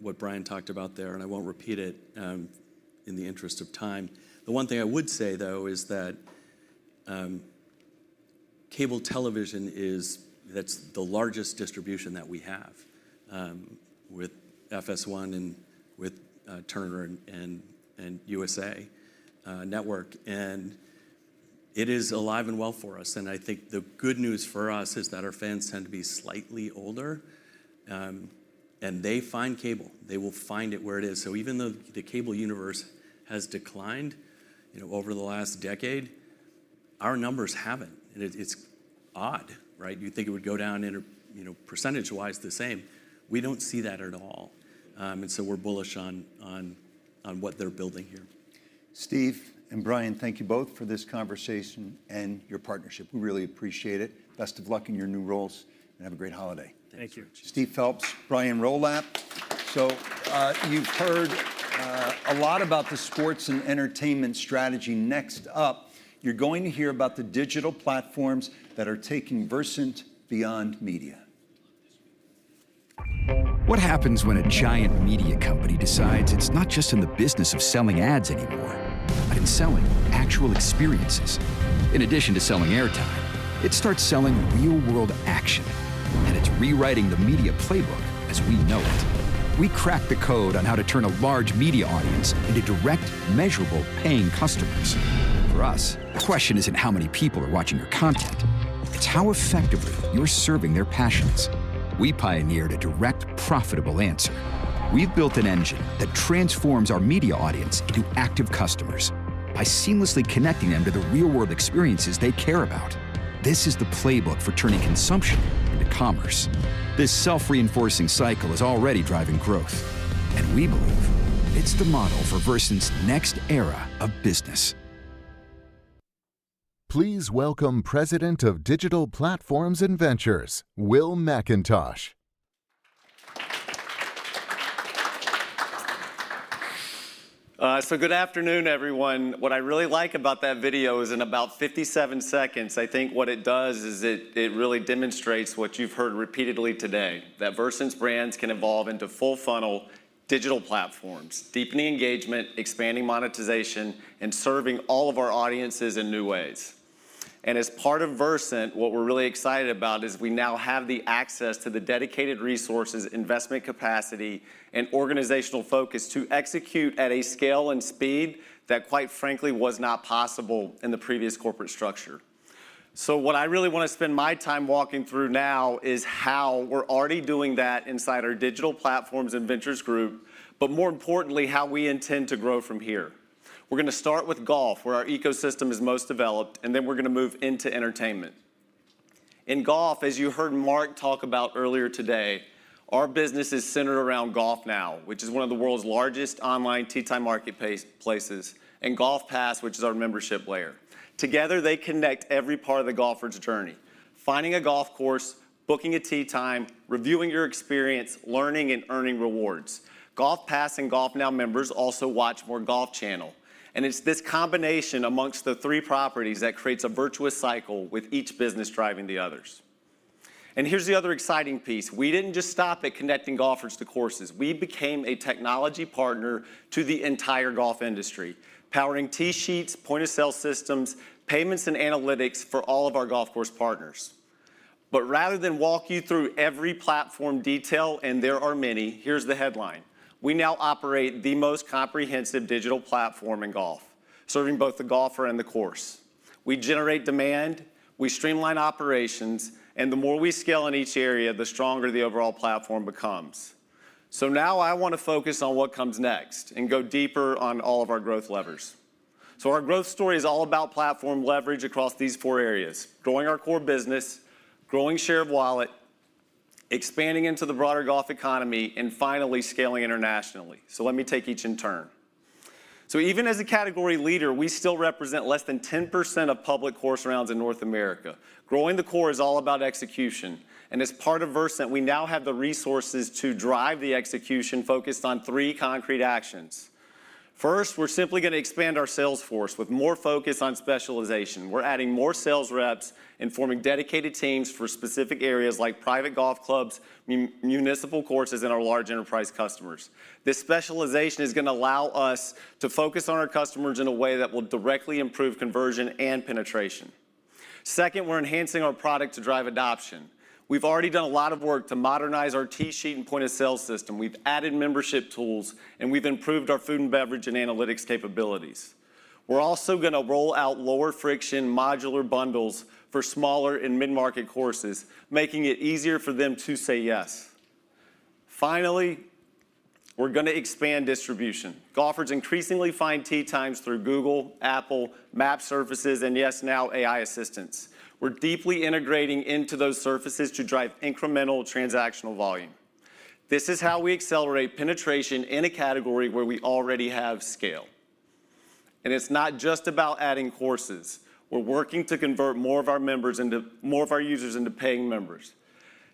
Speaker 15: what Brian talked about there. And I won't repeat it in the interest of time. The one thing I would say, though, is that cable television is the largest distribution that we have with FS1 and with Turner and USA Network. And it is alive and well for us. And I think the good news for us is that our fans tend to be slightly older. And they find cable. They will find it where it is. So even though the cable universe has declined over the last decade, our numbers haven't. And it's odd, right? You'd think it would go down percentage-wise the same. We don't see that at all. And so we're bullish on what they're building here.
Speaker 14: Steve and Brian, thank you both for this conversation and your partnership. We really appreciate it. Best of luck in your new roles, and have a great holiday.
Speaker 16: Thank you.
Speaker 14: Steve Phelps, Brian Rolapp. So you've heard a lot about the sports and entertainment strategy. Next up, you're going to hear about the digital platforms that are taking Versant beyond media. What happens when a giant media company decides it's not just in the business of selling ads anymore, but in selling actual experiences? In addition to selling airtime, it starts selling real-world action. And it's rewriting the media playbook as we know it. We crack the code on how to turn a large media audience into direct, measurable, paying customers. For us, the question isn't how many people are watching your content. It's how effectively you're serving their passions. We pioneered a direct, profitable answer. We've built an engine that transforms our media audience into active customers by seamlessly connecting them to the real-world experiences they care about. This is the playbook for turning consumption into commerce. This self-reinforcing cycle is already driving growth, and we believe it's the model for Versant's next era of business.
Speaker 1: Please welcome President of Digital Platforms and Ventures, Will McIntosh.
Speaker 17: So good afternoon, everyone. What I really like about that video is in about 57 seconds, I think what it does is it really demonstrates what you've heard repeatedly today, that Versant's brands can evolve into full-funnel digital platforms, deepening engagement, expanding monetization, and serving all of our audiences in new ways. And as part of Versant, what we're really excited about is we now have the access to the dedicated resources, investment capacity, and organizational focus to execute at a scale and speed that, quite frankly, was not possible in the previous corporate structure. So what I really want to spend my time walking through now is how we're already doing that inside our digital platforms and ventures group, but more importantly, how we intend to grow from here. We're going to start with golf, where our ecosystem is most developed, and then we're going to move into entertainment. In golf, as you heard Mark talk about earlier today, our business is centered around GolfNow, which is one of the world's largest online tee-time marketplaces, and GolfPass, which is our membership layer. Together, they connect every part of the golfer's journey: finding a golf course, booking a tee time, reviewing your experience, learning, and earning rewards. GolfPass and GolfNow members also watch more Golf Channel. And it's this combination among the three properties that creates a virtuous cycle with each business driving the others. And here's the other exciting piece. We didn't just stop at connecting golfers to courses. We became a technology partner to the entire golf industry, powering tee sheets, point-of-sale systems, payments, and analytics for all of our golf course partners. But rather than walk you through every platform detail, and there are many, here's the headline. We now operate the most comprehensive digital platform in golf, serving both the golfer and the course. We generate demand, we streamline operations, and the more we scale in each area, the stronger the overall platform becomes. So now I want to focus on what comes next and go deeper on all of our growth levers. So our growth story is all about platform leverage across these four areas: growing our core business, growing share of wallet, expanding into the broader golf economy, and finally scaling internationally. So let me take each in turn. So even as a category leader, we still represent less than 10% of public course rounds in North America. Growing the core is all about execution. And as part of Versant, we now have the resources to drive the execution focused on three concrete actions. First, we're simply going to expand our sales force with more focus on specialization. We're adding more sales reps and forming dedicated teams for specific areas like private golf clubs, municipal courses, and our large enterprise customers. This specialization is going to allow us to focus on our customers in a way that will directly improve conversion and penetration. Second, we're enhancing our product to drive adoption. We've already done a lot of work to modernize our tee sheet and point-of-sale system. We've added membership tools, and we've improved our food and beverage and analytics capabilities. We're also going to roll out lower friction modular bundles for smaller and mid-market courses, making it easier for them to say yes. Finally, we're going to expand distribution. Golfers increasingly find tee times through Google, Apple, Map services, and yes, now AI assistants. We're deeply integrating into those services to drive incremental transactional volume. This is how we accelerate penetration in a category where we already have scale. And it's not just about adding courses. We're working to convert more of our members into more of our users into paying members.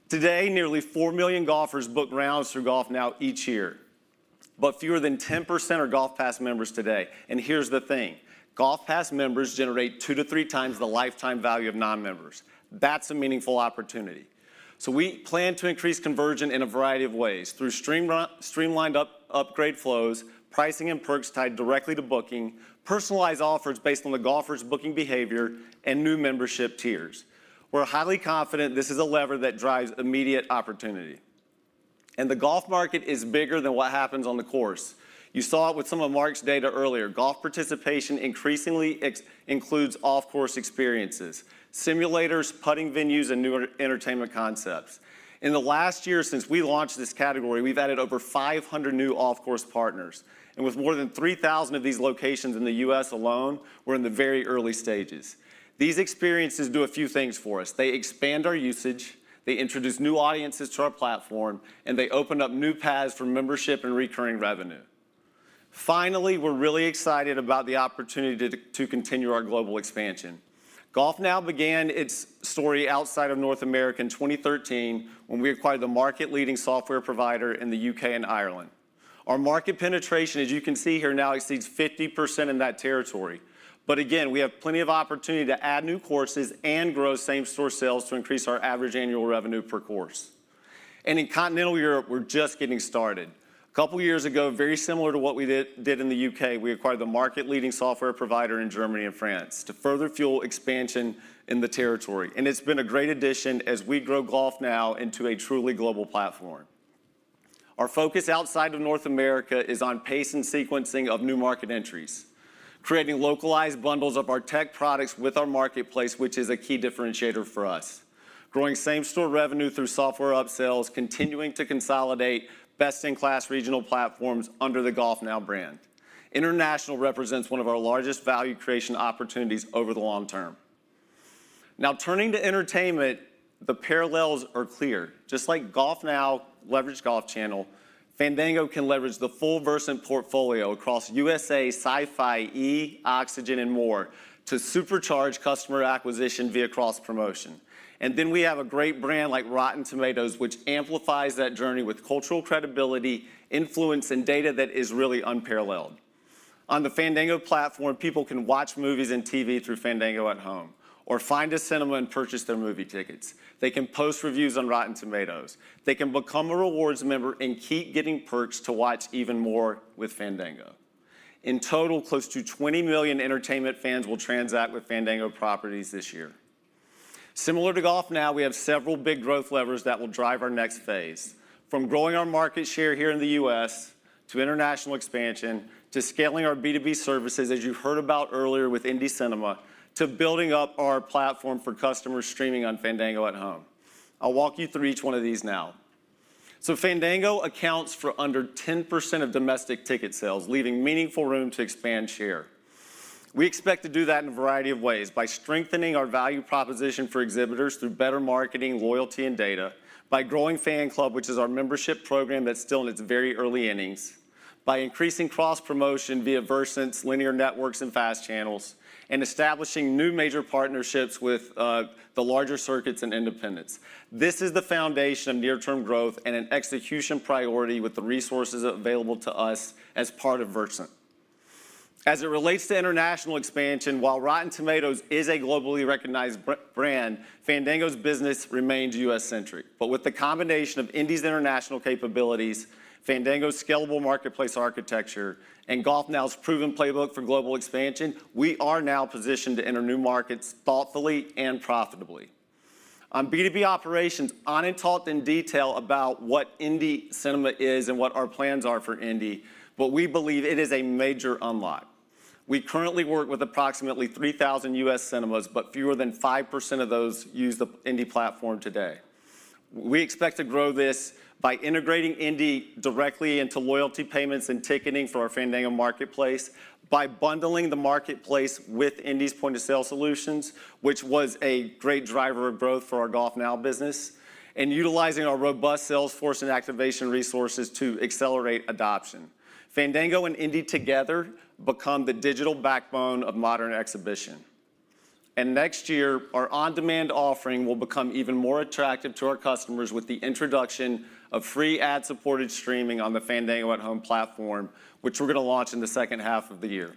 Speaker 17: Today, nearly four million golfers book rounds through GolfNow each year. But fewer than 10% are GolfPass members today. And here's the thing. GolfPass members generate two to three times the lifetime value of non-members. That's a meaningful opportunity. So we plan to increase conversion in a variety of ways through streamlined upgrade flows, pricing and perks tied directly to booking, personalized offers based on the golfer's booking behavior, and new membership tiers. We're highly confident this is a lever that drives immediate opportunity. And the golf market is bigger than what happens on the course. You saw it with some of Marc's data earlier. Golf participation increasingly includes off-course experiences, simulators, putting venues, and new entertainment concepts. In the last year since we launched this category, we've added over 500 new off-course partners. With more than 3,000 of these locations in the U.S. alone, we're in the very early stages. These experiences do a few things for us. They expand our usage, they introduce new audiences to our platform, and they open up new paths for membership and recurring revenue. Finally, we're really excited about the opportunity to continue our global expansion. GolfNow began its story outside of North America in 2013 when we acquired the market-leading software provider in the U.K. and Ireland. Our market penetration, as you can see here, now exceeds 50% in that territory. Again, we have plenty of opportunity to add new courses and grow same-store sales to increase our average annual revenue per course. In continental Europe, we're just getting started. A couple of years ago, very similar to what we did in the U.K., we acquired the market-leading software provider in Germany and France to further fuel expansion in the territory. And it's been a great addition as we grow GolfNow into a truly global platform. Our focus outside of North America is on pace and sequencing of new market entries, creating localized bundles of our tech products with our marketplace, which is a key differentiator for us. Growing same-store revenue through software upsales, continuing to consolidate best-in-class regional platforms under the GolfNow brand. International represents one of our largest value creation opportunities over the long term. Now, turning to entertainment, the parallels are clear. Just like GolfNow leveraged Golf Channel, Fandango can leverage the full Versant portfolio across USA, Sci-Fi, E!, Oxygen, and more to supercharge customer acquisition via cross-promotion. And then we have a great brand like Rotten Tomatoes, which amplifies that journey with cultural credibility, influence, and data that is really unparalleled. On the Fandango platform, people can watch movies and TV through Fandango at Home or find a cinema and purchase their movie tickets. They can post reviews on Rotten Tomatoes. They can become a rewards member and keep getting perks to watch even more with Fandango. In total, close to 20 million entertainment fans will transact with Fandango properties this year. Similar to GolfNow, we have several big growth levers that will drive our next phase. From growing our market share here in the U.S. to international expansion, to scaling our B2B services, as you heard about earlier with Indie Cinema, to building up our platform for customers streaming on Fandango at Home. I'll walk you through each one of these now. So Fandango accounts for under 10% of domestic ticket sales, leaving meaningful room to expand share. We expect to do that in a variety of ways: by strengthening our value proposition for exhibitors through better marketing, loyalty, and data, by growing Fan Club, which is our membership program that's still in its very early innings, by increasing cross-promotion via Versant's linear networks and fast channels, and establishing new major partnerships with the larger circuits and independents. This is the foundation of near-term growth and an execution priority with the resources available to us as part of Versant. As it relates to international expansion, while Rotten Tomatoes is a globally recognized brand, Fandango's business remains U.S.-centric. But with the combination of Indie's international capabilities, Fandango's scalable marketplace architecture, and GolfNow's proven playbook for global expansion, we are now positioned to enter new markets thoughtfully and profitably. On B2B operations, Anand talked in detail about what IndieCinema is and what our plans are for IndieCinema, but we believe it is a major unlock. We currently work with approximately 3,000 U.S. cinemas, but fewer than 5% of those use the IndieCinema platform today. We expect to grow this by integrating IndieCinema directly into loyalty payments and ticketing for our Fandango marketplace, by bundling the marketplace with IndieCinema's point-of-sale solutions, which was a great driver of growth for our GolfNow business, and utilizing our robust sales force and activation resources to accelerate adoption. Fandango and IndieCinema together become the digital backbone of modern exhibition, and next year, our on-demand offering will become even more attractive to our customers with the introduction of free ad-supported streaming on the Fandango at Home platform, which we're going to launch in the second half of the year.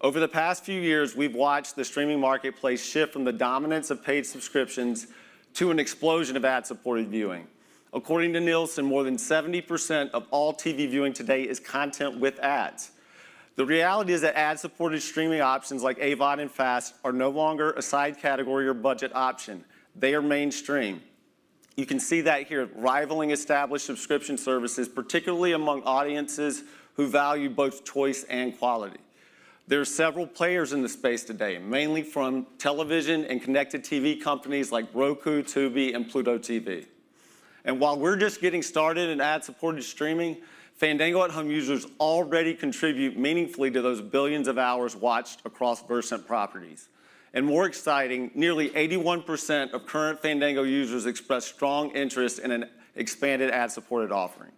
Speaker 17: Over the past few years, we've watched the streaming marketplace shift from the dominance of paid subscriptions to an explosion of ad-supported viewing. According to Nielsen, more than 70% of all TV viewing today is content with ads. The reality is that ad-supported streaming options like AVOD and FAST are no longer a side category or budget option. They are mainstream. You can see that here, rivaling established subscription services, particularly among audiences who value both choice and quality. There are several players in the space today, mainly from television and connected TV companies like Roku, Tubi, and Pluto TV. And while we're just getting started in ad-supported streaming, Fandango at Home users already contribute meaningfully to those billions of hours watched across Versant properties. And more exciting, nearly 81% of current Fandango users express strong interest in an expanded ad-supported offering.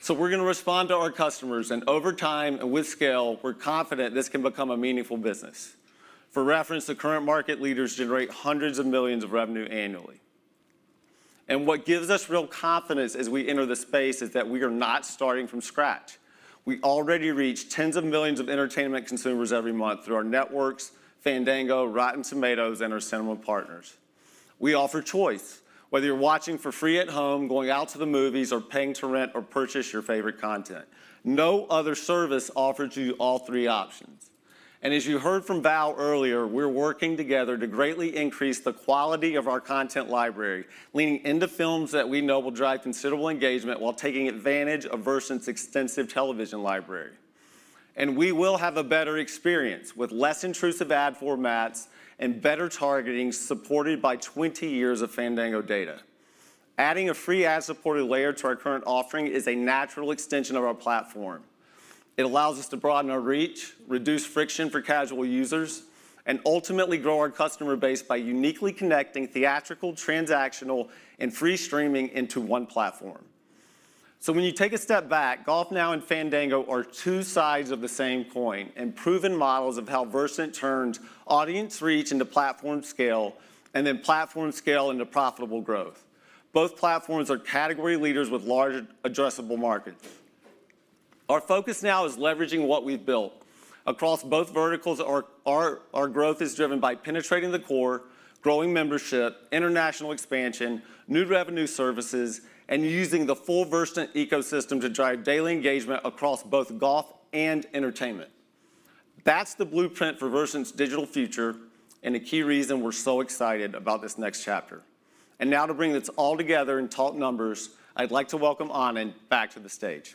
Speaker 17: So we're going to respond to our customers. And over time and with scale, we're confident this can become a meaningful business. For reference, the current market leaders generate hundreds of millions of revenue annually. And what gives us real confidence as we enter the space is that we are not starting from scratch. We already reach tens of millions of entertainment consumers every month through our networks, Fandango, Rotten Tomatoes, and our cinema partners. We offer choice. Whether you're watching for free at home, going out to the movies, or paying to rent or purchase your favorite content, no other service offers you all three options. And as you heard from Val earlier, we're working together to greatly increase the quality of our content library, leaning into films that we know will drive considerable engagement while taking advantage of Versant's extensive television library. And we will have a better experience with less intrusive ad formats and better targeting supported by 20 years of Fandango data. Adding a free ad-supported layer to our current offering is a natural extension of our platform. It allows us to broaden our reach, reduce friction for casual users, and ultimately grow our customer base by uniquely connecting theatrical, transactional, and free streaming into one platform. So when you take a step back, GolfNow and Fandango are two sides of the same coin and proven models of how Versant turns audience reach into platform scale and then platform scale into profitable growth. Both platforms are category leaders with large addressable markets. Our focus now is leveraging what we've built. Across both verticals, our growth is driven by penetrating the core, growing membership, international expansion, new revenue services, and using the full Versant ecosystem to drive daily engagement across both golf and entertainment. That's the blueprint for Versant's digital future and a key reason we're so excited about this next chapter. And now to bring this all together and talk numbers, I'd like to welcome Anand back to the stage.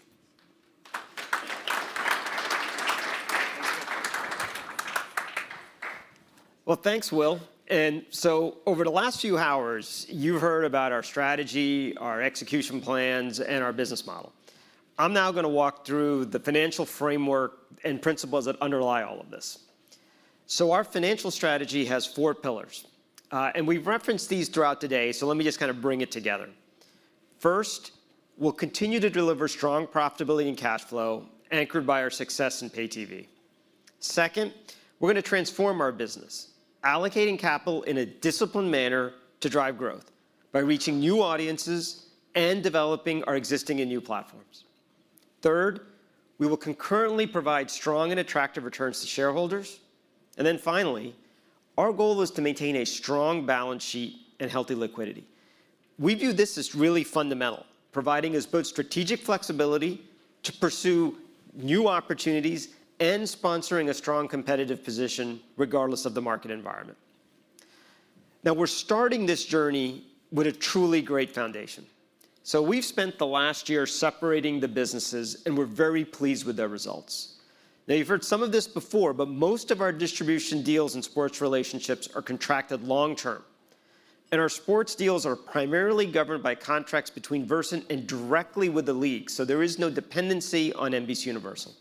Speaker 17: Well, thanks, Will. And so over the last few hours, you've heard about our strategy, our execution plans, and our business model. I'm now going to walk through the financial framework and principles that underlie all of this. So our financial strategy has four pillars. And we've referenced these throughout today, so let me just kind of bring it together. First, we'll continue to deliver strong profitability and cash flow anchored by our success in pay TV. Second, we're going to transform our business, allocating capital in a disciplined manner to drive growth by reaching new audiences and developing our existing and new platforms. Third, we will concurrently provide strong and attractive returns to shareholders. And then finally, our goal is to maintain a strong balance sheet and healthy liquidity. We view this as really fundamental, providing us both strategic flexibility to pursue new opportunities and sponsoring a strong competitive position regardless of the market environment. Now, we're starting this journey with a truly great foundation. So we've spent the last year separating the businesses, and we're very pleased with their results. Now, you've heard some of this before, but most of our distribution deals and sports relationships are contracted long-term. And our sports deals are primarily governed by contracts between Versant and directly with the league, so there is no dependency on NBCUniversal.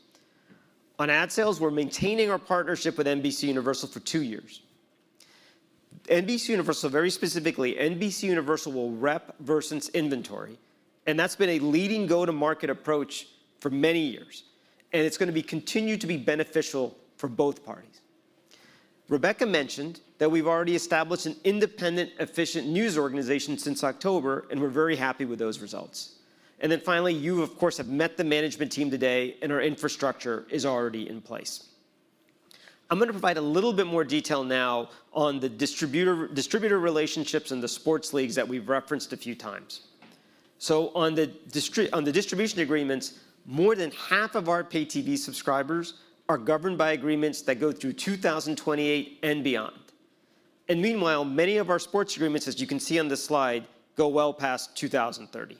Speaker 17: On ad sales, we're maintaining our partnership with NBCUniversal for two years. NBCUniversal, very specifically, NBCUniversal will rep Versant's inventory, and that's been a leading go-to-market approach for many years, and it's going to continue to be beneficial for both parties. Rebecca mentioned that we've already established an independent, efficient news organization since October, and we're very happy with those results, and then finally, you, of course, have met the management team today, and our infrastructure is already in place. I'm going to provide a little bit more detail now on the distributor relationships and the sports leagues that we've referenced a few times, so on the distribution agreements, more than half of our pay TV subscribers are governed by agreements that go through 2028 and beyond, and meanwhile, many of our sports agreements, as you can see on this slide, go well past 2030.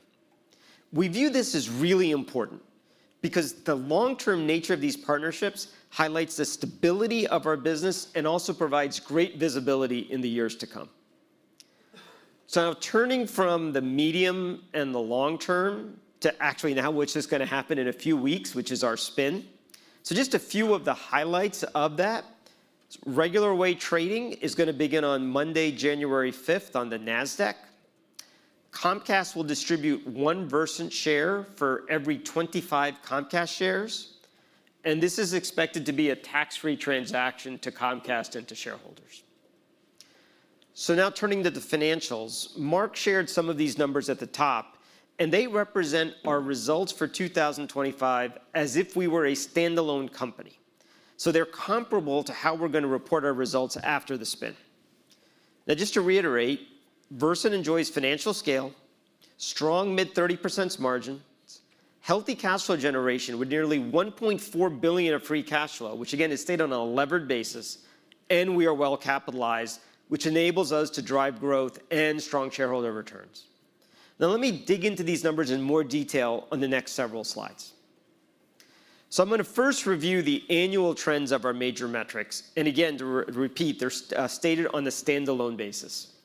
Speaker 17: We view this as really important because the long-term nature of these partnerships highlights the stability of our business and also provides great visibility in the years to come. So now turning from the medium and the long term to actually now, which is going to happen in a few weeks, which is our spin. So just a few of the highlights of that. Regular way trading is going to begin on Monday, January 5th, on the NASDAQ. Comcast will distribute one Versant share for every 25 Comcast shares. And this is expected to be a tax-free transaction to Comcast and to shareholders. So now turning to the financials, Mark shared some of these numbers at the top, and they represent our results for 2025 as if we were a standalone company. So they're comparable to how we're going to report our results after the spin. Now, just to reiterate, Versant enjoys financial scale, strong mid-30% margins, healthy cash flow generation with nearly $1.4 billion of free cash flow, which again, is stated on a levered basis, and we are well capitalized, which enables us to drive growth and strong shareholder returns. Now, let me dig into these numbers in more detail on the next several slides. So I'm going to first review the annual trends of our major metrics. And again, to repeat, they're stated on a standalone basis.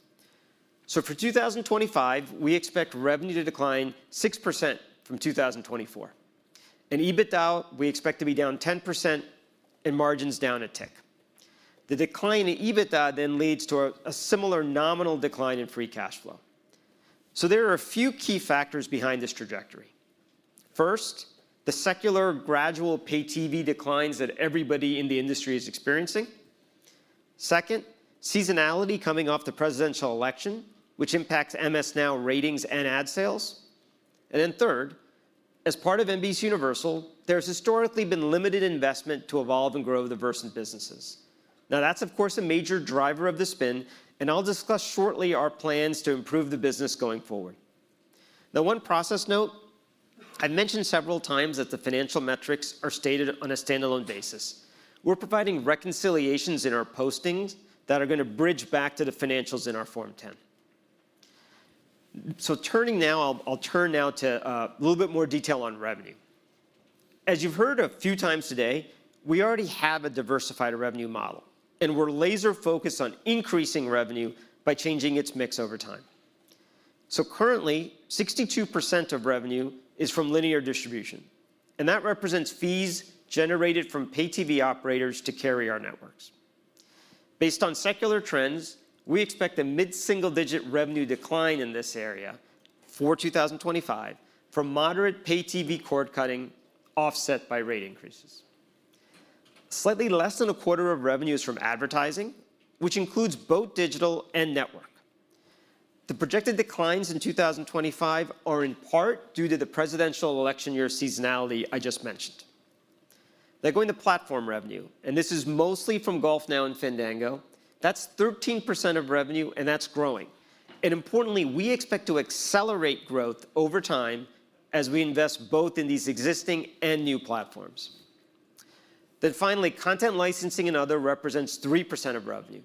Speaker 17: So for 2025, we expect revenue to decline 6% from 2024. And EBITDA, we expect to be down 10% and margins down a tick. The decline in EBITDA then leads to a similar nominal decline in free cash flow. So there are a few key factors behind this trajectory. First, the secular gradual pay TV declines that everybody in the industry is experiencing. Second, seasonality coming off the presidential election, which impacts MS NOW ratings and ad sales. And then third, as part of NBCUniversal, there's historically been limited investment to evolve and grow the Versant businesses. Now, that's, of course, a major driver of the spin, and I'll discuss shortly our plans to improve the business going forward. Now, one process note, I've mentioned several times that the financial metrics are stated on a standalone basis. We're providing reconciliations in our postings that are going to bridge back to the financials in our Form 10. So, turning now to a little bit more detail on revenue. As you've heard a few times today, we already have a diversified revenue model, and we're laser-focused on increasing revenue by changing its mix over time. So currently, 62% of revenue is from linear distribution, and that represents fees generated from pay TV operators to carry our networks. Based on secular trends, we expect a mid-single-digit revenue decline in this area for 2025 from moderate pay TV cord cutting offset by rate increases. Slightly less than a quarter of revenue is from advertising, which includes both digital and network. The projected declines in 2025 are in part due to the presidential election year seasonality I just mentioned. Now, going to platform revenue, and this is mostly from GolfNow and Fandango, that's 13% of revenue, and that's growing. And importantly, we expect to accelerate growth over time as we invest both in these existing and new platforms. Then finally, content licensing and other represents 3% of revenue.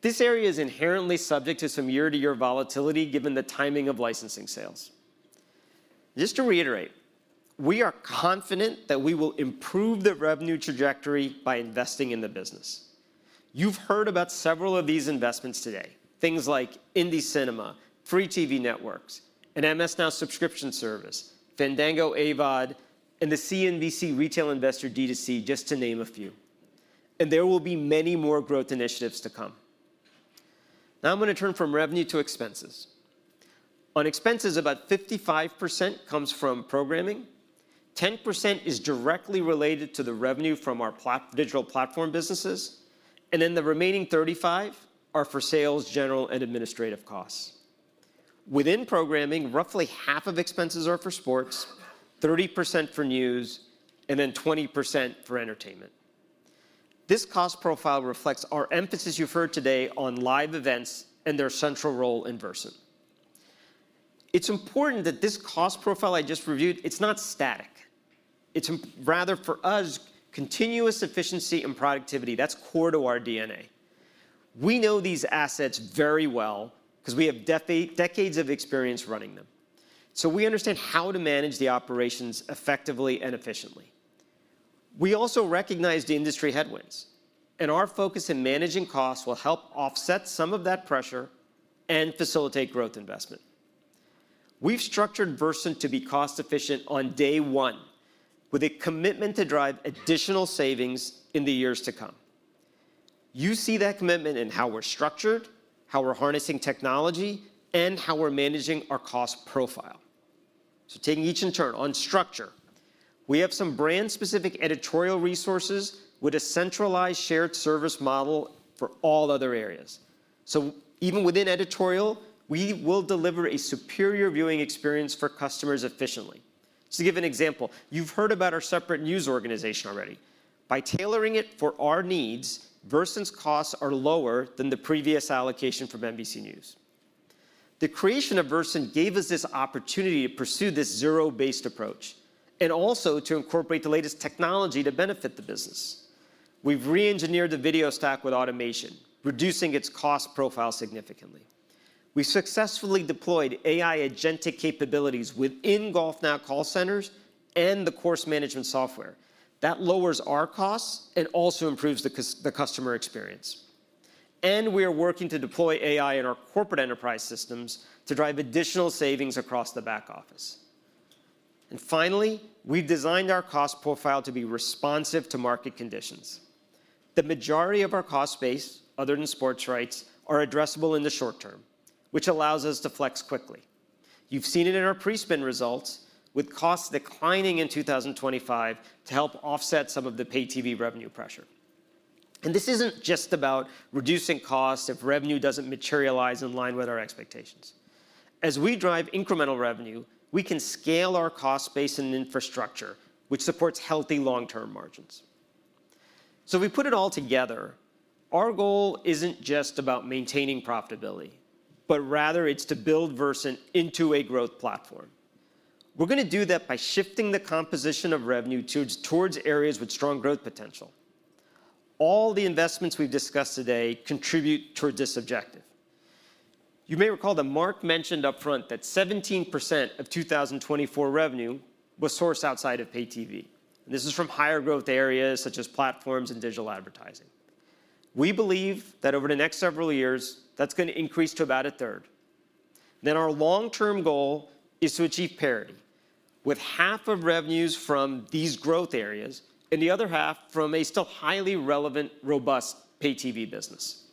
Speaker 17: This area is inherently subject to some year-to-year volatility given the timing of licensing sales. Just to reiterate, we are confident that we will improve the revenue trajectory by investing in the business. You've heard about several of these investments today, things like IndieCinema, Free TV Networks, an MS NOW subscription service, Fandango, AVOD, and the CNBC Retail Investor D2C, just to name a few, and there will be many more growth initiatives to come. Now, I'm going to turn from revenue to expenses. On expenses, about 55% comes from programming. 10% is directly related to the revenue from our digital platform businesses, and then the remaining 35% are for sales, general, and administrative costs. Within programming, roughly half of expenses are for sports, 30% for news, and then 20% for entertainment. This cost profile reflects our emphasis you've heard today on live events and their central role in Versant. It's important that this cost profile I just reviewed, it's not static. It's rather for us continuous efficiency and productivity. That's core to our DNA. We know these assets very well because we have decades of experience running them. So we understand how to manage the operations effectively and efficiently. We also recognize the industry headwinds. And our focus in managing costs will help offset some of that pressure and facilitate growth investment. We've structured Versant to be cost-efficient on day one, with a commitment to drive additional savings in the years to come. You see that commitment in how we're structured, how we're harnessing technology, and how we're managing our cost profile. So taking each in turn on structure, we have some brand-specific editorial resources with a centralized shared service model for all other areas. So even within editorial, we will deliver a superior viewing experience for customers efficiently. To give an example, you've heard about our separate news organization already. By tailoring it for our needs, Versant's costs are lower than the previous allocation from NBC News. The creation of Versant gave us this opportunity to pursue this zero-based approach and also to incorporate the latest technology to benefit the business. We've re-engineered the video stack with automation, reducing its cost profile significantly. We successfully deployed AI agentic capabilities within GolfNow call centers and the course management software. That lowers our costs and also improves the customer experience. And we are working to deploy AI in our corporate enterprise systems to drive additional savings across the back office. And finally, we've designed our cost profile to be responsive to market conditions. The majority of our cost base, other than sports rights, are addressable in the short term, which allows us to flex quickly. You've seen it in our pre-spin results with costs declining in 2025 to help offset some of the pay TV revenue pressure, and this isn't just about reducing costs if revenue doesn't materialize in line with our expectations. As we drive incremental revenue, we can scale our cost base and infrastructure, which supports healthy long-term margins, so we put it all together. Our goal isn't just about maintaining profitability, but rather it's to build Versant into a growth platform. We're going to do that by shifting the composition of revenue towards areas with strong growth potential. All the investments we've discussed today contribute towards this objective. You may recall that Mark mentioned upfront that 17% of 2024 revenue was sourced outside of pay TV, and this is from higher growth areas such as platforms and digital advertising. We believe that over the next several years, that's going to increase to about a third. Then our long-term goal is to achieve parity with half of revenues from these growth areas and the other half from a still highly relevant, robust pay TV business.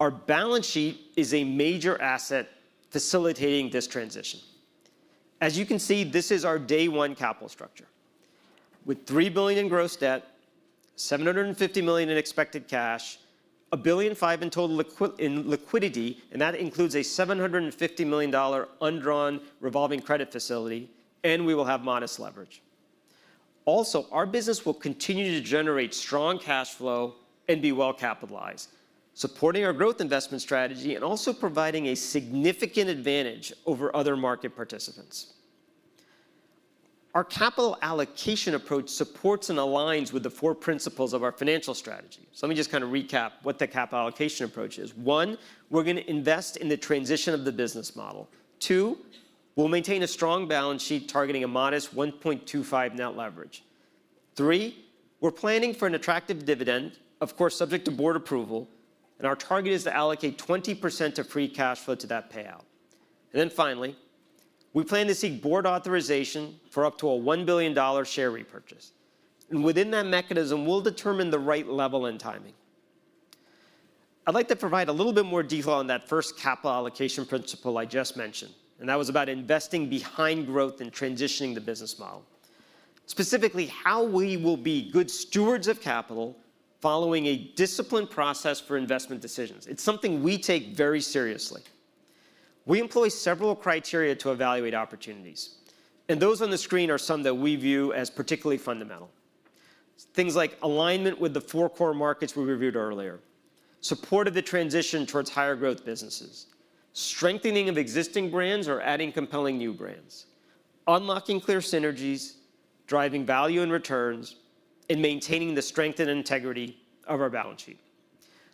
Speaker 17: Our balance sheet is a major asset facilitating this transition. As you can see, this is our day one capital structure with $3 billion in gross debt, $750 million in expected cash, $1.5 billion in total liquidity, and that includes a $750 million undrawn revolving credit facility, and we will have modest leverage. Also, our business will continue to generate strong cash flow and be well capitalized, supporting our growth investment strategy and also providing a significant advantage over other market participants. Our capital allocation approach supports and aligns with the four principles of our financial strategy. So let me just kind of recap what the capital allocation approach is. One, we're going to invest in the transition of the business model. Two, we'll maintain a strong balance sheet targeting a modest 1.25 net leverage. Three, we're planning for an attractive dividend, of course, subject to board approval, and our target is to allocate 20% of free cash flow to that payout. And then finally, we plan to seek board authorization for up to a $1 billion share repurchase. And within that mechanism, we'll determine the right level and timing. I'd like to provide a little bit more detail on that first capital allocation principle I just mentioned, and that was about investing behind growth and transitioning the business model, specifically how we will be good stewards of capital following a disciplined process for investment decisions. It's something we take very seriously. We employ several criteria to evaluate opportunities, and those on the screen are some that we view as particularly fundamental. Things like alignment with the four core markets we reviewed earlier, support of the transition towards higher growth businesses, strengthening of existing brands or adding compelling new brands, unlocking clear synergies, driving value and returns, and maintaining the strength and integrity of our balance sheet.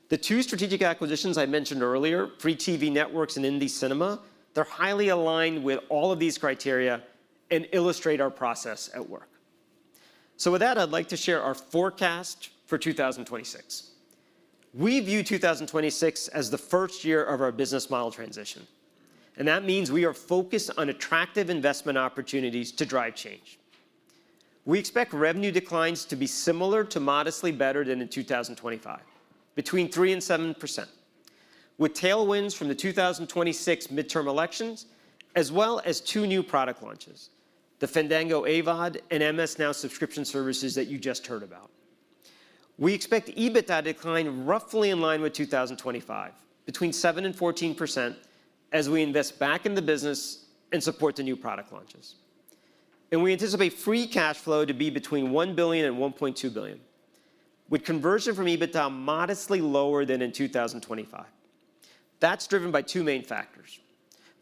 Speaker 17: The two strategic acquisitions I mentioned earlier, Free TV Networks and IndieCinema, they're highly aligned with all of these criteria and illustrate our process at work. So with that, I'd like to share our forecast for 2026. We view 2026 as the first year of our business model transition, and that means we are focused on attractive investment opportunities to drive change. We expect revenue declines to be similar to modestly better than in 2025, between 3% and 7%, with tailwinds from the 2026 midterm elections, as well as two new product launches, the Fandango AVOD, and MS NOW subscription services that you just heard about. We expect EBITDA decline roughly in line with 2025, between 7% and 14%, as we invest back in the business and support the new product launches. And we anticipate free cash flow to be between $1 billion and $1.2 billion, with conversion from EBITDA modestly lower than in 2025. That's driven by two main factors.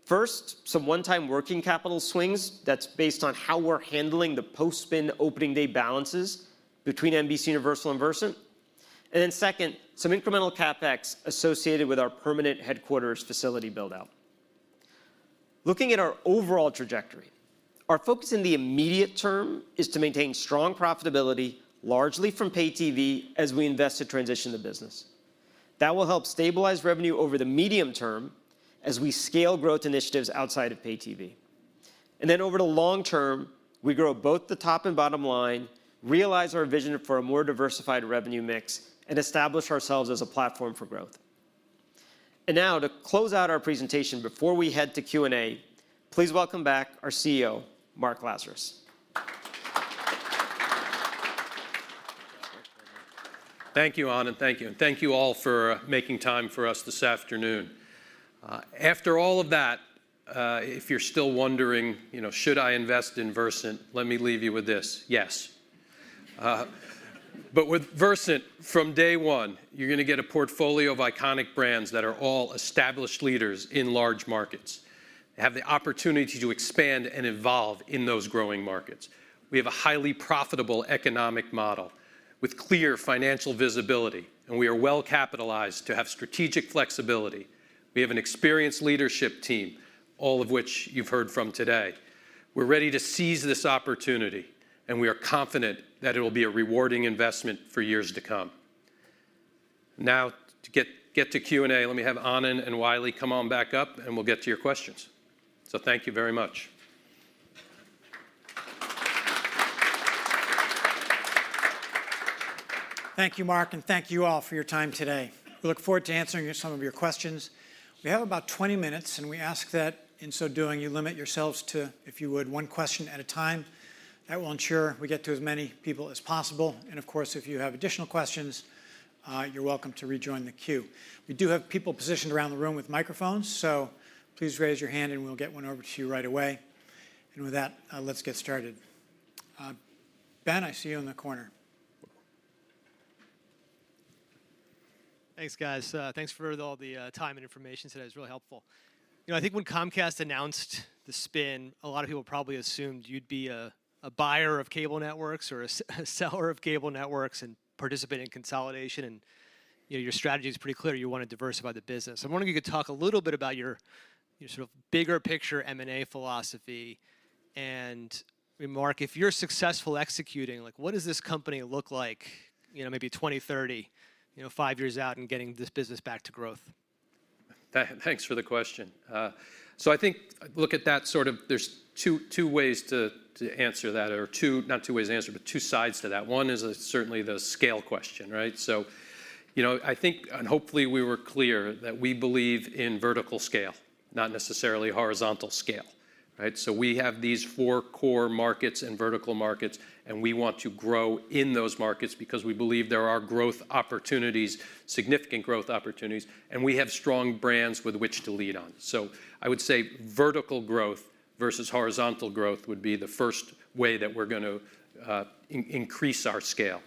Speaker 17: First, some one-time working capital swings that's based on how we're handling the post-spin opening day balances between NBCUniversal and Versant. And then second, some incremental CapEx associated with our permanent headquarters facility build-out. Looking at our overall trajectory, our focus in the immediate term is to maintain strong profitability, largely from pay TV, as we invest to transition the business. That will help stabilize revenue over the medium term as we scale growth initiatives outside of pay TV. And then over the long term, we grow both the top and bottom line, realize our vision for a more diversified revenue mix, and establish ourselves as a platform for growth. And now, to close out our presentation before we head to Q&A, please welcome back our CEO, Mark Lazarus.
Speaker 3: Thank you, Anand, and thank you. And thank you all for making time for us this afternoon. After all of that, if you're still wondering, you know, should I invest in Versant, let me leave you with this: yes. But with Versant, from day one, you're going to get a portfolio of iconic brands that are all established leaders in large markets, have the opportunity to expand and evolve in those growing markets. We have a highly profitable economic model with clear financial visibility, and we are well capitalized to have strategic flexibility. We have an experienced leadership team, all of which you've heard from today. We're ready to seize this opportunity, and we are confident that it will be a rewarding investment for years to come. Now, to get to Q&A, let me have Anand and Wiley come on back up, and we'll get to your questions. So thank you very much.
Speaker 4: Thank you, Mark, and thank you all for your time today. We look forward to answering some of your questions. We have about 20 minutes, and we ask that in so doing, you limit yourselves to, if you would, one question at a time. That will ensure we get to as many people as possible, and of course, if you have additional questions, you're welcome to rejoin the queue. We do have people positioned around the room with microphones, so please raise your hand, and we'll get one over to you right away, and with that, let's get started. Ben, I see you in the corner.
Speaker 18: Thanks, guys. Thanks for all the time and information today. It was really helpful. You know, I think when Comcast announced the spin, a lot of people probably assumed you'd be a buyer of cable networks or a seller of cable networks and participate in consolidation, and your strategy is pretty clear. You want to diversify the business. I'm wondering if you could talk a little bit about your sort of bigger picture M&A philosophy. And Mark, if you're successful executing, what does this company look like, you know, maybe 2030, you know, five years out and getting this business back to growth?
Speaker 3: Thanks for the question. So I think look at that sort of there's two ways to answer that, or two not two ways to answer, but two sides to that. One is certainly the scale question, right? So you know, I think, and hopefully we were clear that we believe in vertical scale, not necessarily horizontal scale, right? So we have these four core markets and vertical markets, and we want to grow in those markets because we believe there are growth opportunities, significant growth opportunities, and we have strong brands with which to lead on. So I would say vertical growth versus horizontal growth would be the first way that we're going to increase our scale.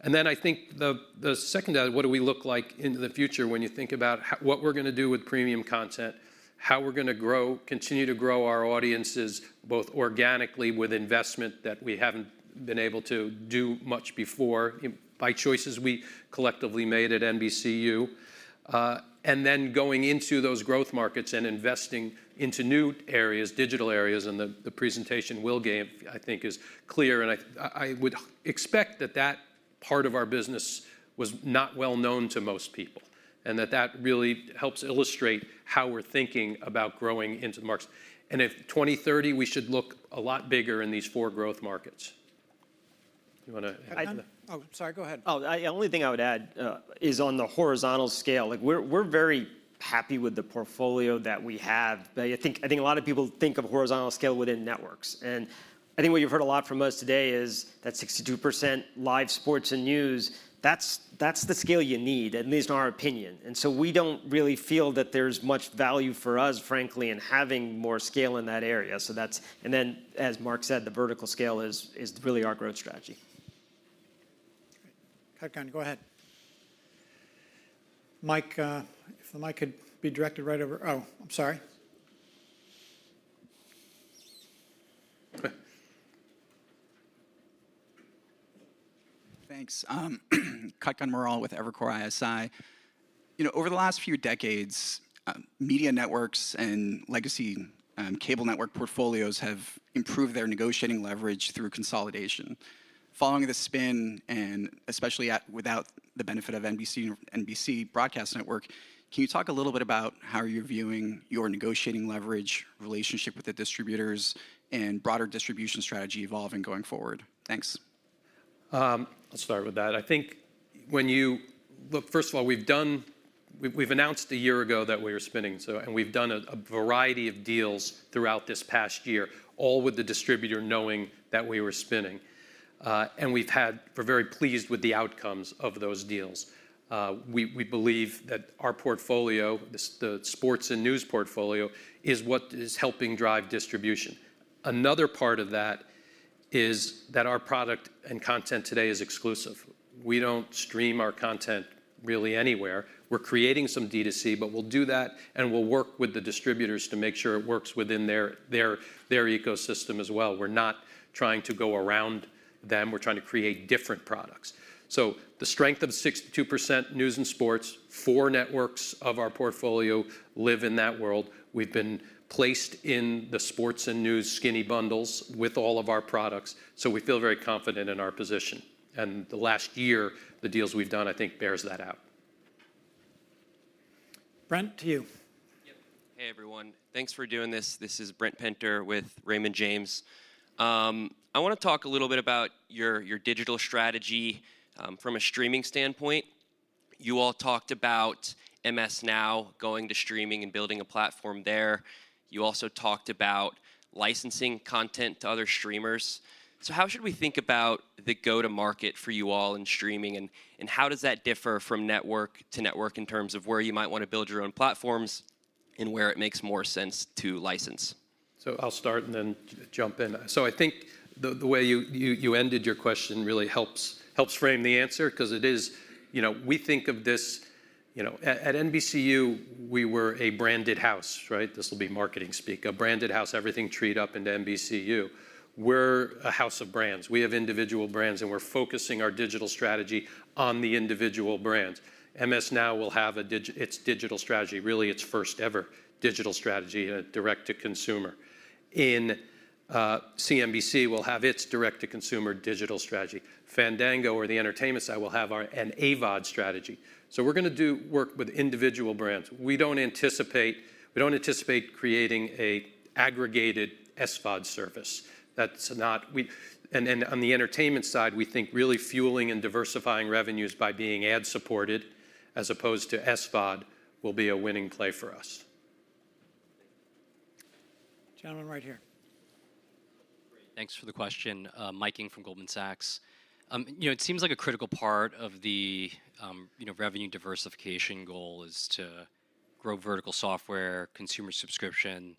Speaker 3: And then I think the second, what do we look like in the future when you think about what we're going to do with premium content, how we're going to grow, continue to grow our audiences both organically with investment that we haven't been able to do much before by choices we collectively made at NBCU, and then going into those growth markets and investing into new areas, digital areas. And the presentation will give, I think, is clear. And I would expect that that part of our business was not well known to most people and that that really helps illustrate how we're thinking about growing into the markets. And by 2030, we should look a lot bigger in these four growth markets. Do you want to add to that?
Speaker 5: Oh, sorry, go ahead.
Speaker 7: Oh, the only thing I would add is on the horizontal scale. We're very happy with the portfolio that we have. I think a lot of people think of horizontal scale within networks, and I think what you've heard a lot from us today is that 62% live sports and news, that's the scale you need, at least in our opinion, and so we don't really feel that there's much value for us, frankly, in having more scale in that area. So that's, and then, as Mark said, the vertical scale is really our growth strategy.
Speaker 17: Kutkan, go ahead. Mike, if the mic could be directed right over, oh, I'm sorry.
Speaker 19: Thanks. Kutkan Moral with Evercore ISI. You know, over the last few decades, media networks and legacy cable network portfolios have improved their negotiating leverage through consolidation. Following the spin, and especially without the benefit of NBC Broadcast Network, can you talk a little bit about how you're viewing your negotiating leverage relationship with the distributors and broader distribution strategy evolving going forward? Thanks.
Speaker 5: I'll start with that. I think when you look, first of all, we've announced a year ago that we were spinning, and we've done a variety of deals throughout this past year, all with the distributor knowing that we were spinning. We're very pleased with the outcomes of those deals. We believe that our portfolio, the sports and news portfolio, is what is helping drive distribution. Another part of that is that our product and content today is exclusive. We don't stream our content really anywhere. We're creating some D2C, but we'll do that and we'll work with the distributors to make sure it works within their ecosystem as well. We're not trying to go around them. We're trying to create different products. So the strength of 62% news and sports, four networks of our portfolio live in that world. We've been placed in the sports and news skinny bundles with all of our products. So we feel very confident in our position. And the last year, the deals we've done, I think, bears that out.
Speaker 17: Brent, to you.
Speaker 20: Hey, everyone. Thanks for doing this. This is Brent Penter with Raymond James. I want to talk a little bit about your digital strategy from a streaming standpoint. You all talked about MS NOW going to streaming and building a platform there. You also talked about licensing content to other streamers. So how should we think about the go-to-market for you all in streaming, and how does that differ from network to network in terms of where you might want to build your own platforms and where it makes more sense to license?
Speaker 5: So I'll start and then jump in. So I think the way you ended your question really helps frame the answer because it is, you know, we think of this, you know, at NBCU, we were a branded house, right? This will be marketing speak, a branded house, everything treed up into NBCU. We're a house of brands. We have individual brands, and we're focusing our digital strategy on the individual brands. MS NOW will have its digital strategy, really its first-ever digital strategy and a direct-to-consumer. In CNBC, we'll have its direct-to-consumer digital strategy. Fandango, or the entertainment side, will have an AVOD strategy. So we're going to do work with individual brands. We don't anticipate creating an aggregated SVOD service. That's not, and on the entertainment side, we think really fueling and diversifying revenues by being ad-supported as opposed to SVOD will be a winning play for us.
Speaker 17: Gentlemen right here.
Speaker 21: Thanks for the question. Mike Ing from Goldman Sachs. You know, it seems like a critical part of the revenue diversification goal is to grow vertical software, consumer subscription.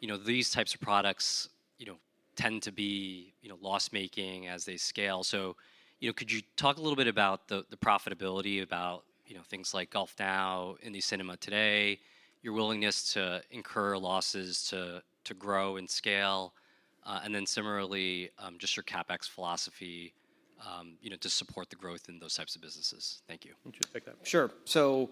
Speaker 21: You know, these types of products, you know, tend to be loss-making as they scale. So, you know, could you talk a little bit about the profitability about things like GolfNow, IndieCinema today, your willingness to incur losses to grow and scale, and then similarly, just your CapEx philosophy, you know, to support the growth in those types of businesses? Thank you.
Speaker 7: Sure. So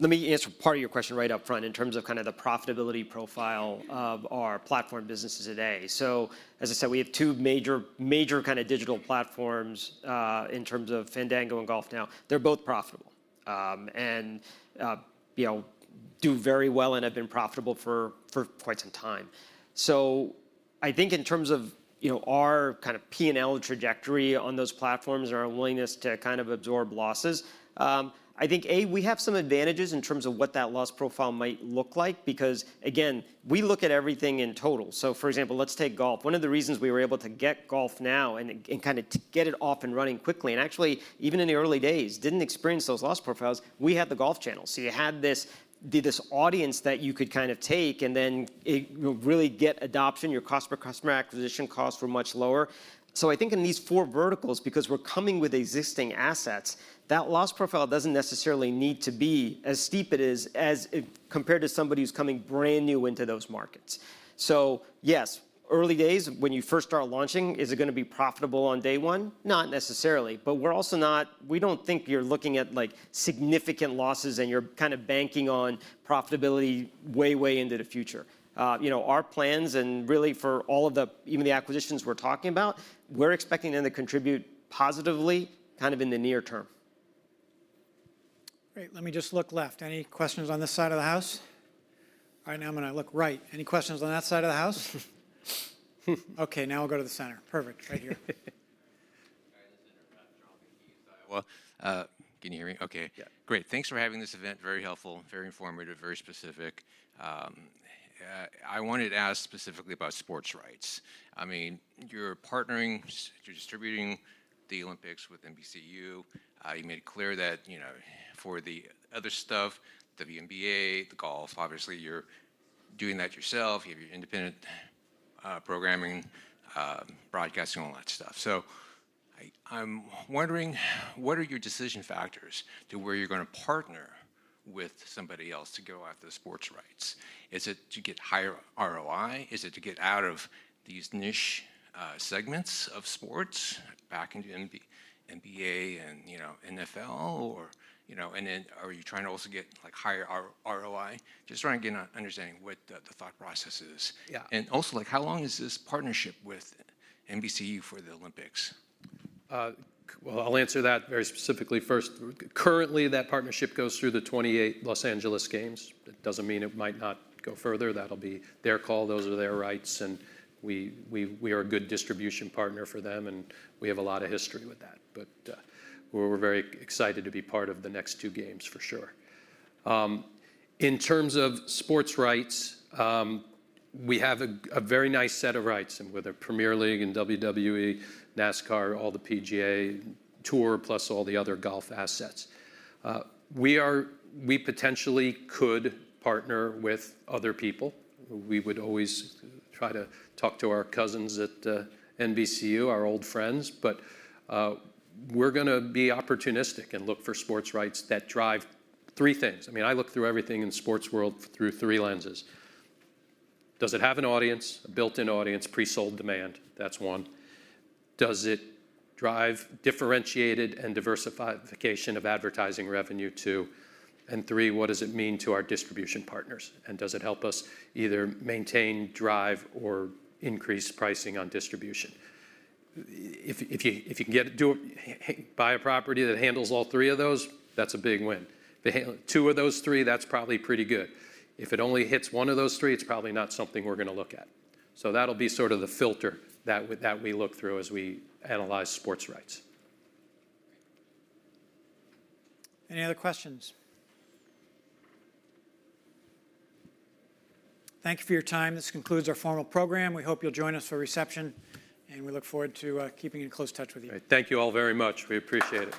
Speaker 7: let me answer part of your question right up front in terms of kind of the profitability profile of our platform businesses today. So, as I said, we have two major kind of digital platforms in terms of Fandango and GolfNow. They're both profitable and do very well and have been profitable for quite some time. So I think in terms of our kind of P&L trajectory on those platforms and our willingness to kind of absorb losses, I think, A, we have some advantages in terms of what that loss profile might look like because, again, we look at everything in total. So, for example, let's take golf. One of the reasons we were able to get GolfNow and kind of get it off and running quickly, and actually, even in the early days, didn't experience those loss profiles, we had the Golf Channel. So you had this audience that you could kind of take and then really get adoption. Your cost per customer acquisition costs were much lower. So I think in these four verticals, because we're coming with existing assets, that loss profile doesn't necessarily need to be as steep as compared to somebody who's coming brand new into those markets. So, yes, early days, when you first start launching, is it going to be profitable on day one? Not necessarily. But we're also not, we don't think you're looking at significant losses and you're kind of banking on profitability way, way into the future. You know, our plans and really for all of the, even the acquisitions we're talking about, we're expecting them to contribute positively kind of in the near term.
Speaker 17: Great. Let me just look left. Any questions on this side of the house?
Speaker 2: All right, now I'm going to look right. Any questions on that side of the house? Okay, now we'll go to the center. Perfect. Right here.
Speaker 18: Can you hear me? Okay. Great. Thanks for having this event. Very helpful, very informative, very specific. I wanted to ask specifically about sports rights. I mean, you're partnering, you're distributing the Olympics with NBCU. You made it clear that, you know, for the other stuff, the WNBA, the golf, obviously you're doing that yourself. You have your independent programming, broadcasting, all that stuff. So I'm wondering, what are your decision factors to where you're going to partner with somebody else to go after the sports rights? Is it to get higher ROI? Is it to get out of these niche segments of sports back into NBA and, you know, NFL? Or, you know, and then are you trying to also get like higher ROI? Just trying to get an understanding of what the thought process is. And also, like, how long is this partnership with NBCU for the Olympics?
Speaker 5: Well, I'll answer that very specifically first. Currently, that partnership goes through the 2028 Los Angeles Games. It doesn't mean it might not go further. That'll be their call. Those are their rights. And we are a good distribution partner for them. And we have a lot of history with that. But we're very excited to be part of the next two games for sure. In terms of sports rights, we have a very nice set of rights with the Premier League and WWE, NASCAR, all the PGA Tour, + all the other golf assets. We potentially could partner with other people. We would always try to talk to our cousins at NBCU, our old friends. But we're going to be opportunistic and look for sports rights that drive three things. I mean, I look through everything in the sports world through three lenses. Does it have an audience, a built-in audience, pre-sold demand? That's one. Does it drive differentiated and diversification of advertising revenue too? And three, what does it mean to our distribution partners? And does it help us either maintain, drive, or increase pricing on distribution? If you can get it, buy a property that handles all three of those, that's a big win. Two of those three, that's probably pretty good. If it only hits one of those three, it's probably not something we're going to look at. So that'll be sort of the filter that we look through as we analyze sports rights.
Speaker 17: Any other questions? Thank you for your time. This concludes our formal program. We hope you'll join us for reception, and we look forward to keeping in close touch with you.
Speaker 16: Thank you all very much. We appreciate it.